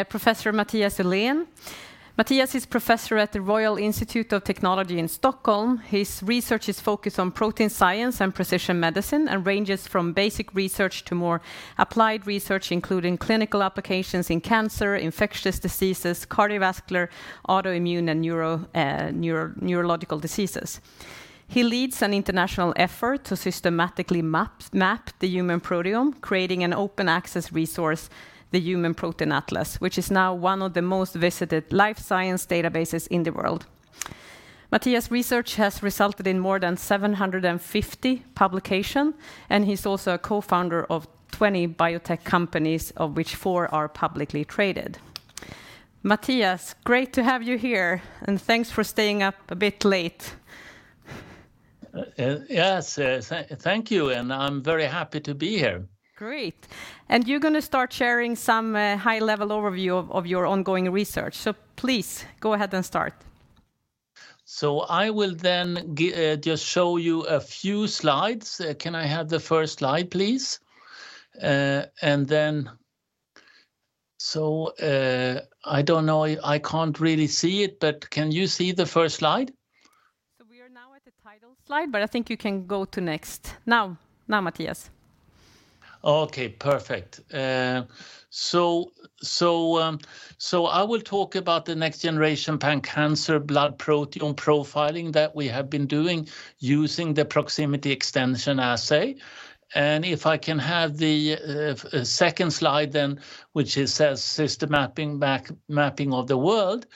S4: Professor Mathias Uhlén. Mathias is professor at the KTH Royal Institute of Technology in Stockholm. His research is focused on protein science and precision medicine, and ranges from basic research to more applied research, including clinical applications in cancer, infectious diseases, cardiovascular, autoimmune, and neurological diseases. He leads an international effort to systematically map the human proteome, creating an open access resource, the Human Protein Atlas, which is now one of the most visited life science databases in the world. Mathias' research has resulted in more than 750 publications, and he's also a co-founder of 20 biotech companies, of which 4 are publicly traded. Mathias, great to have you here, and thanks for staying up a bit late.
S13: Yes. Thank you, and I'm very happy to be here.
S4: Great. You're gonna start sharing some high-level overview of your ongoing research. Please go ahead and start.
S13: I will then just show you a few slides. Can I have the first slide please? I don't know, I can't really see it, but can you see the first slide?
S4: At the title slide, but I think you can go to next now. Now, Mathias
S13: Okay, perfect. I will talk about the next generation pan-cancer blood protein profiling that we have been doing using the Proximity Extension Assay. If I can have the second slide then which it says system mapping of the world.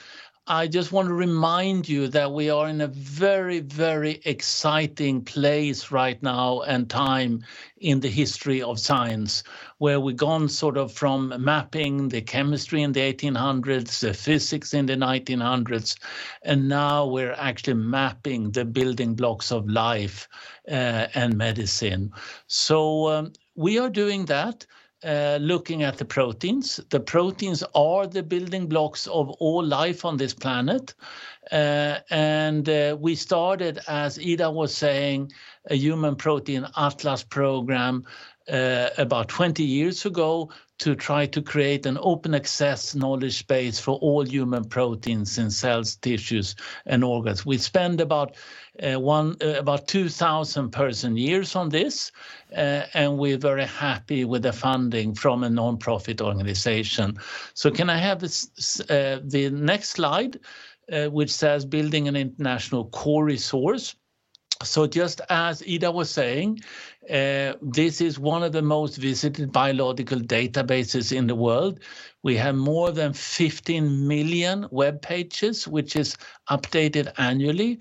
S13: I just want to remind you that we are in a very exciting place right now and time in the history of science, where we've gone sort of from mapping the chemistry in the 1800s, the physics in the 1900s, and now we're actually mapping the building blocks of life, and medicine. We are doing that, looking at the proteins. The proteins are the building blocks of all life on this planet. We started, as Ida was saying, a Human Protein Atlas program about 20 years ago to try to create an open access knowledge base for all human proteins in cells, tissues, and organs. We spend about 2,000 person years on this, and we're very happy with the funding from a nonprofit organization. Can I have the next slide, which says building an international core resource? Just as Ida was saying, this is one of the most visited biological databases in the world. We have more than 15 million web pages, which is updated annually.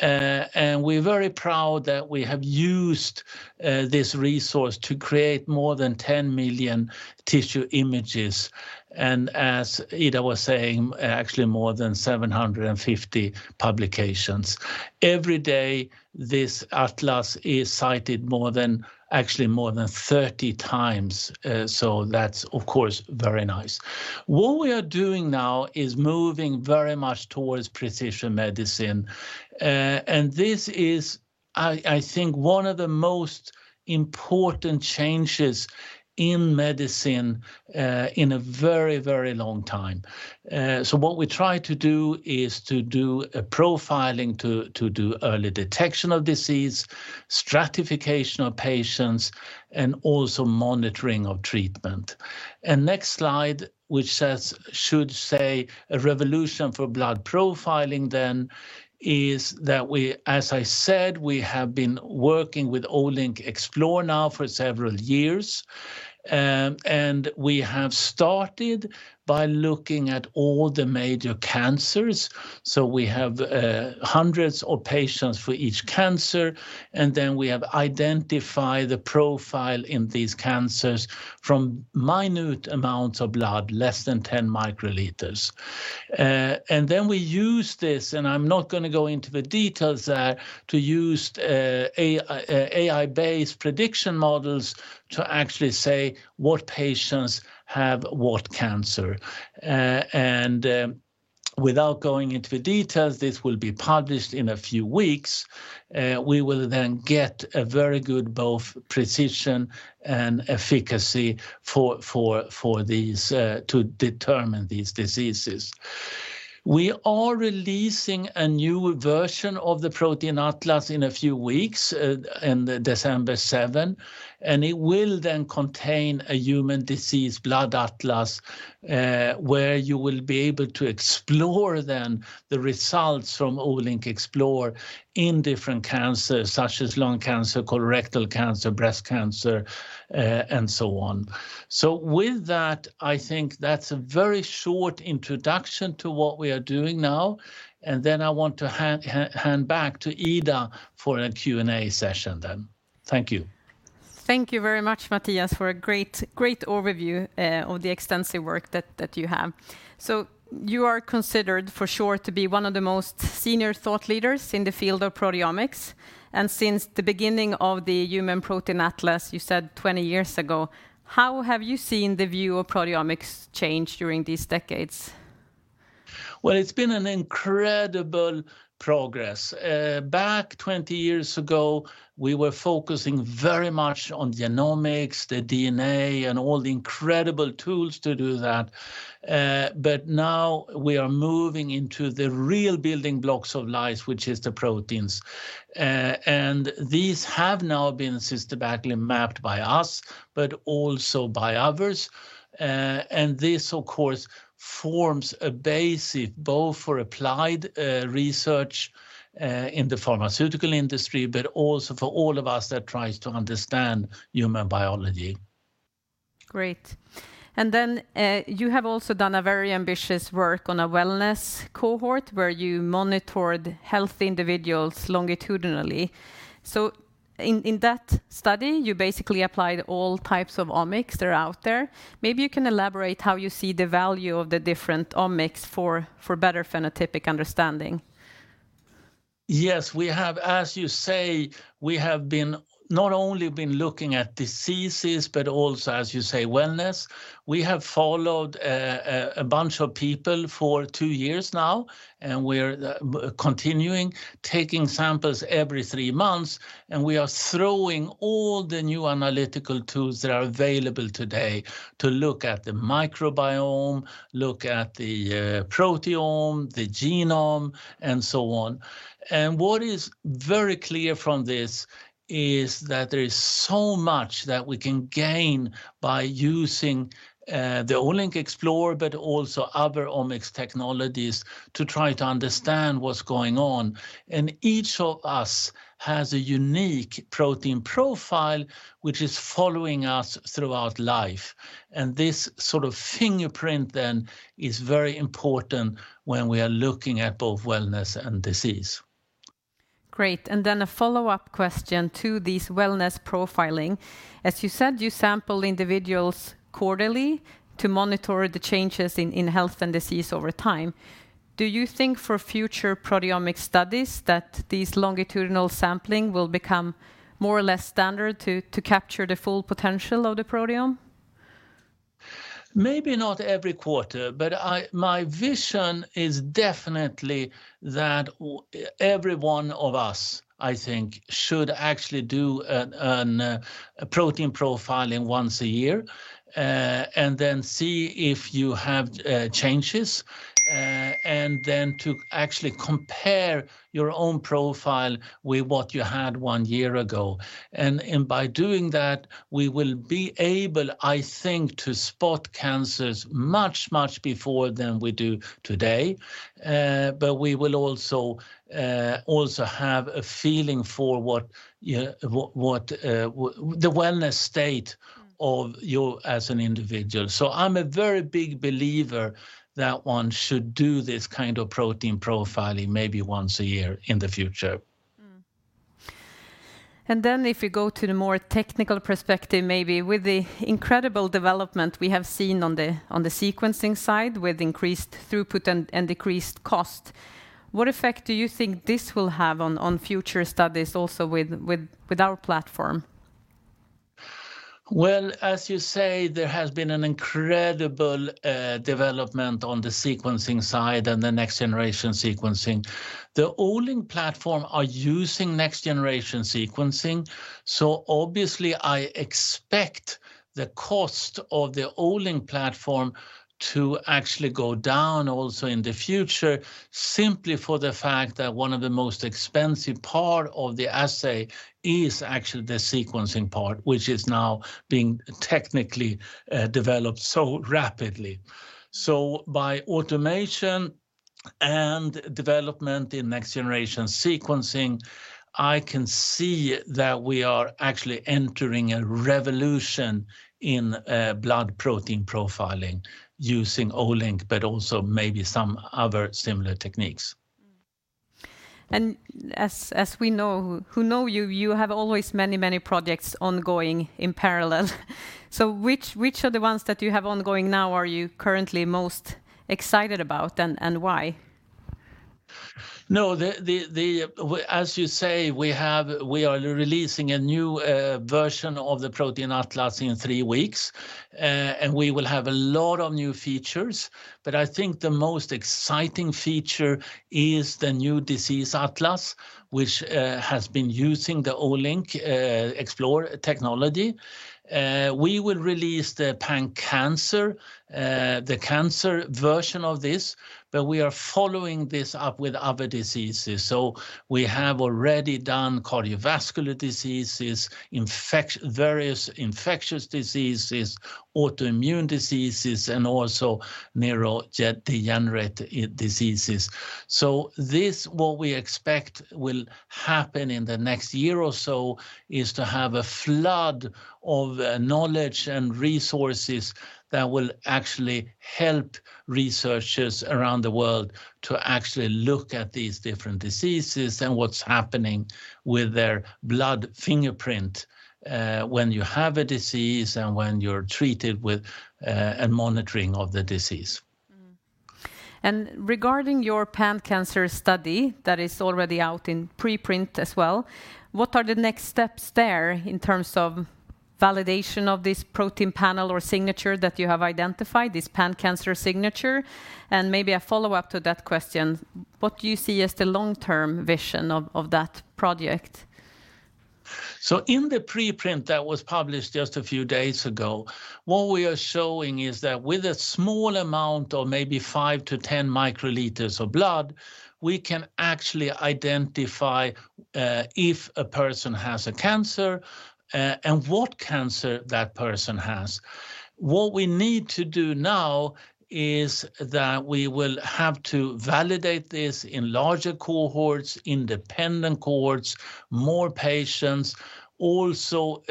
S13: We're very proud that we have used this resource to create more than 10 million tissue images and as Ida was saying, actually more than 750 publications. Every day, this atlas is cited more than, actually more than 30 times. So that's of course very nice. What we are doing now is moving very much towards precision medicine. This is I think one of the most important changes in medicine, in a very, very long time. What we try to do is to do a profiling to do early detection of disease, stratification of patients, and also monitoring of treatment. Next slide, which says, should say a revolution for blood profiling then is that we, as I said, we have been working with Olink Explore now for several years. We have started by looking at all the major cancers, so we have hundreds of patients for each cancer, and then we have identified the profile in these cancers from minute amounts of blood, less than 10 microliters. Then we use this, and I'm not gonna go into the details there, to use AI-based prediction models to actually say what patients have what cancer. Without going into the details, this will be published in a few weeks. We will then get a very good both precision and efficacy for these to determine these diseases. We are releasing a new version of the protein atlas in a few weeks, in December seventh, and it will then contain a human disease blood atlas, where you will be able to explore then the results from Olink Explore in different cancers such as lung cancer, colorectal cancer, breast cancer, and so on. With that, I think that's a very short introduction to what we are doing now, and then I want to hand back to Ida for a Q&A session then. Thank you.
S4: Thank you very much, Mathias, for a great overview of the extensive work that you have. You are considered for sure to be one of the most senior thought leaders in the field of proteomics, and since the beginning of the Human Protein Atlas, you said 20 years ago, how have you seen the view of proteomics change during these decades?
S13: Well, it's been an incredible progress. Back 20 years ago, we were focusing very much on genomics, the DNA, and all the incredible tools to do that. But now we are moving into the real building blocks of life, which is the proteins. And these have now been systematically mapped by us, but also by others. And this of course forms a base both for applied research in the pharmaceutical industry, but also for all of us that tries to understand human biology.
S4: Great. You have also done a very ambitious work on a wellness cohort where you monitored healthy individuals longitudinally. In that study, you basically applied all types of omics that are out there. Maybe you can elaborate how you see the value of the different omics for better phenotypic understanding.
S13: Yes, we have, as you say, we have been not only looking at diseases, but also as you say, wellness. We have followed a bunch of people for two years now, and we're continuing taking samples every three months, and we are throwing all the new analytical tools that are available today to look at the microbiome, look at the proteome, the genome, and so on. What is very clear from this is that there is so much that we can gain by using the Olink Explore, but also other omics technologies to try to understand what's going on. Each of us has a unique protein profile which is following us throughout life. This sort of fingerprint then is very important when we are looking at both wellness and disease.
S4: Great. A follow-up question to this wellness profiling. As you said, you sample individuals quarterly to monitor the changes in health and disease over time. Do you think for future proteomic studies that this longitudinal sampling will become more or less standard to capture the full potential of the proteome?
S13: Maybe not every quarter, but my vision is definitely that every one of us, I think, should actually do a protein profiling once a year, and then see if you have changes, and then to actually compare your own profile with what you had one year ago. By doing that, we will be able, I think, to spot cancers much, much before than we do today. But we will also have a feeling for what the wellness state of you as an individual. I'm a very big believer that one should do this kind of protein profiling maybe once a year in the future.
S4: If you go to the more technical perspective, maybe with the incredible development we have seen on the sequencing side with increased throughput and decreased cost, what effect do you think this will have on future studies also with our platform?
S13: Well, as you say, there has been an incredible development on the sequencing side and next-generation sequencing. The Olink platform are using next-generation sequencing, so obviously I expect the cost of the Olink platform to actually go down also in the future simply for the fact that one of the most expensive part of the assay is actually the sequencing part, which is now being technically developed so rapidly. By automation and development in next-generation sequencing, I can see that we are actually entering a revolution in blood protein profiling using Olink, but also maybe some other similar techniques.
S4: As we know, you know, you have always many projects ongoing in parallel. Which of the ones that you have ongoing now are you currently most excited about and why?
S13: No, as you say, we are releasing a new version of the Protein Atlas in three weeks, and we will have a lot of new features, but I think the most exciting feature is the new Disease Atlas, which has been using the Olink Explore technology. We will release the pan-cancer, the cancer version of this, but we are following this up with other diseases. We have already done cardiovascular diseases, various infectious diseases, autoimmune diseases, and also neurodegenerative diseases. This, what we expect will happen in the next year or so, is to have a flood of knowledge and resources that will actually help researchers around the world to actually look at these different diseases and what's happening with their blood fingerprint, when you have a disease and when you're treated with, and monitoring of the disease.
S4: Regarding your pan-cancer study that is already out in preprint as well, what are the next steps there in terms of validation of this protein panel or signature that you have identified, this pan-cancer signature? Maybe a follow-up to that question, what do you see as the long-term vision of that project?
S13: In the preprint that was published just a few days ago, what we are showing is that with a small amount of maybe 5-10 microliters of blood, we can actually identify if a person has a cancer and what cancer that person has. What we need to do now is that we will have to validate this in larger cohorts, independent cohorts, more patients. Also,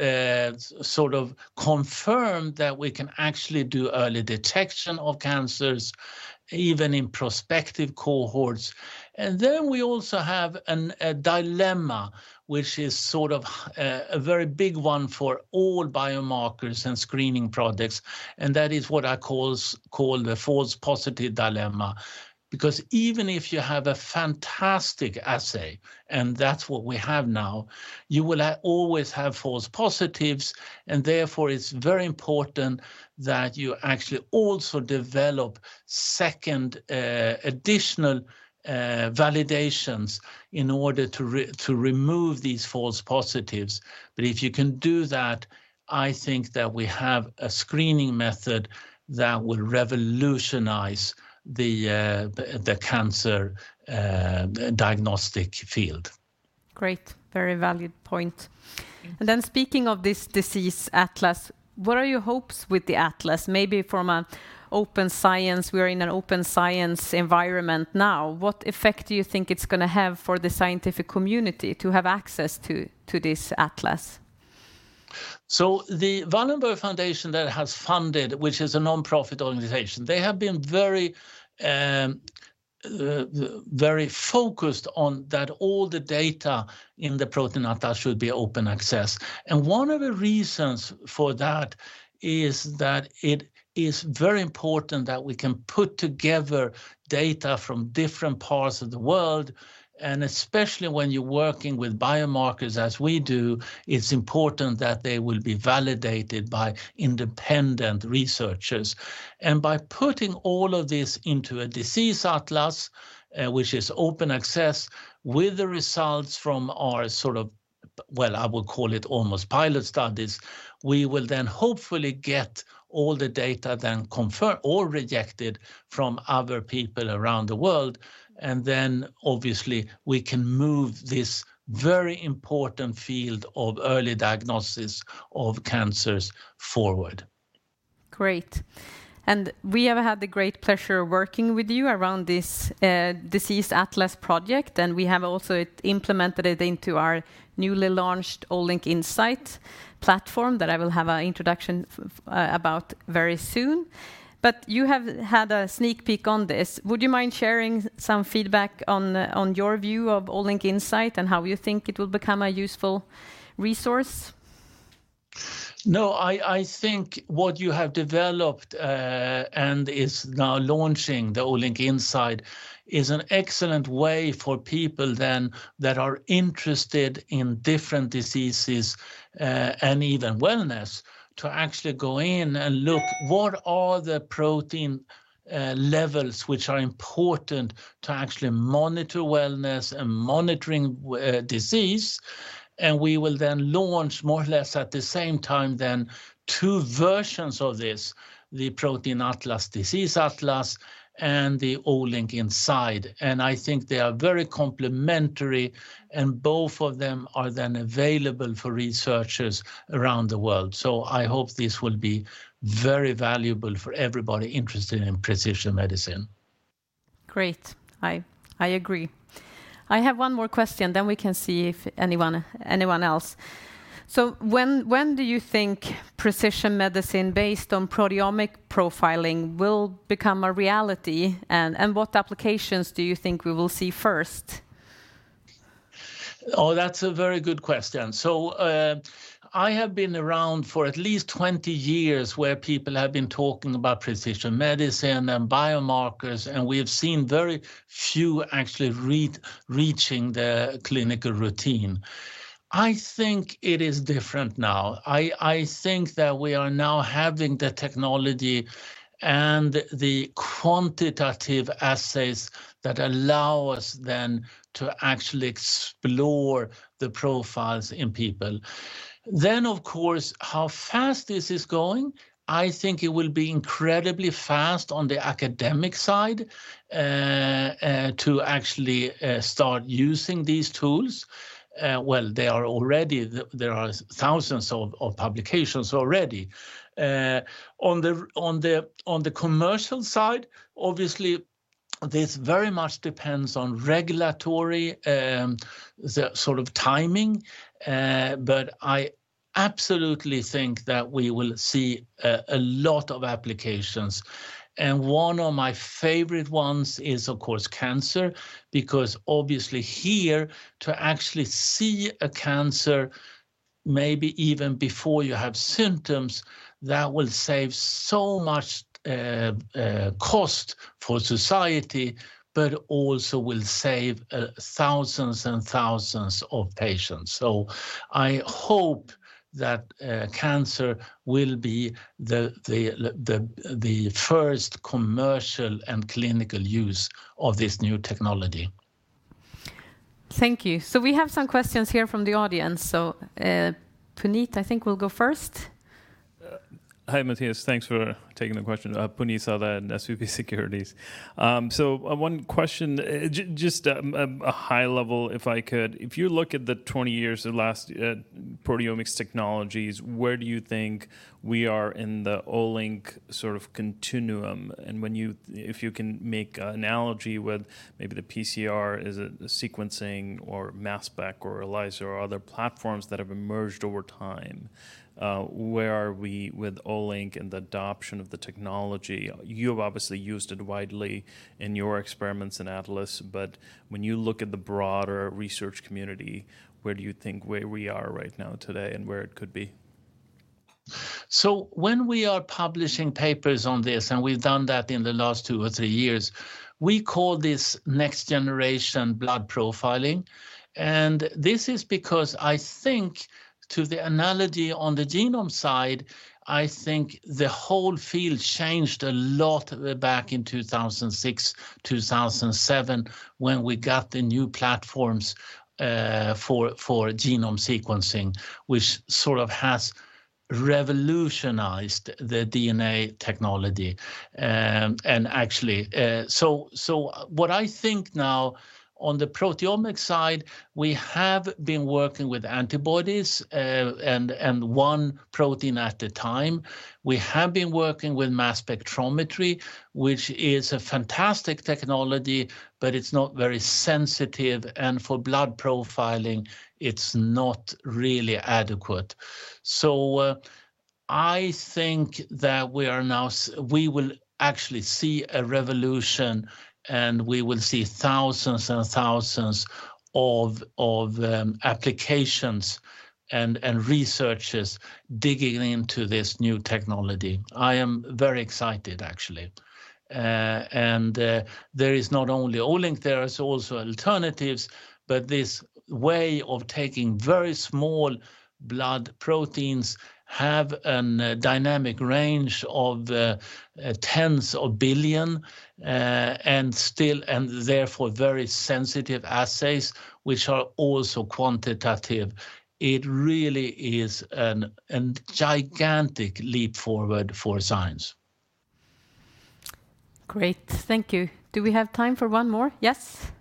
S13: sort of confirm that we can actually do early detection of cancers, even in prospective cohorts. We also have a dilemma which is sort of a very big one for all biomarkers and screening projects, and that is what I call the false positive dilemma. Because even if you have a fantastic assay, and that's what we have now, you will always have false positives, and therefore it's very important that you actually also develop second, additional, validations in order to remove these false positives. If you can do that, I think that we have a screening method that will revolutionize the cancer diagnostic field.
S4: Great, very valid point. Speaking of this disease atlas, what are your hopes with the atlas maybe from an open science, we are in an open science environment now, what effect do you think it's gonna have for the scientific community to have access to this atlas?
S13: The Wallenberg Foundations that has funded, which is a nonprofit organization, they have been very, very focused on that all the data in the protein atlas should be open access. One of the reasons for that is that it is very important that we can put together data from different parts of the world, and especially when you're working with biomarkers as we do, it's important that they will be validated by independent researchers. By putting all of this into a disease atlas, which is open access with the results from our sort of, well, I would call it almost pilot studies, we will then hopefully get all the data then confirmed or rejected from other people around the world. Then obviously we can move this very important field of early diagnosis of cancers forward.
S4: Great. We have had the great pleasure working with you around this disease atlas project, and we have also implemented it into our newly launched Olink Insight platform that I will have an introduction about very soon. But you have had a sneak peek on this. Would you mind sharing some feedback on your view of Olink Insight and how you think it will become a useful resource?
S13: No, I think what you have developed and is now launching the Olink Insight is an excellent way for people then that are interested in different diseases and even wellness to actually go in and look what are the protein levels which are important to actually monitor wellness and monitoring disease. We will then launch more or less at the same time as two versions of this: the Protein Atlas, Disease Atlas, and the Olink Insight. I think they are very complementary, and both of them are then available for researchers around the world. I hope this will be very valuable for everybody interested in precision medicine.
S4: Great. I agree. I have one more question, then we can see if anyone else. When do you think precision medicine based on proteomic profiling will become a reality and what applications do you think we will see first?
S13: Oh, that's a very good question. I have been around for at least 20 years where people have been talking about precision medicine and biomarkers, and we have seen very few actually reaching the clinical routine. I think it is different now. I think that we are now having the technology and the quantitative assays that allow us then to actually explore the profiles in people. Of course, how fast this is going, I think it will be incredibly fast on the academic side to actually start using these tools. There are thousands of publications already. On the commercial side, obviously this very much depends on regulatory, the sort of timing. I absolutely think that we will see a lot of applications, and one of my favorite ones is of course cancer because obviously here to actually see a cancer maybe even before you have symptoms, that will save so much cost for society, but also will save thousands and thousands of patients. I hope that cancer will be the first commercial and clinical use of this new technology.
S4: Thank you. We have some questions here from the audience. Puneet, I think will go first.
S6: Hi, Mathias. Thanks for taking the question. Puneet Souda at SVB Securities. So, one question, just a high level if I could. If you look at the last 20 years of proteomics technologies, where do you think we are in the Olink sort of continuum? And when you if you can make an analogy with maybe the PCR, is it the sequencing or mass spec or ELISA or other platforms that have emerged over time, where are we with Olink and the adoption of the technology? You have obviously used it widely in your experiments and atlas, but when you look at the broader research community, where do you think we are right now today and where it could be?
S13: When we are publishing papers on this, and we've done that in the last two or three years, we call this next generation blood profiling. This is because I think to the analogy on the genome side, I think the whole field changed a lot back in 2006, 2007 when we got the new platforms for genome sequencing, which sort of has revolutionized the DNA technology. What I think now on the proteomic side, we have been working with antibodies and one protein at a time. We have been working with mass spectrometry, which is a fantastic technology, but it's not very sensitive, and for blood profiling, it's not really adequate. I think that we will actually see a revolution, and we will see thousands of applications and researchers digging into this new technology. I am very excited actually. There is not only Olink, there is also alternatives, but this way of taking very small blood proteins have a dynamic range of tens of billion, and therefore very sensitive assays which are also quantitative. It really is a gigantic leap forward for science.
S4: Great. Thank you. Do we have time for one more? Yes.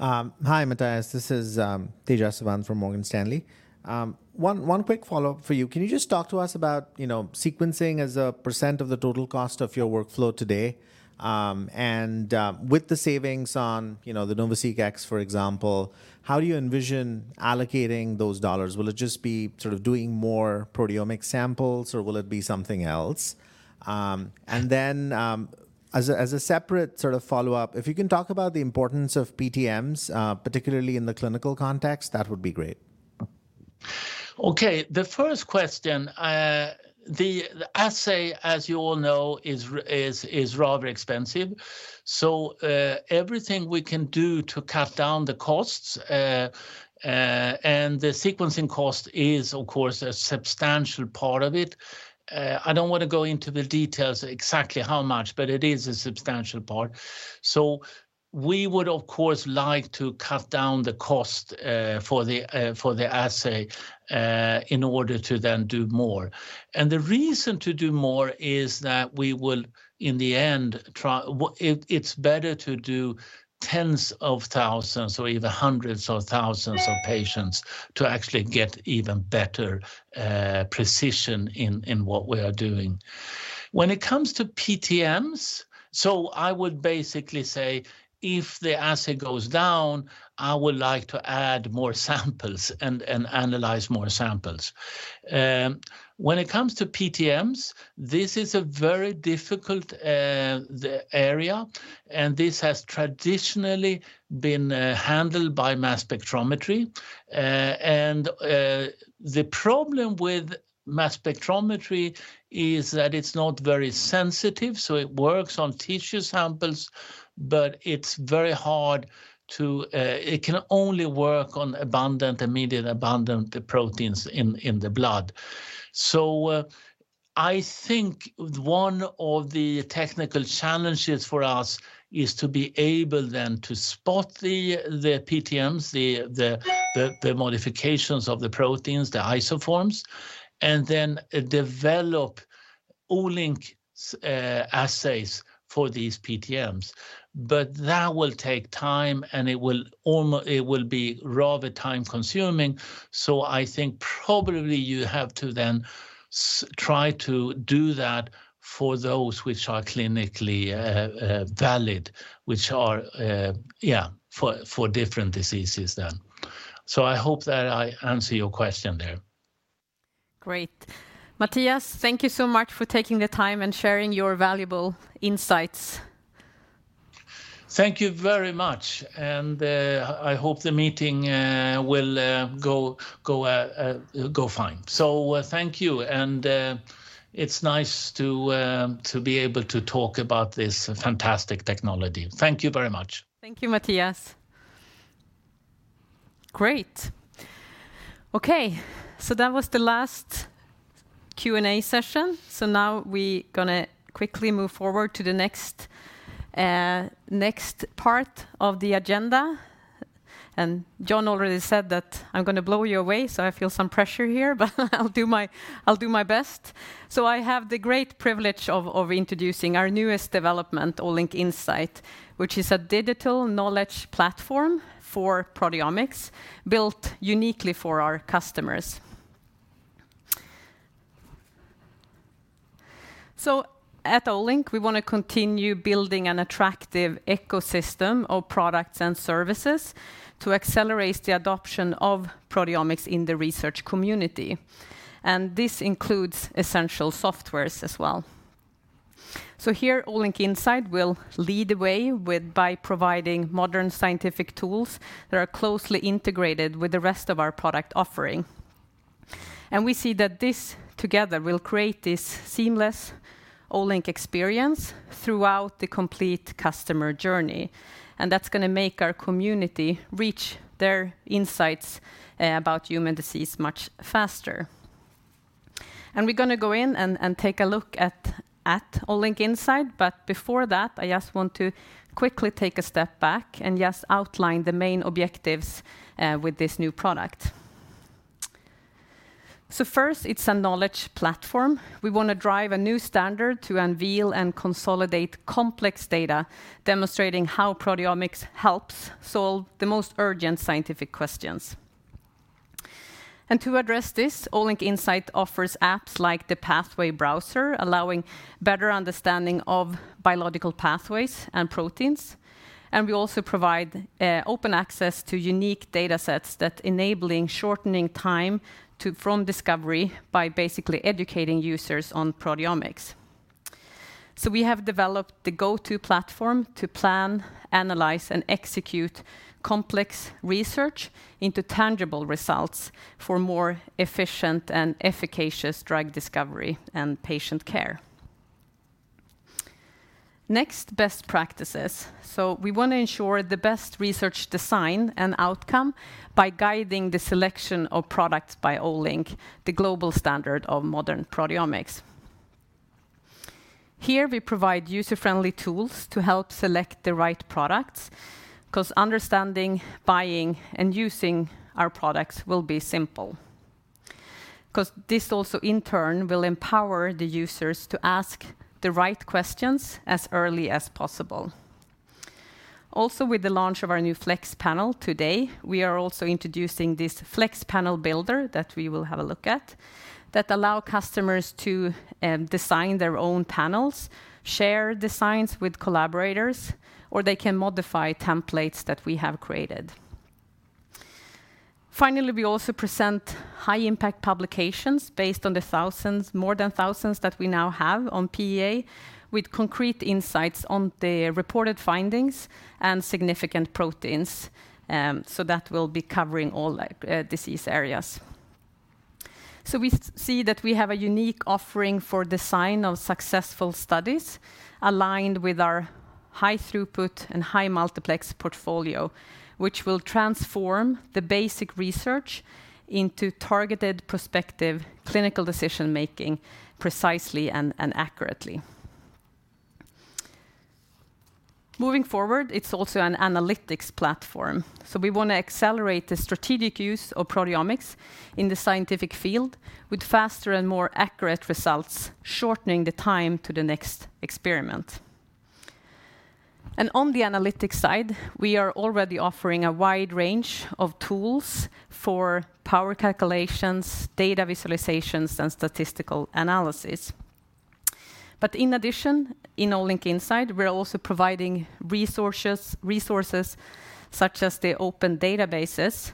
S8: Hi, Mathias. This is Tejas Savant from Morgan Stanley. One quick follow-up for you. Can you just talk to us about, you know, sequencing as a % of the total cost of your workflow today? With the savings on, you know, the NovaSeq X, for example, how do you envision allocating those dollars? Will it just be sort of doing more proteomic samples, or will it be something else? As a separate sort of follow-up, if you can talk about the importance of PTMs, particularly in the clinical context, that would be great.
S13: Okay. The first question, the assay, as you all know, is rather expensive, so everything we can do to cut down the costs, and the sequencing cost is of course a substantial part of it. I don't wanna go into the details exactly how much, but it is a substantial part. We would, of course, like to cut down the cost for the assay in order to then do more. The reason to do more is that it's better to do tens of thousands or even hundreds of thousands of patients to actually get even better precision in what we are doing. When it comes to PTMs, I would basically say if the assay goes down, I would like to add more samples and analyze more samples. When it comes to PTMs, this is a very difficult area, and this has traditionally been handled by mass spectrometry. The problem with mass spectrometry is that it's not very sensitive, so it works on tissue samples, but it's very hard to. It can only work on abundant proteins in the blood. I think one of the technical challenges for us is to be able then to spot the PTMs, the modifications of the proteins, the isoforms, and then develop Olink's assays for these PTMs. That will take time, and it will be rather time-consuming. I think probably you have to then try to do that for those which are clinically valid, which are yeah for different diseases then. I hope that I answer your question there.
S4: Great. Mathias, thank you so much for taking the time and sharing your valuable insights.
S13: Thank you very much, and I hope the meeting will go fine. Thank you, and it's nice to be able to talk about this fantastic technology. Thank you very much.
S4: Thank you, Mathias. Great. Okay. That was the last Q&A session. Now we gonna quickly move forward to the next part of the agenda. Jon already said that I'm gonna blow you away, so I feel some pressure here, but I'll do my best. I have the great privilege of introducing our newest development, Olink Insight, which is a digital knowledge platform for proteomics built uniquely for our customers. At Olink, we wanna continue building an attractive ecosystem of products and services to accelerate the adoption of proteomics in the research community, and this includes essential softwares as well. Here, Olink Insight will lead the way with by providing modern scientific tools that are closely integrated with the rest of our product offering. We see that this together will create this seamless Olink experience throughout the complete customer journey, and that's gonna make our community reach their insights about human disease much faster. We're gonna go in and take a look at Olink Insight. Before that, I just want to quickly take a step back and just outline the main objectives with this new product. First, it's a knowledge platform. We wanna drive a new standard to unveil and consolidate complex data demonstrating how proteomics helps solve the most urgent scientific questions. To address this, Olink Insight offers apps like the Pathway Browser, allowing better understanding of biological pathways and proteins, and we also provide open access to unique datasets that enabling shortening time from discovery by basically educating users on proteomics. We have developed the go-to platform to plan, analyze, and execute complex research into tangible results for more efficient and efficacious drug discovery and patient care. Next, best practices. We wanna ensure the best research design and outcome by guiding the selection of products by Olink, the global standard of modern proteomics. Here, we provide user-friendly tools to help select the right products, 'cause understanding, buying, and using our products will be simple. 'Cause this also in turn will empower the users to ask the right questions as early as possible. Also, with the launch of our new Olink Flex today, we are also introducing this Olink Flex panel builder, that we will have a look at, that allow customers to design their own panels, share designs with collaborators, or they can modify templates that we have created. Finally, we also present high impact publications based on the thousands, more than thousands that we now have on PEA with concrete insights on the reported findings and significant proteins. That will be covering all like disease areas. We see that we have a unique offering for design of successful studies aligned with our high throughput and high multiplex portfolio, which will transform the basic research into targeted prospective clinical decision-making precisely and accurately. Moving forward, it's also an analytics platform. We wanna accelerate the strategic use of proteomics in the scientific field with faster and more accurate results, shortening the time to the next experiment. On the analytics side, we are already offering a wide range of tools for power calculations, data visualizations, and statistical analysis. In addition, in Olink Insight, we're also providing resources such as the open databases,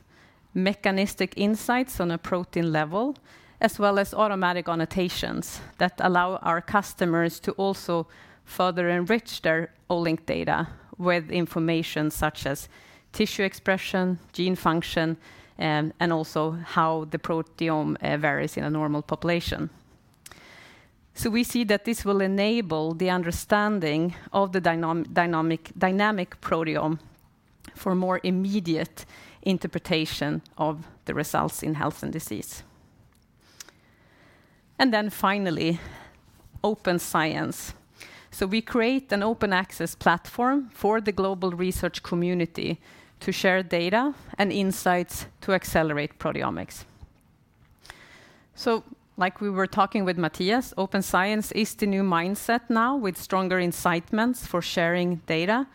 S4: mechanistic insights on a protein level, as well as automatic annotations that allow our customers to also further enrich their Olink data with information such as tissue expression, gene function, and also how the proteome varies in a normal population. We see that this will enable the understanding of the dynamic proteome for more immediate interpretation of the results in health and disease. Finally, open science. We create an open access platform for the global research community to share data and insights to accelerate proteomics. Like we were talking with Mathias Uhlén, open science is the new mindset now with stronger incentives for sharing data.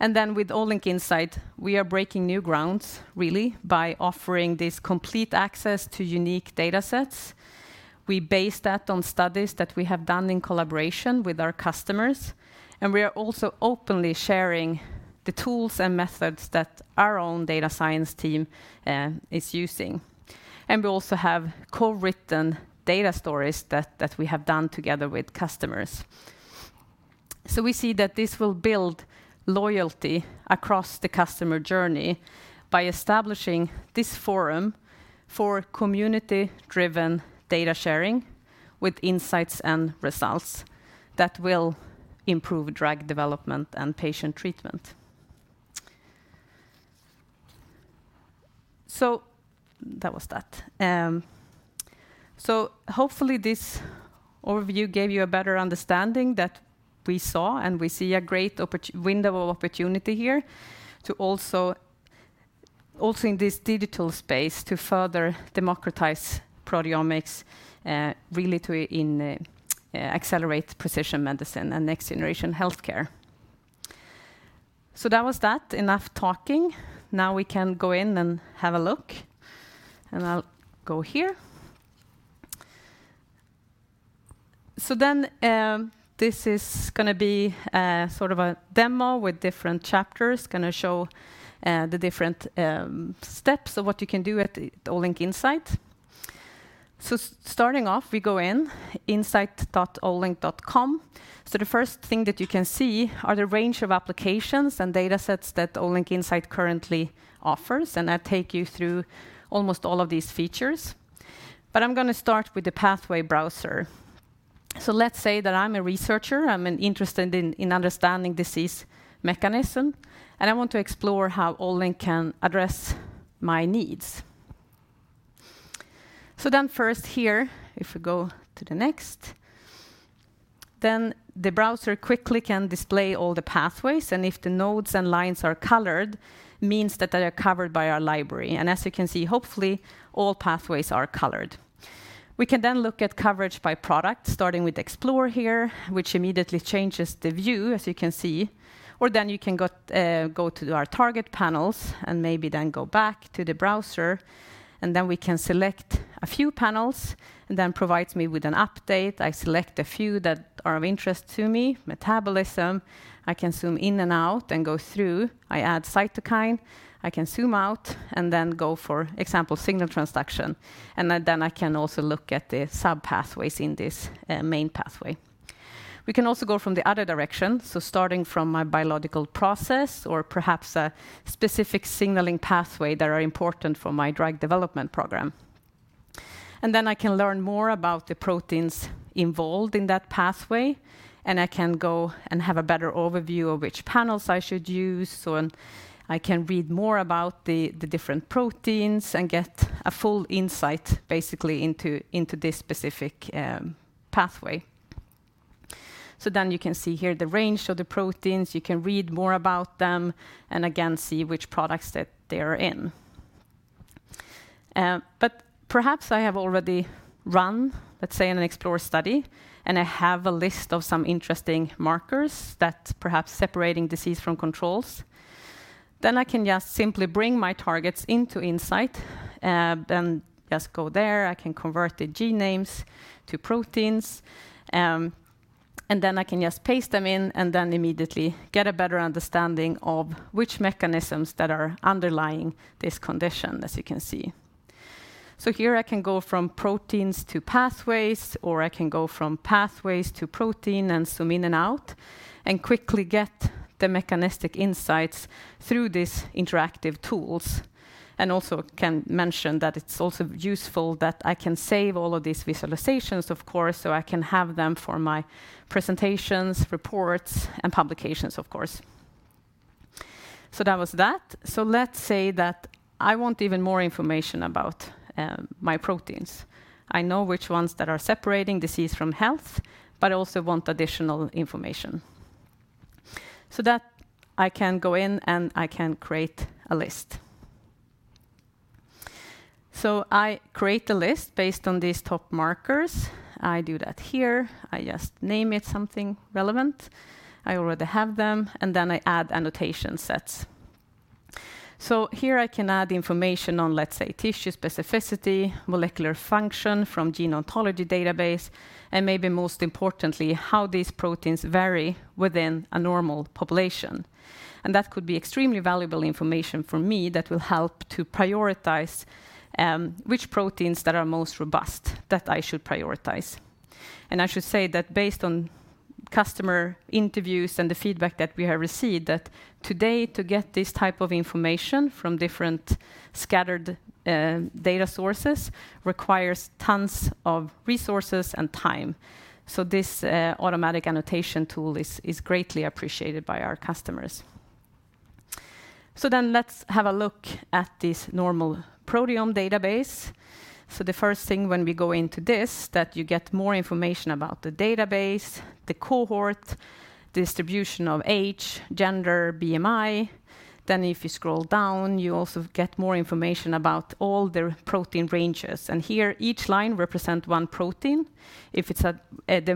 S4: With Olink Insight, we are breaking new ground really by offering this complete access to unique datasets. We base that on studies that we have done in collaboration with our customers, and we are also openly sharing the tools and methods that our own data science team is using. We also have co-written data stories that we have done together with customers. We see that this will build loyalty across the customer journey by establishing this forum for community-driven data sharing with insights and results that will improve drug development and patient treatment. That was that. Hopefully this overview gave you a better understanding that we saw and we see a great window of opportunity here to also in this digital space, to further democratize proteomics, really to accelerate precision medicine and next generation healthcare. That was that. Enough talking. Now we can go in and have a look, and I'll go here. This is gonna be a sort of a demo with different chapters. Gonna show the different steps of what you can do at Olink Insight. Starting off, we go in, insight.olink.com. The first thing that you can see is the range of applications and datasets that Olink Insight currently offers, and I'll take you through almost all of these features. I'm gonna start with the Pathway Browser. Let's say that I'm a researcher. I'm interested in understanding disease mechanism, and I want to explore how Olink can address my needs. First here, if we go to the next, then the browser quickly can display all the pathways, and if the nodes and lines are colored means that they are covered by our library. As you can see, hopefully all pathways are colored. We can then look at coverage by product, starting with Explore here, which immediately changes the view as you can see. You can go to our target panels and maybe then go back to the browser, and then we can select a few panels, and then provides me with an update. I select a few that are of interest to me. Metabolism, I can zoom in and out and go through. I add cytokine, I can zoom out and then go for example, signal transduction. Then I can also look at the sub-pathways in this main pathway. We can also go from the other direction, so starting from my biological process or perhaps a specific signaling pathway that are important for my drug development program. I can learn more about the proteins involved in that pathway, and I can go and have a better overview of which panels I should use, so and I can read more about the different proteins and get a full insight basically into this specific pathway. You can see here the range of the proteins, you can read more about them, and again, see which products that they're in. Perhaps I have already run, let's say in an Explore study, and I have a list of some interesting markers that perhaps separating disease from controls. I can just simply bring my targets into Insight, then just go there. I can convert the gene names to proteins, and then I can just paste them in and then immediately get a better understanding of which mechanisms that are underlying this condition, as you can see. Here I can go from proteins to pathways, or I can go from pathways to protein and zoom in and out and quickly get the mechanistic insights through these interactive tools. Also can mention that it's also useful that I can save all of these visualizations, of course, so I can have them for my presentations, reports, and publications of course. That was that. Let's say that I want even more information about my proteins. I know which ones that are separating disease from health, but also want additional information. That I can go in and I can create a list. I create the list based on these top markers. I do that here. I just name it something relevant. I already have them, and then I add annotation sets. Here I can add information on, let's say, tissue specificity, molecular function from Gene Ontology database, and maybe most importantly, how these proteins vary within a normal population. That could be extremely valuable information for me that will help to prioritize which proteins that are most robust that I should prioritize. I should say that based on customer interviews and the feedback that we have received, that today to get this type of information from different scattered data sources requires tons of resources and time. This automatic annotation tool is greatly appreciated by our customers. Then let's have a look at this normal proteome database. The first thing when we go into this, that you get more information about the database, the cohort, distribution of age, gender, BMI. If you scroll down, you also get more information about all the protein ranges. Here each line represent one protein. If it's the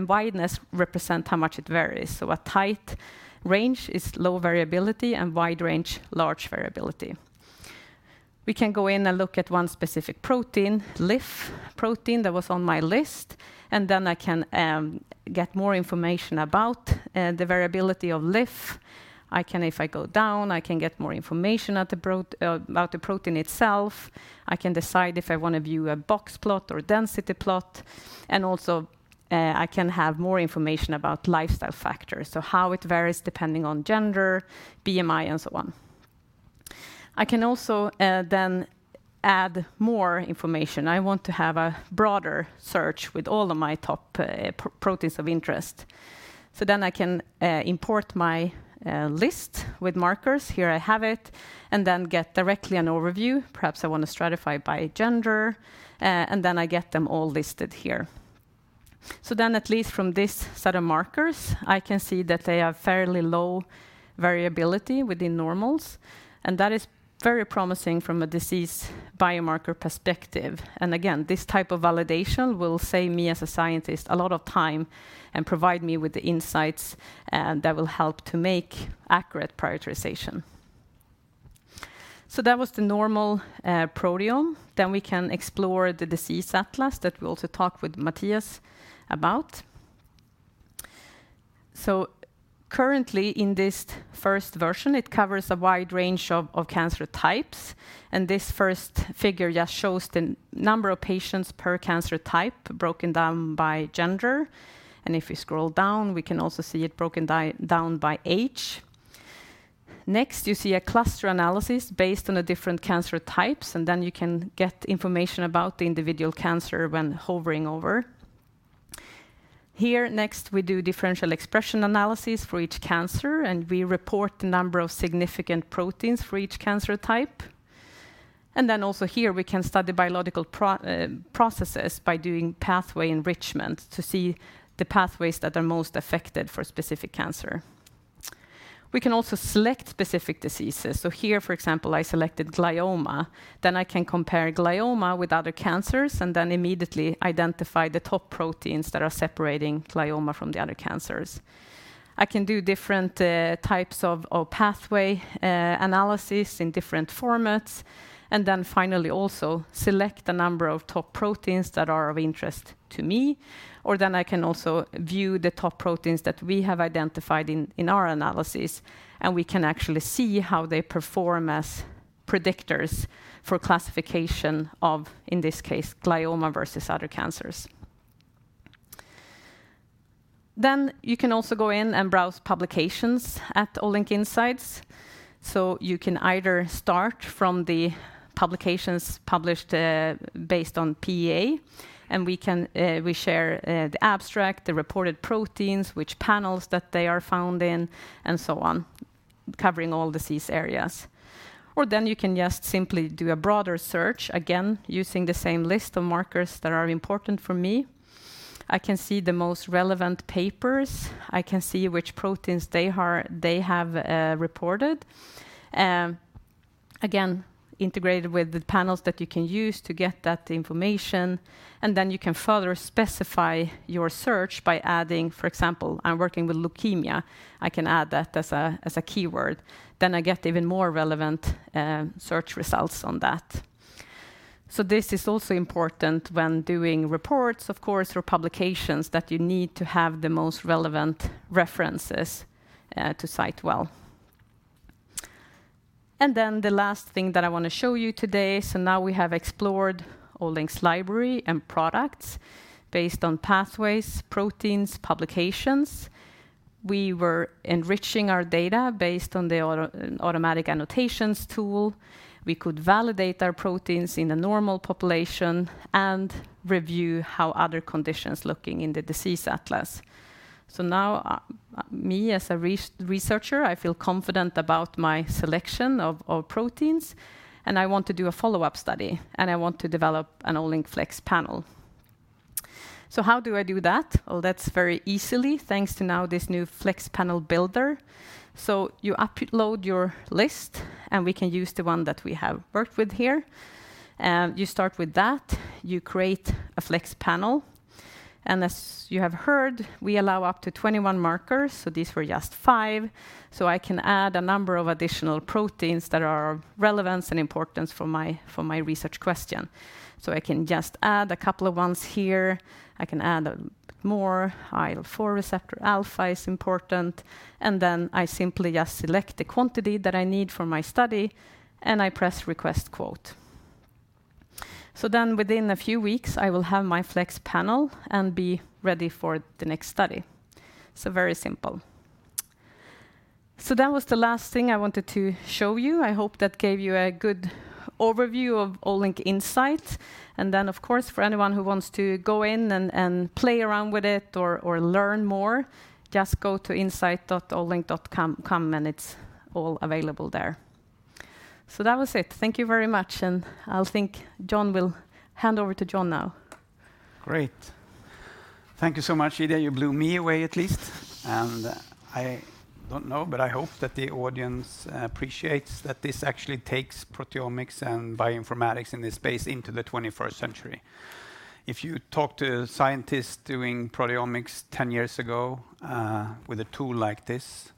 S4: wideness represent how much it varies. A tight range is low variability and wide range, large variability. We can go in and look at one specific protein, LIF protein that was on my list, and I can get more information about the variability of LIF. I can, if I go down, get more information about the protein itself. I can decide if I wanna view a box plot or a density plot. Also, I can have more information about lifestyle factors, so how it varies depending on gender, BMI, and so on. I can also then add more information. I want to have a broader search with all of my top proteins of interest. I can import my list with markers. Here I have it, and then get directly an overview. Perhaps I wanna stratify by gender, and then I get them all listed here. At least from this set of markers, I can see that they have fairly low variability within normals, and that is very promising from a disease biomarker perspective. Again, this type of validation will save me as a scientist a lot of time and provide me with the insights that will help to make accurate prioritization. That was the normal proteome. We can explore the disease atlas that we also talked with Mathias about. Currently in this first version, it covers a wide range of cancer types, and this first figure just shows the number of patients per cancer type broken down by gender. If we scroll down, we can also see it broken down by age. Next, you see a cluster analysis based on the different cancer types, and then you can get information about the individual cancer when hovering over. Here, next, we do differential expression analysis for each cancer, and we report the number of significant proteins for each cancer type. And then also here we can study biological processes by doing pathway enrichment to see the pathways that are most affected for a specific cancer. We can also select specific diseases. Here, for example, I selected glioma. I can compare glioma with other cancers and immediately identify the top proteins that are separating glioma from the other cancers. I can do different types of pathway analysis in different formats, and finally also select the number of top proteins that are of interest to me. I can also view the top proteins that we have identified in our analysis, and we can actually see how they perform as predictors for classification of, in this case, glioma versus other cancers. You can also go in and browse publications at Olink Insight. You can either start from the publications published based on PEA, and we can share the abstract, the reported proteins, which panels that they are found in, and so on, covering all disease areas. You can just simply do a broader search, again, using the same list of markers that are important for me. I can see the most relevant papers. I can see which proteins they have reported. Again, integrated with the panels that you can use to get that information, and then you can further specify your search by adding, for example, I'm working with leukemia, I can add that as a keyword. I get even more relevant search results on that. This is also important when doing reports, of course, or publications that you need to have the most relevant references to cite well. The last thing that I wanna show you today. Now we have explored Olink's library and products based on pathways, proteins, publications. We were enriching our data based on the automatic annotations tool. We could validate our proteins in a normal population and review how other conditions looking in the disease atlas. Now, me as a researcher, I feel confident about my selection of proteins, and I want to do a follow-up study, and I want to develop an Olink Flex Panel. How do I do that? Well, that's very easily thanks to now this new Flex Panel builder. You upload your list, and we can use the one that we have worked with here. You start with that. You create a Flex Panel. As you have heard, we allow up to 21 markers, so these were just 5. I can add a number of additional proteins that are of relevance and importance for my research question. I can just add a couple of ones here. I can add more. IL-4 receptor alpha is important. Then I simply just select the quantity that I need for my study, and I press Request Quote. Within a few weeks, I will have my Flex Panel and be ready for the next study. Very simple. That was the last thing I wanted to show you. I hope that gave you a good overview of Olink Insight. Then of course, for anyone who wants to go in and play around with it or learn more, just go to insight.olink.com, and it's all available there. That was it. Thank you very much, and I'll hand over to Jon now.
S1: Great. Thank you so much, Ida. You blew me away at least. I don't know, but I hope that the audience appreciates that this actually takes proteomics and bioinformatics in this space into the 21st century. If you talk to scientists doing proteomics 10 years ago with a tool like this,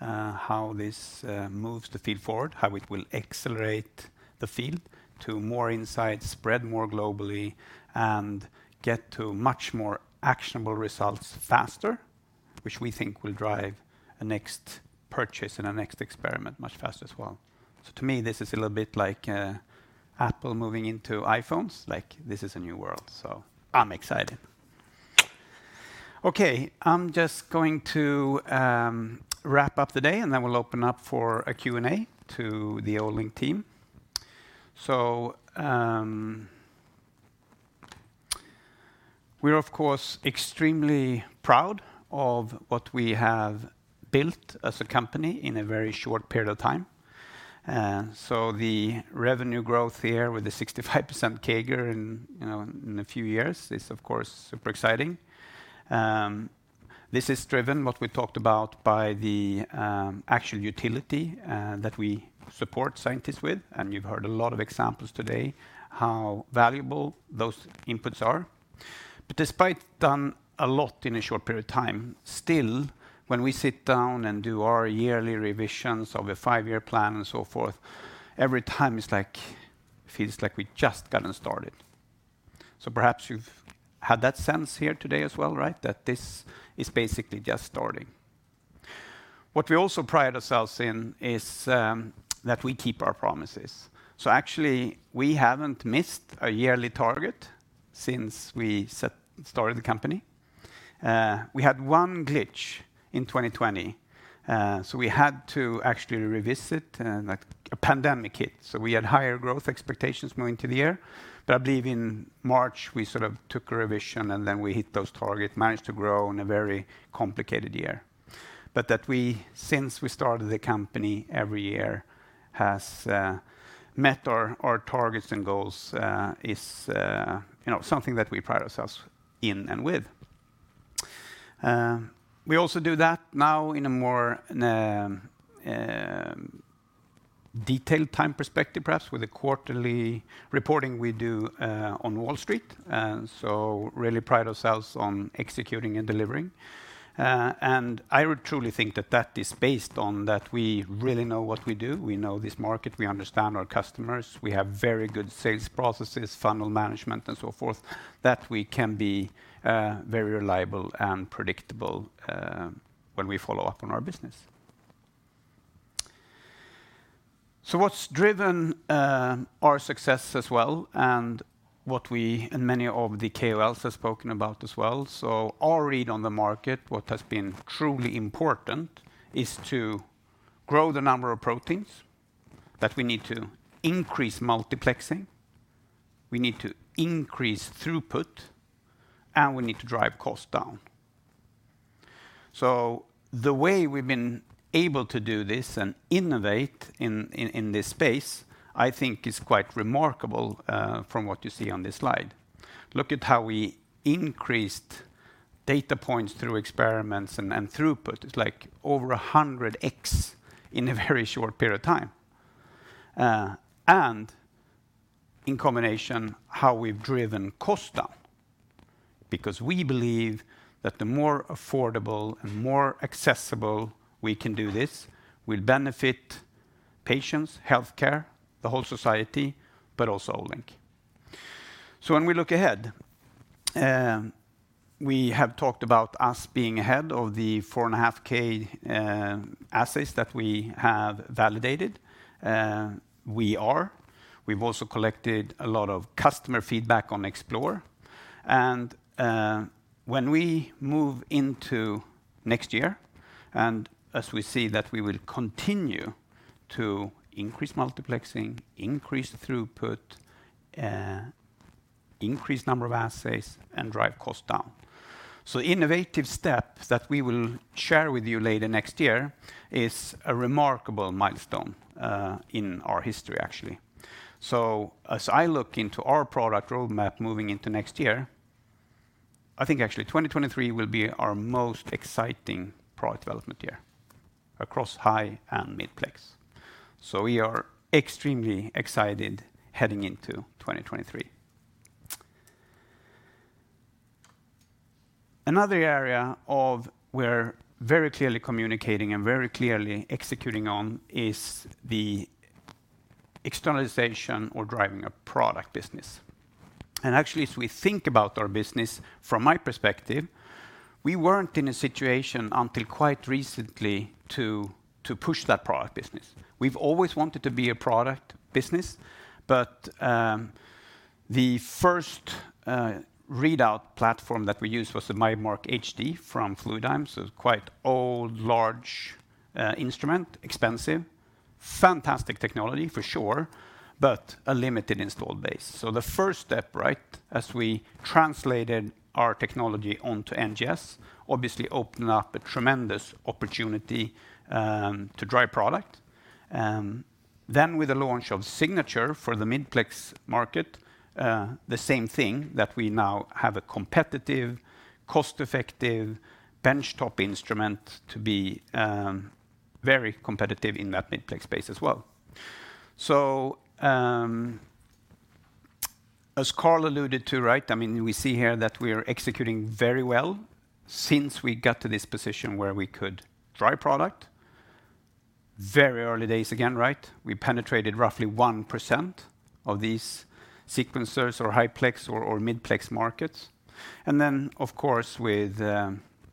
S1: how this moves the field forward, how it will accelerate the field to more insights, spread more globally, and get to much more actionable results faster, which we think will drive a next purchase and a next experiment much faster as well. To me, this is a little bit like Apple moving into iPhone, like this is a new world. I'm excited. Okay, I'm just going to wrap up the day, and then we'll open up for a Q&A to the Olink team. We're of course extremely proud of what we have built as a company in a very short period of time. The revenue growth here with the 65% CAGR in, you know, in a few years is of course super exciting. This is driven what we talked about by the actual utility that we support scientists with, and you've heard a lot of examples today how valuable those inputs are. Despite done a lot in a short period of time, still when we sit down and do our yearly revisions of a five-year plan and so forth, every time it's like, feels like we just gotten started. Perhaps you've had that sense here today as well, right? That this is basically just starting. What we also pride ourselves in is that we keep our promises. Actually, we haven't missed a yearly target since we started the company. We had one glitch in 2020. We had to actually revisit, and, like, a pandemic hit. We had higher growth expectations going into the year. I believe in March, we sort of took a revision, and then we hit those targets, managed to grow in a very complicated year. Since we started the company, every year has met our targets and goals, you know, something that we pride ourselves in and with. We also do that now in a more detailed time perspective, perhaps, with the quarterly reporting we do on Wall Street, and really pride ourselves on executing and delivering. I would truly think that that is based on that we really know what we do, we know this market, we understand our customers, we have very good sales processes, funnel management, and so forth, that we can be very reliable and predictable when we follow up on our business. What's driven our success as well and what we and many of the KOLs have spoken about as well. Our read on the market, what has been truly important is to grow the number of proteins that we need to increase multiplexing, we need to increase throughput, and we need to drive costs down. The way we've been able to do this and innovate in this space, I think is quite remarkable from what you see on this slide. Look at how we increased data points through experiments and throughput. It's like over 100x in a very short period of time. In combination how we've driven cost down because we believe that the more affordable and more accessible we can do this will benefit patients, healthcare, the whole society, but also Olink. When we look ahead, we have talked about us being ahead of the 4.5K assays that we have validated. We are. We've also collected a lot of customer feedback on Explore. When we move into next year, and as we see that we will continue to increase multiplexing, increase throughput, increase number of assays, and drive costs down. Innovative steps that we will share with you later next year is a remarkable milestone in our history actually. As I look into our product roadmap moving into next year, I think actually 2023 will be our most exciting product development year across high-plex and mid-plex. We are extremely excited heading into 2023. Another area where we're very clearly communicating and very clearly executing on is the externalization or driving a product business. Actually, as we think about our business from my perspective, we weren't in a situation until quite recently to push that product business. We've always wanted to be a product business, but the first readout platform that we used was the BioMark HD from Fluidigm, so it's quite old, large instrument, expensive. Fantastic technology for sure, but a limited installed base. The first step, right, as we translated our technology onto NGS, obviously opened up a tremendous opportunity to drive product. With the launch of Signature for the mid-plex market, the same thing that we now have a competitive, cost-effective benchtop instrument to be very competitive in that mid-plex space as well. As Carl alluded to, right, I mean, we see here that we are executing very well since we got to this position where we could drive product. Very early days again, right? We penetrated roughly 1% of these sequencers or high-plex or mid-plex markets. Of course, with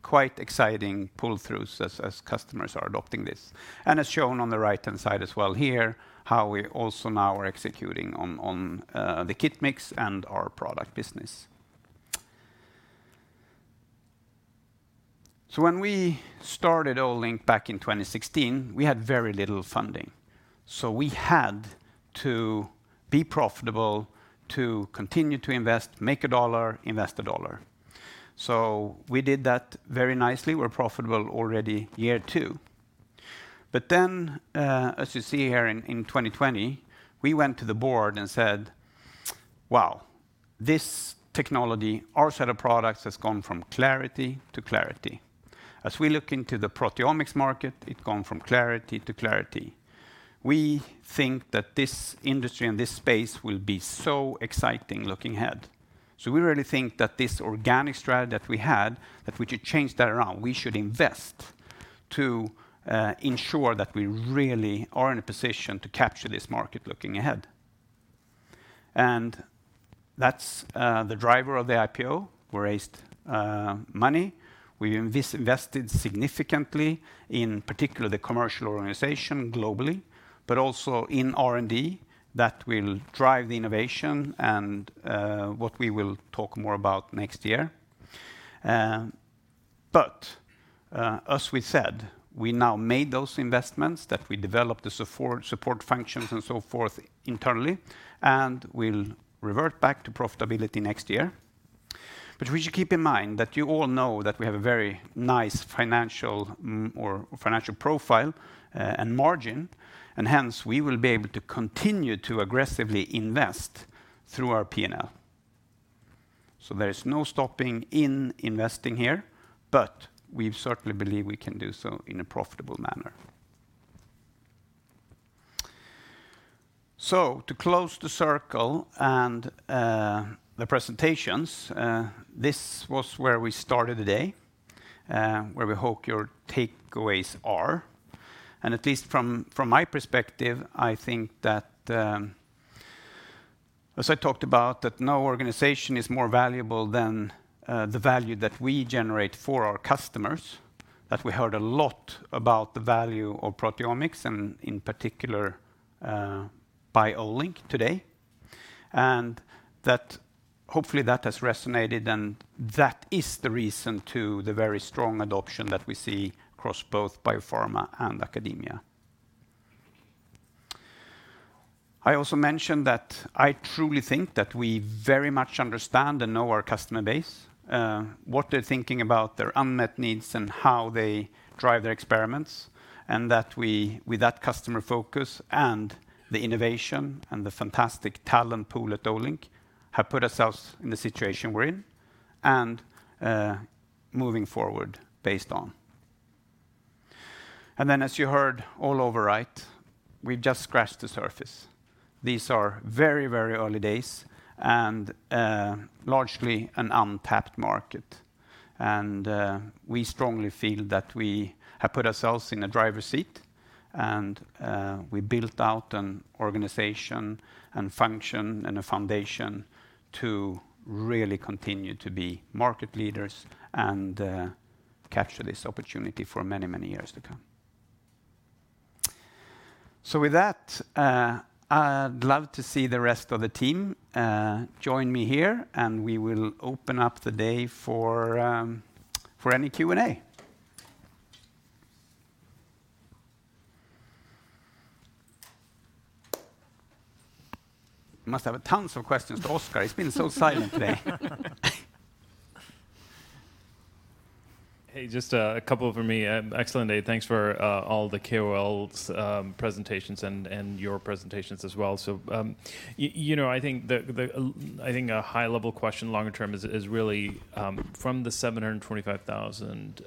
S1: quite exciting pull-throughs as customers are adopting this. As shown on the right-hand side as well here, how we also now are executing on the kit mix and our product business. When we started Olink back in 2016, we had very little funding. We had to be profitable to continue to invest, make a dollar, invest a dollar. We did that very nicely. We're profitable already year 2. As you see here in 2020, we went to the board and said, "Wow, this technology, our set of products has gone from clarity to clarity. As we look into the proteomics market, it gone from clarity to clarity. We think that this industry and this space will be so exciting looking ahead. So we really think that this organic strategy that we had, that we should change that around. We should invest to ensure that we really are in a position to capture this market looking ahead." That's the driver of the IPO. We raised money. We invested significantly, in particular the commercial organization globally, but also in R&D. That will drive the innovation and what we will talk more about next year. But as we said, we now made those investments that we developed the support functions and so forth internally, and we'll revert back to profitability next year. We should keep in mind that you all know that we have a very nice financial margin or financial profile, and margin, and hence, we will be able to continue to aggressively invest through our P&L. There is no stopping in investing here, but we certainly believe we can do so in a profitable manner. To close the circle and the presentations, this was where we started today, where we hope your takeaways are. At least from my perspective, I think that, as I talked about, that no organization is more valuable than the value that we generate for our customers, that we heard a lot about the value of proteomics, and in particular, by Olink today. That hopefully that has resonated, and that is the reason to the very strong adoption that we see across both biopharma and academia. I also mentioned that I truly think that we very much understand and know our customer base, what they're thinking about their unmet needs and how they drive their experiments, and that we, with that customer focus and the innovation and the fantastic talent pool at Olink, have put ourselves in the situation we're in and, moving forward based on. Then, as you heard all over, right, we've just scratched the surface. These are very, very early days and largely an untapped market. We strongly feel that we have put ourselves in a driver's seat, and we built out an organization and function and a foundation to really continue to be market leaders and capture this opportunity for many, many years to come. With that, I'd love to see the rest of the team join me here, and we will open up the day for for any Q&A. You must have tons of questions to ask, right? It's been so silent today.
S6: Hey, just a couple from me. Excellent day. Thanks for all the KOLs presentations and your presentations as well. You know, I think a high-level question longer term is really from the 725,000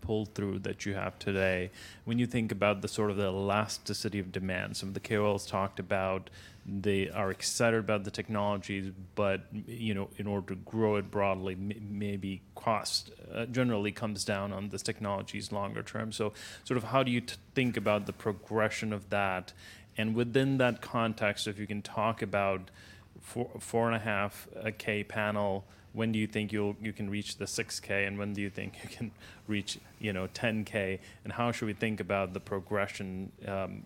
S6: pull-through that you have today, when you think about sort of the elasticity of demand, some of the KOLs talked about they are excited about the technologies, but you know, in order to grow it broadly, maybe cost generally comes down on these technologies longer term. How do you think about the progression of that? Within that context, if you can talk about 4.5 K panel, when do you think you can reach the 6K and when do you think you can reach, you know, 10K? How should we think about the progression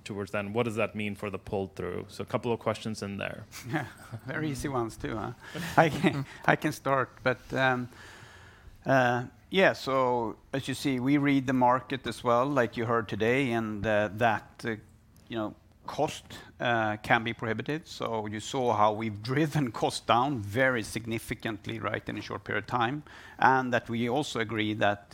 S6: towards that? What does that mean for the pull-through? A couple of questions in there.
S1: Yeah. Very easy ones too, huh? I can start. Yeah. So as you see, we read the market as well, like you heard today, and you know, cost can be prohibited. So you saw how we've driven cost down very significantly, right, in a short period of time, and that we also agree that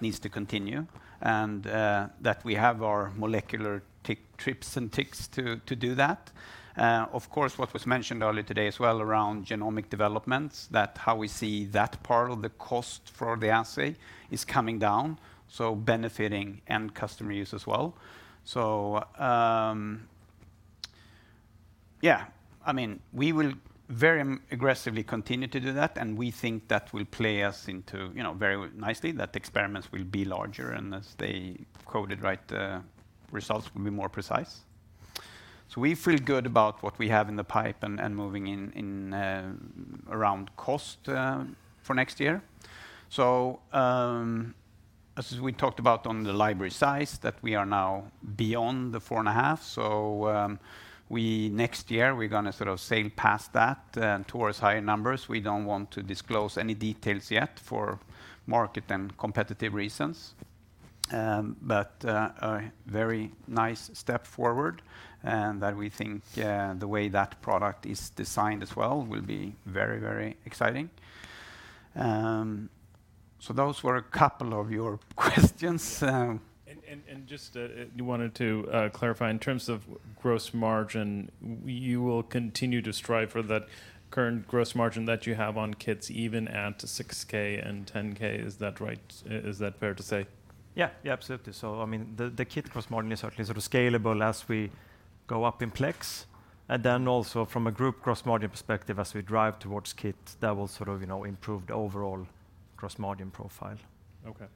S1: needs to continue, and that we have our molecular tricks and tips to do that. Of course, what was mentioned earlier today as well around genomic developments, that how we see that part of the cost for the assay is coming down, so benefiting end customer use as well. So, yeah. I mean, we will very aggressively continue to do that, and we think that will position us, you know, very nicely, that the experiments will be larger, and as they get it right, results will be more precise. We feel good about what we have in the pipeline and moving in on costs for next year. As we talked about on the library size, we are now beyond the 4.5. Next year, we're gonna sort of sail past that and towards higher numbers. We don't want to disclose any details yet for market and competitive reasons. A very nice step forward, and that we think the way that product is designed as well will be very, very exciting. Those were a couple of your questions.
S6: Just wanted to clarify in terms of gross margin, you will continue to strive for that current gross margin that you have on kits even at 6K and 10K. Is that right? Is that fair to say?
S1: Yeah. Yeah, absolutely. I mean, the kit gross margin is certainly sort of scalable as we go up in plex. Also from a group gross margin perspective, as we drive towards kit, that will sort of, you know, improve the overall. Across medium profile.
S6: Okay.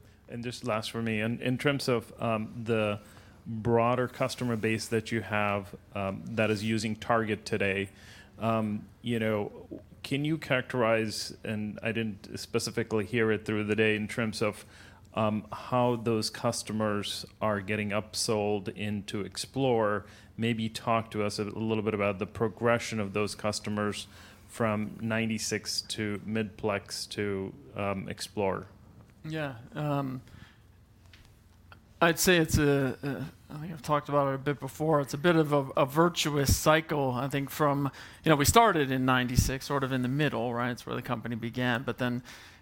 S6: Just last for me. In terms of the broader customer base that you have that is using Target today, you know, can you characterize, and I didn't specifically hear it through the day, in terms of how those customers are getting upsold into Explore. Maybe talk to us a little bit about the progression of those customers from 96 to mid-plex to Explore.
S1: Yeah. I think I've talked about it a bit before. It's a bit of a virtuous cycle, I think, from you know, we started in 1996, sort of in the middle, right? It's where the company began.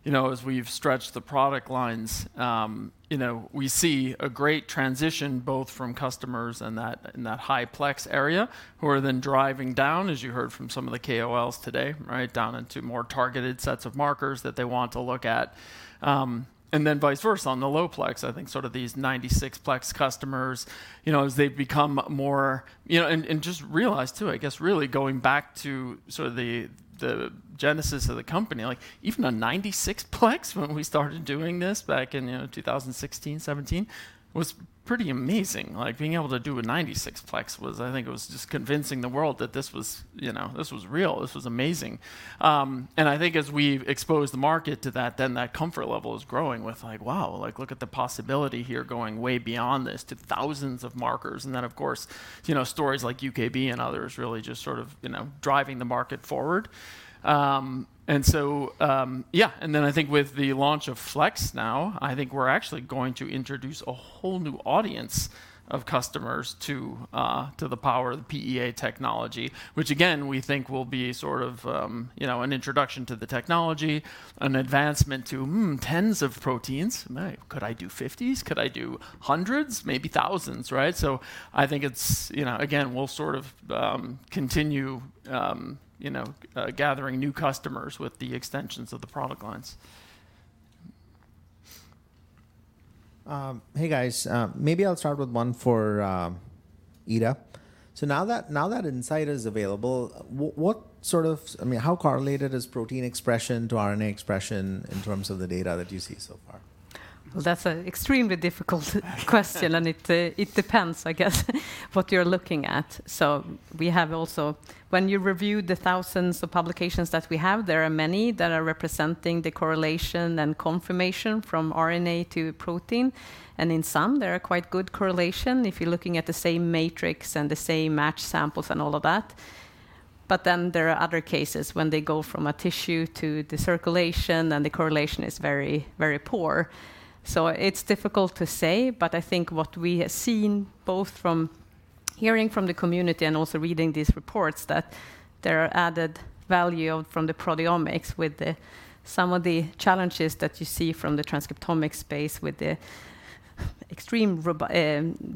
S1: You know, as we've stretched the product lines, you know, we see a great transition both from customers in that high-plex area who are then driving down, as you heard from some of the KOLs today, right, down into more targeted sets of markers that they want to look at. Vice versa on the low-plex. I think sort of these 96-plex customers, you know, as they become more, you know. Just realize too, I guess, really going back to sort of the genesis of the company, like even a 96-plex when we started doing this back in, you know, 2016, 2017, was pretty amazing. Like, being able to do a 96-plex was, I think it was just convincing the world that this was, you know, this was real. This was amazing. I think as we've exposed the market to that, then that comfort level is growing with like, wow, like look at the possibility here going way beyond this to thousands of markers. Then of course, you know, stories like UKB and others really just sort of, you know, driving the market forward. I think with the launch of Flex now, I think we're actually going to introduce a whole new audience of customers to the power of the PEA technology, which again, we think will be sort of, you know, an introduction to the technology, an advancement to tens of proteins. Could I do fifties? Could I do hundreds? Maybe thousands, right? I think it's, you know. Again, we'll sort of continue gathering new customers with the extensions of the product lines.
S8: Hey, guys. Maybe I'll start with one for Ida. Now that Insight is available, I mean, how correlated is protein expression to RNA expression in terms of the data that you see so far?
S4: Well, that's an extremely difficult question, and it depends, I guess, what you're looking at. When you review the thousands of publications that we have, there are many that are representing the correlation and confirmation from RNA to protein, and in some, there are quite good correlation if you're looking at the same matrix and the same matched samples and all of that. There are other cases when they go from a tissue to the circulation, and the correlation is very, very poor. It's difficult to say, but I think what we have seen, both from hearing from the community and also reading these reports, that there are added value from the proteomics with some of the challenges that you see from the transcriptomics space with the extreme robust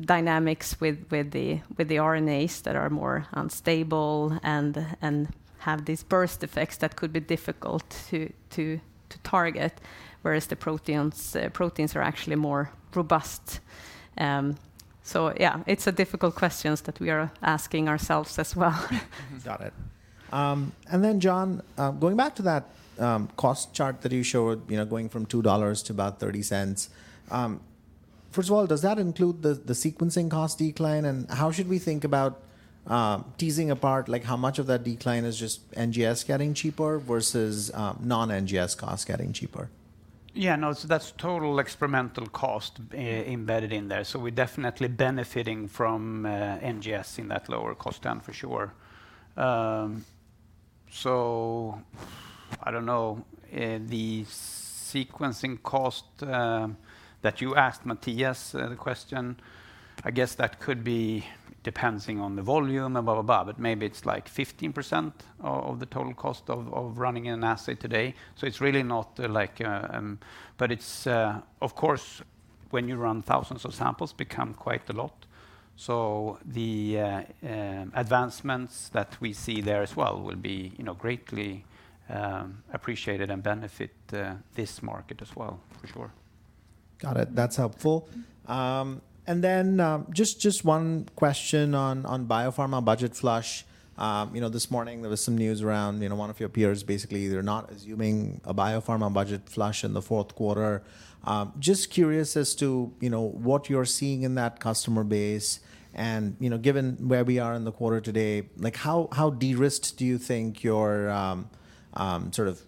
S4: dynamics with the RNAs that are more unstable and have these burst effects that could be difficult to target, whereas the proteins are actually more robust. Yeah, it's a difficult question that we are asking ourselves as well.
S8: Got it. Jon, going back to that cost chart that you showed, you know, going from $2 to about $0.30. First of all, does that include the sequencing cost decline? And how should we think about teasing apart, like how much of that decline is just NGS getting cheaper versus non-NGS costs getting cheaper?
S1: Yeah, no. That's total experimental cost embedded in there. We're definitely benefiting from NGS in that lower cost down for sure. I don't know the sequencing cost that you asked Mathias the question. I guess that could be depending on the volume and blah, blah. Maybe it's like 15% of the total cost of running an assay today. It's really not like. It's of course, when you run thousands of samples become quite a lot. The advancements that we see there as well will be, you know, greatly appreciated and benefit this market as well, for sure.
S8: Got it. That's helpful. Just one question on biopharma budget flush. You know, this morning there was some news around, you know, one of your peers basically they're not assuming a biopharma budget flush in the fourth quarter. Just curious as to, you know, what you're seeing in that customer base and, you know, given where we are in the quarter today, like how de-risked do you think your sort of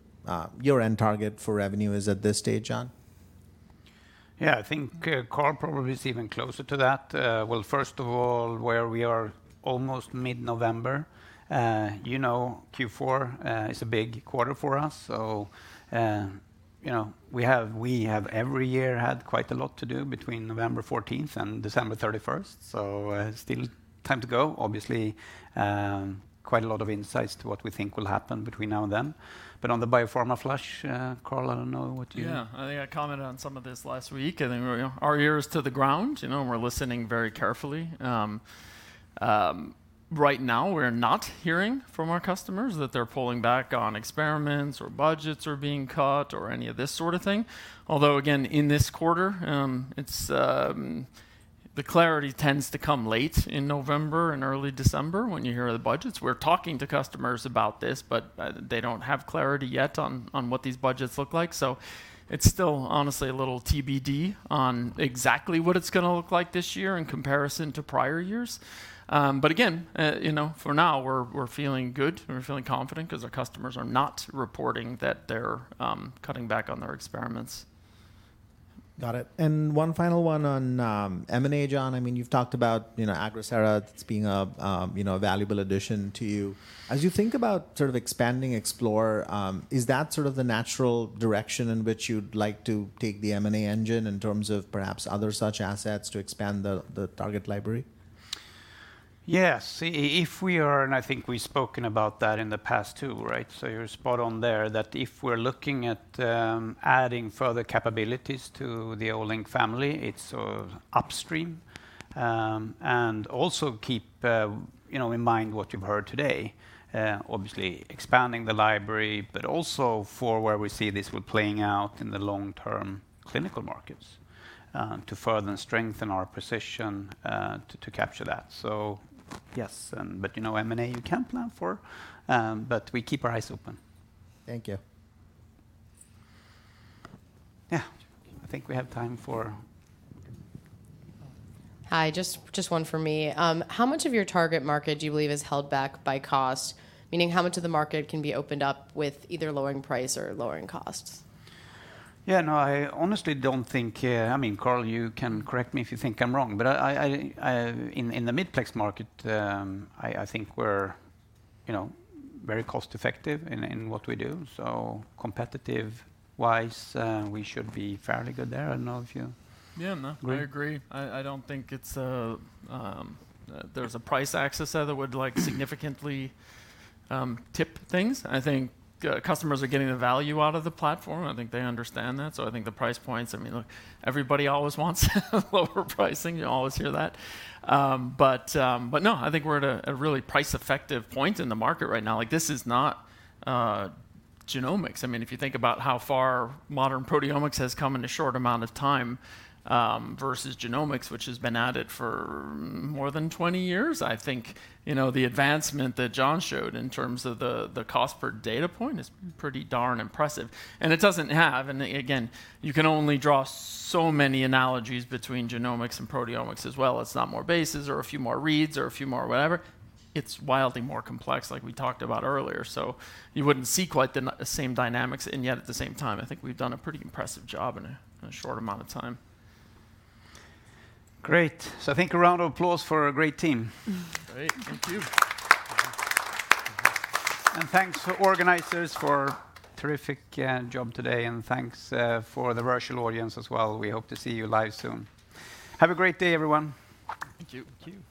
S8: end target for revenue is at this stage, Jon?
S1: Yeah. I think, Carl probably is even closer to that. Well, first of all, we are almost mid-November, you know, Q4 is a big quarter for us. You know, we have every year had quite a lot to do between November 14th and December 31st, still time to go. Obviously, quite a lot of insights to what we think will happen between now and then. On the biopharma flush, Carl, I don't know what you-
S6: Yeah. I think I commented on some of this last week. I think our ear is to the ground, you know, and we're listening very carefully. Right now we're not hearing from our customers that they're pulling back on experiments or budgets are being cut or any of this sort of thing. Although again, in this quarter, it's.
S2: The clarity tends to come late in November and early December when you hear the budgets. We're talking to customers about this, but they don't have clarity yet on what these budgets look like. It's still honestly a little TBD on exactly what it's gonna look like this year in comparison to prior years. Again, you know, for now we're feeling good and we're feeling confident 'cause our customers are not reporting that they're cutting back on their experiments.
S8: Got it. One final one on M&A, Jon. I mean, you've talked about, you know, Agrisera as being a, you know, a valuable addition to you. As you think about sort of expanding Explore, is that sort of the natural direction in which you'd like to take the M&A engine in terms of perhaps other such assets to expand the target library?
S1: Yes. If we are, and I think we've spoken about that in the past too, right? You're spot on there, that if we're looking at adding further capabilities to the Olink family, it's sort of upstream. Also keep you know in mind what you've heard today, obviously expanding the library, but also for where we see this one playing out in the long-term clinical markets, to further strengthen our position, to capture that. Yes, and but, you know, M&A you can't plan for, but we keep our eyes open.
S8: Thank you.
S1: Yeah. I think we have time for.
S11: Hi. Just one for me. How much of your target market do you believe is held back by cost? Meaning, how much of the market can be opened up with either lowering price or lowering costs?
S1: Yeah, no, I honestly don't think. I mean, Carl, you can correct me if you think I'm wrong, but I in the mid-plex market, I think we're, you know, very cost effective in what we do. So competitive wise, we should be fairly good there. I don't know if you-
S2: Yeah, no, I agree.
S1: Agree?
S2: I don't think it's there's a price access there that would significantly tip things. I think customers are getting the value out of the platform. I think they understand that, so I think the price points, I mean, look, everybody always wants lower pricing. You always hear that. But no, I think we're at a really price effective point in the market right now. Like, this is not genomics. I mean, if you think about how far modern proteomics has come in a short amount of time versus genomics, which has been at it for more than 20 years, I think, you know, the advancement that Jon showed in terms of the cost per data point is pretty darn impressive. Again, you can only draw so many analogies between genomics and proteomics as well. It's not more bases or a few more reads or a few more whatever. It's wildly more complex like we talked about earlier. You wouldn't see quite the same dynamics, and yet at the same time I think we've done a pretty impressive job in a short amount of time.
S1: Great. I think a round of applause for a great team.
S2: Great. Thank you.
S1: Thanks to organizers for terrific job today, and thanks to the virtual audience as well. We hope to see you live soon. Have a great day, everyone.
S2: Thank you.
S1: Thank you.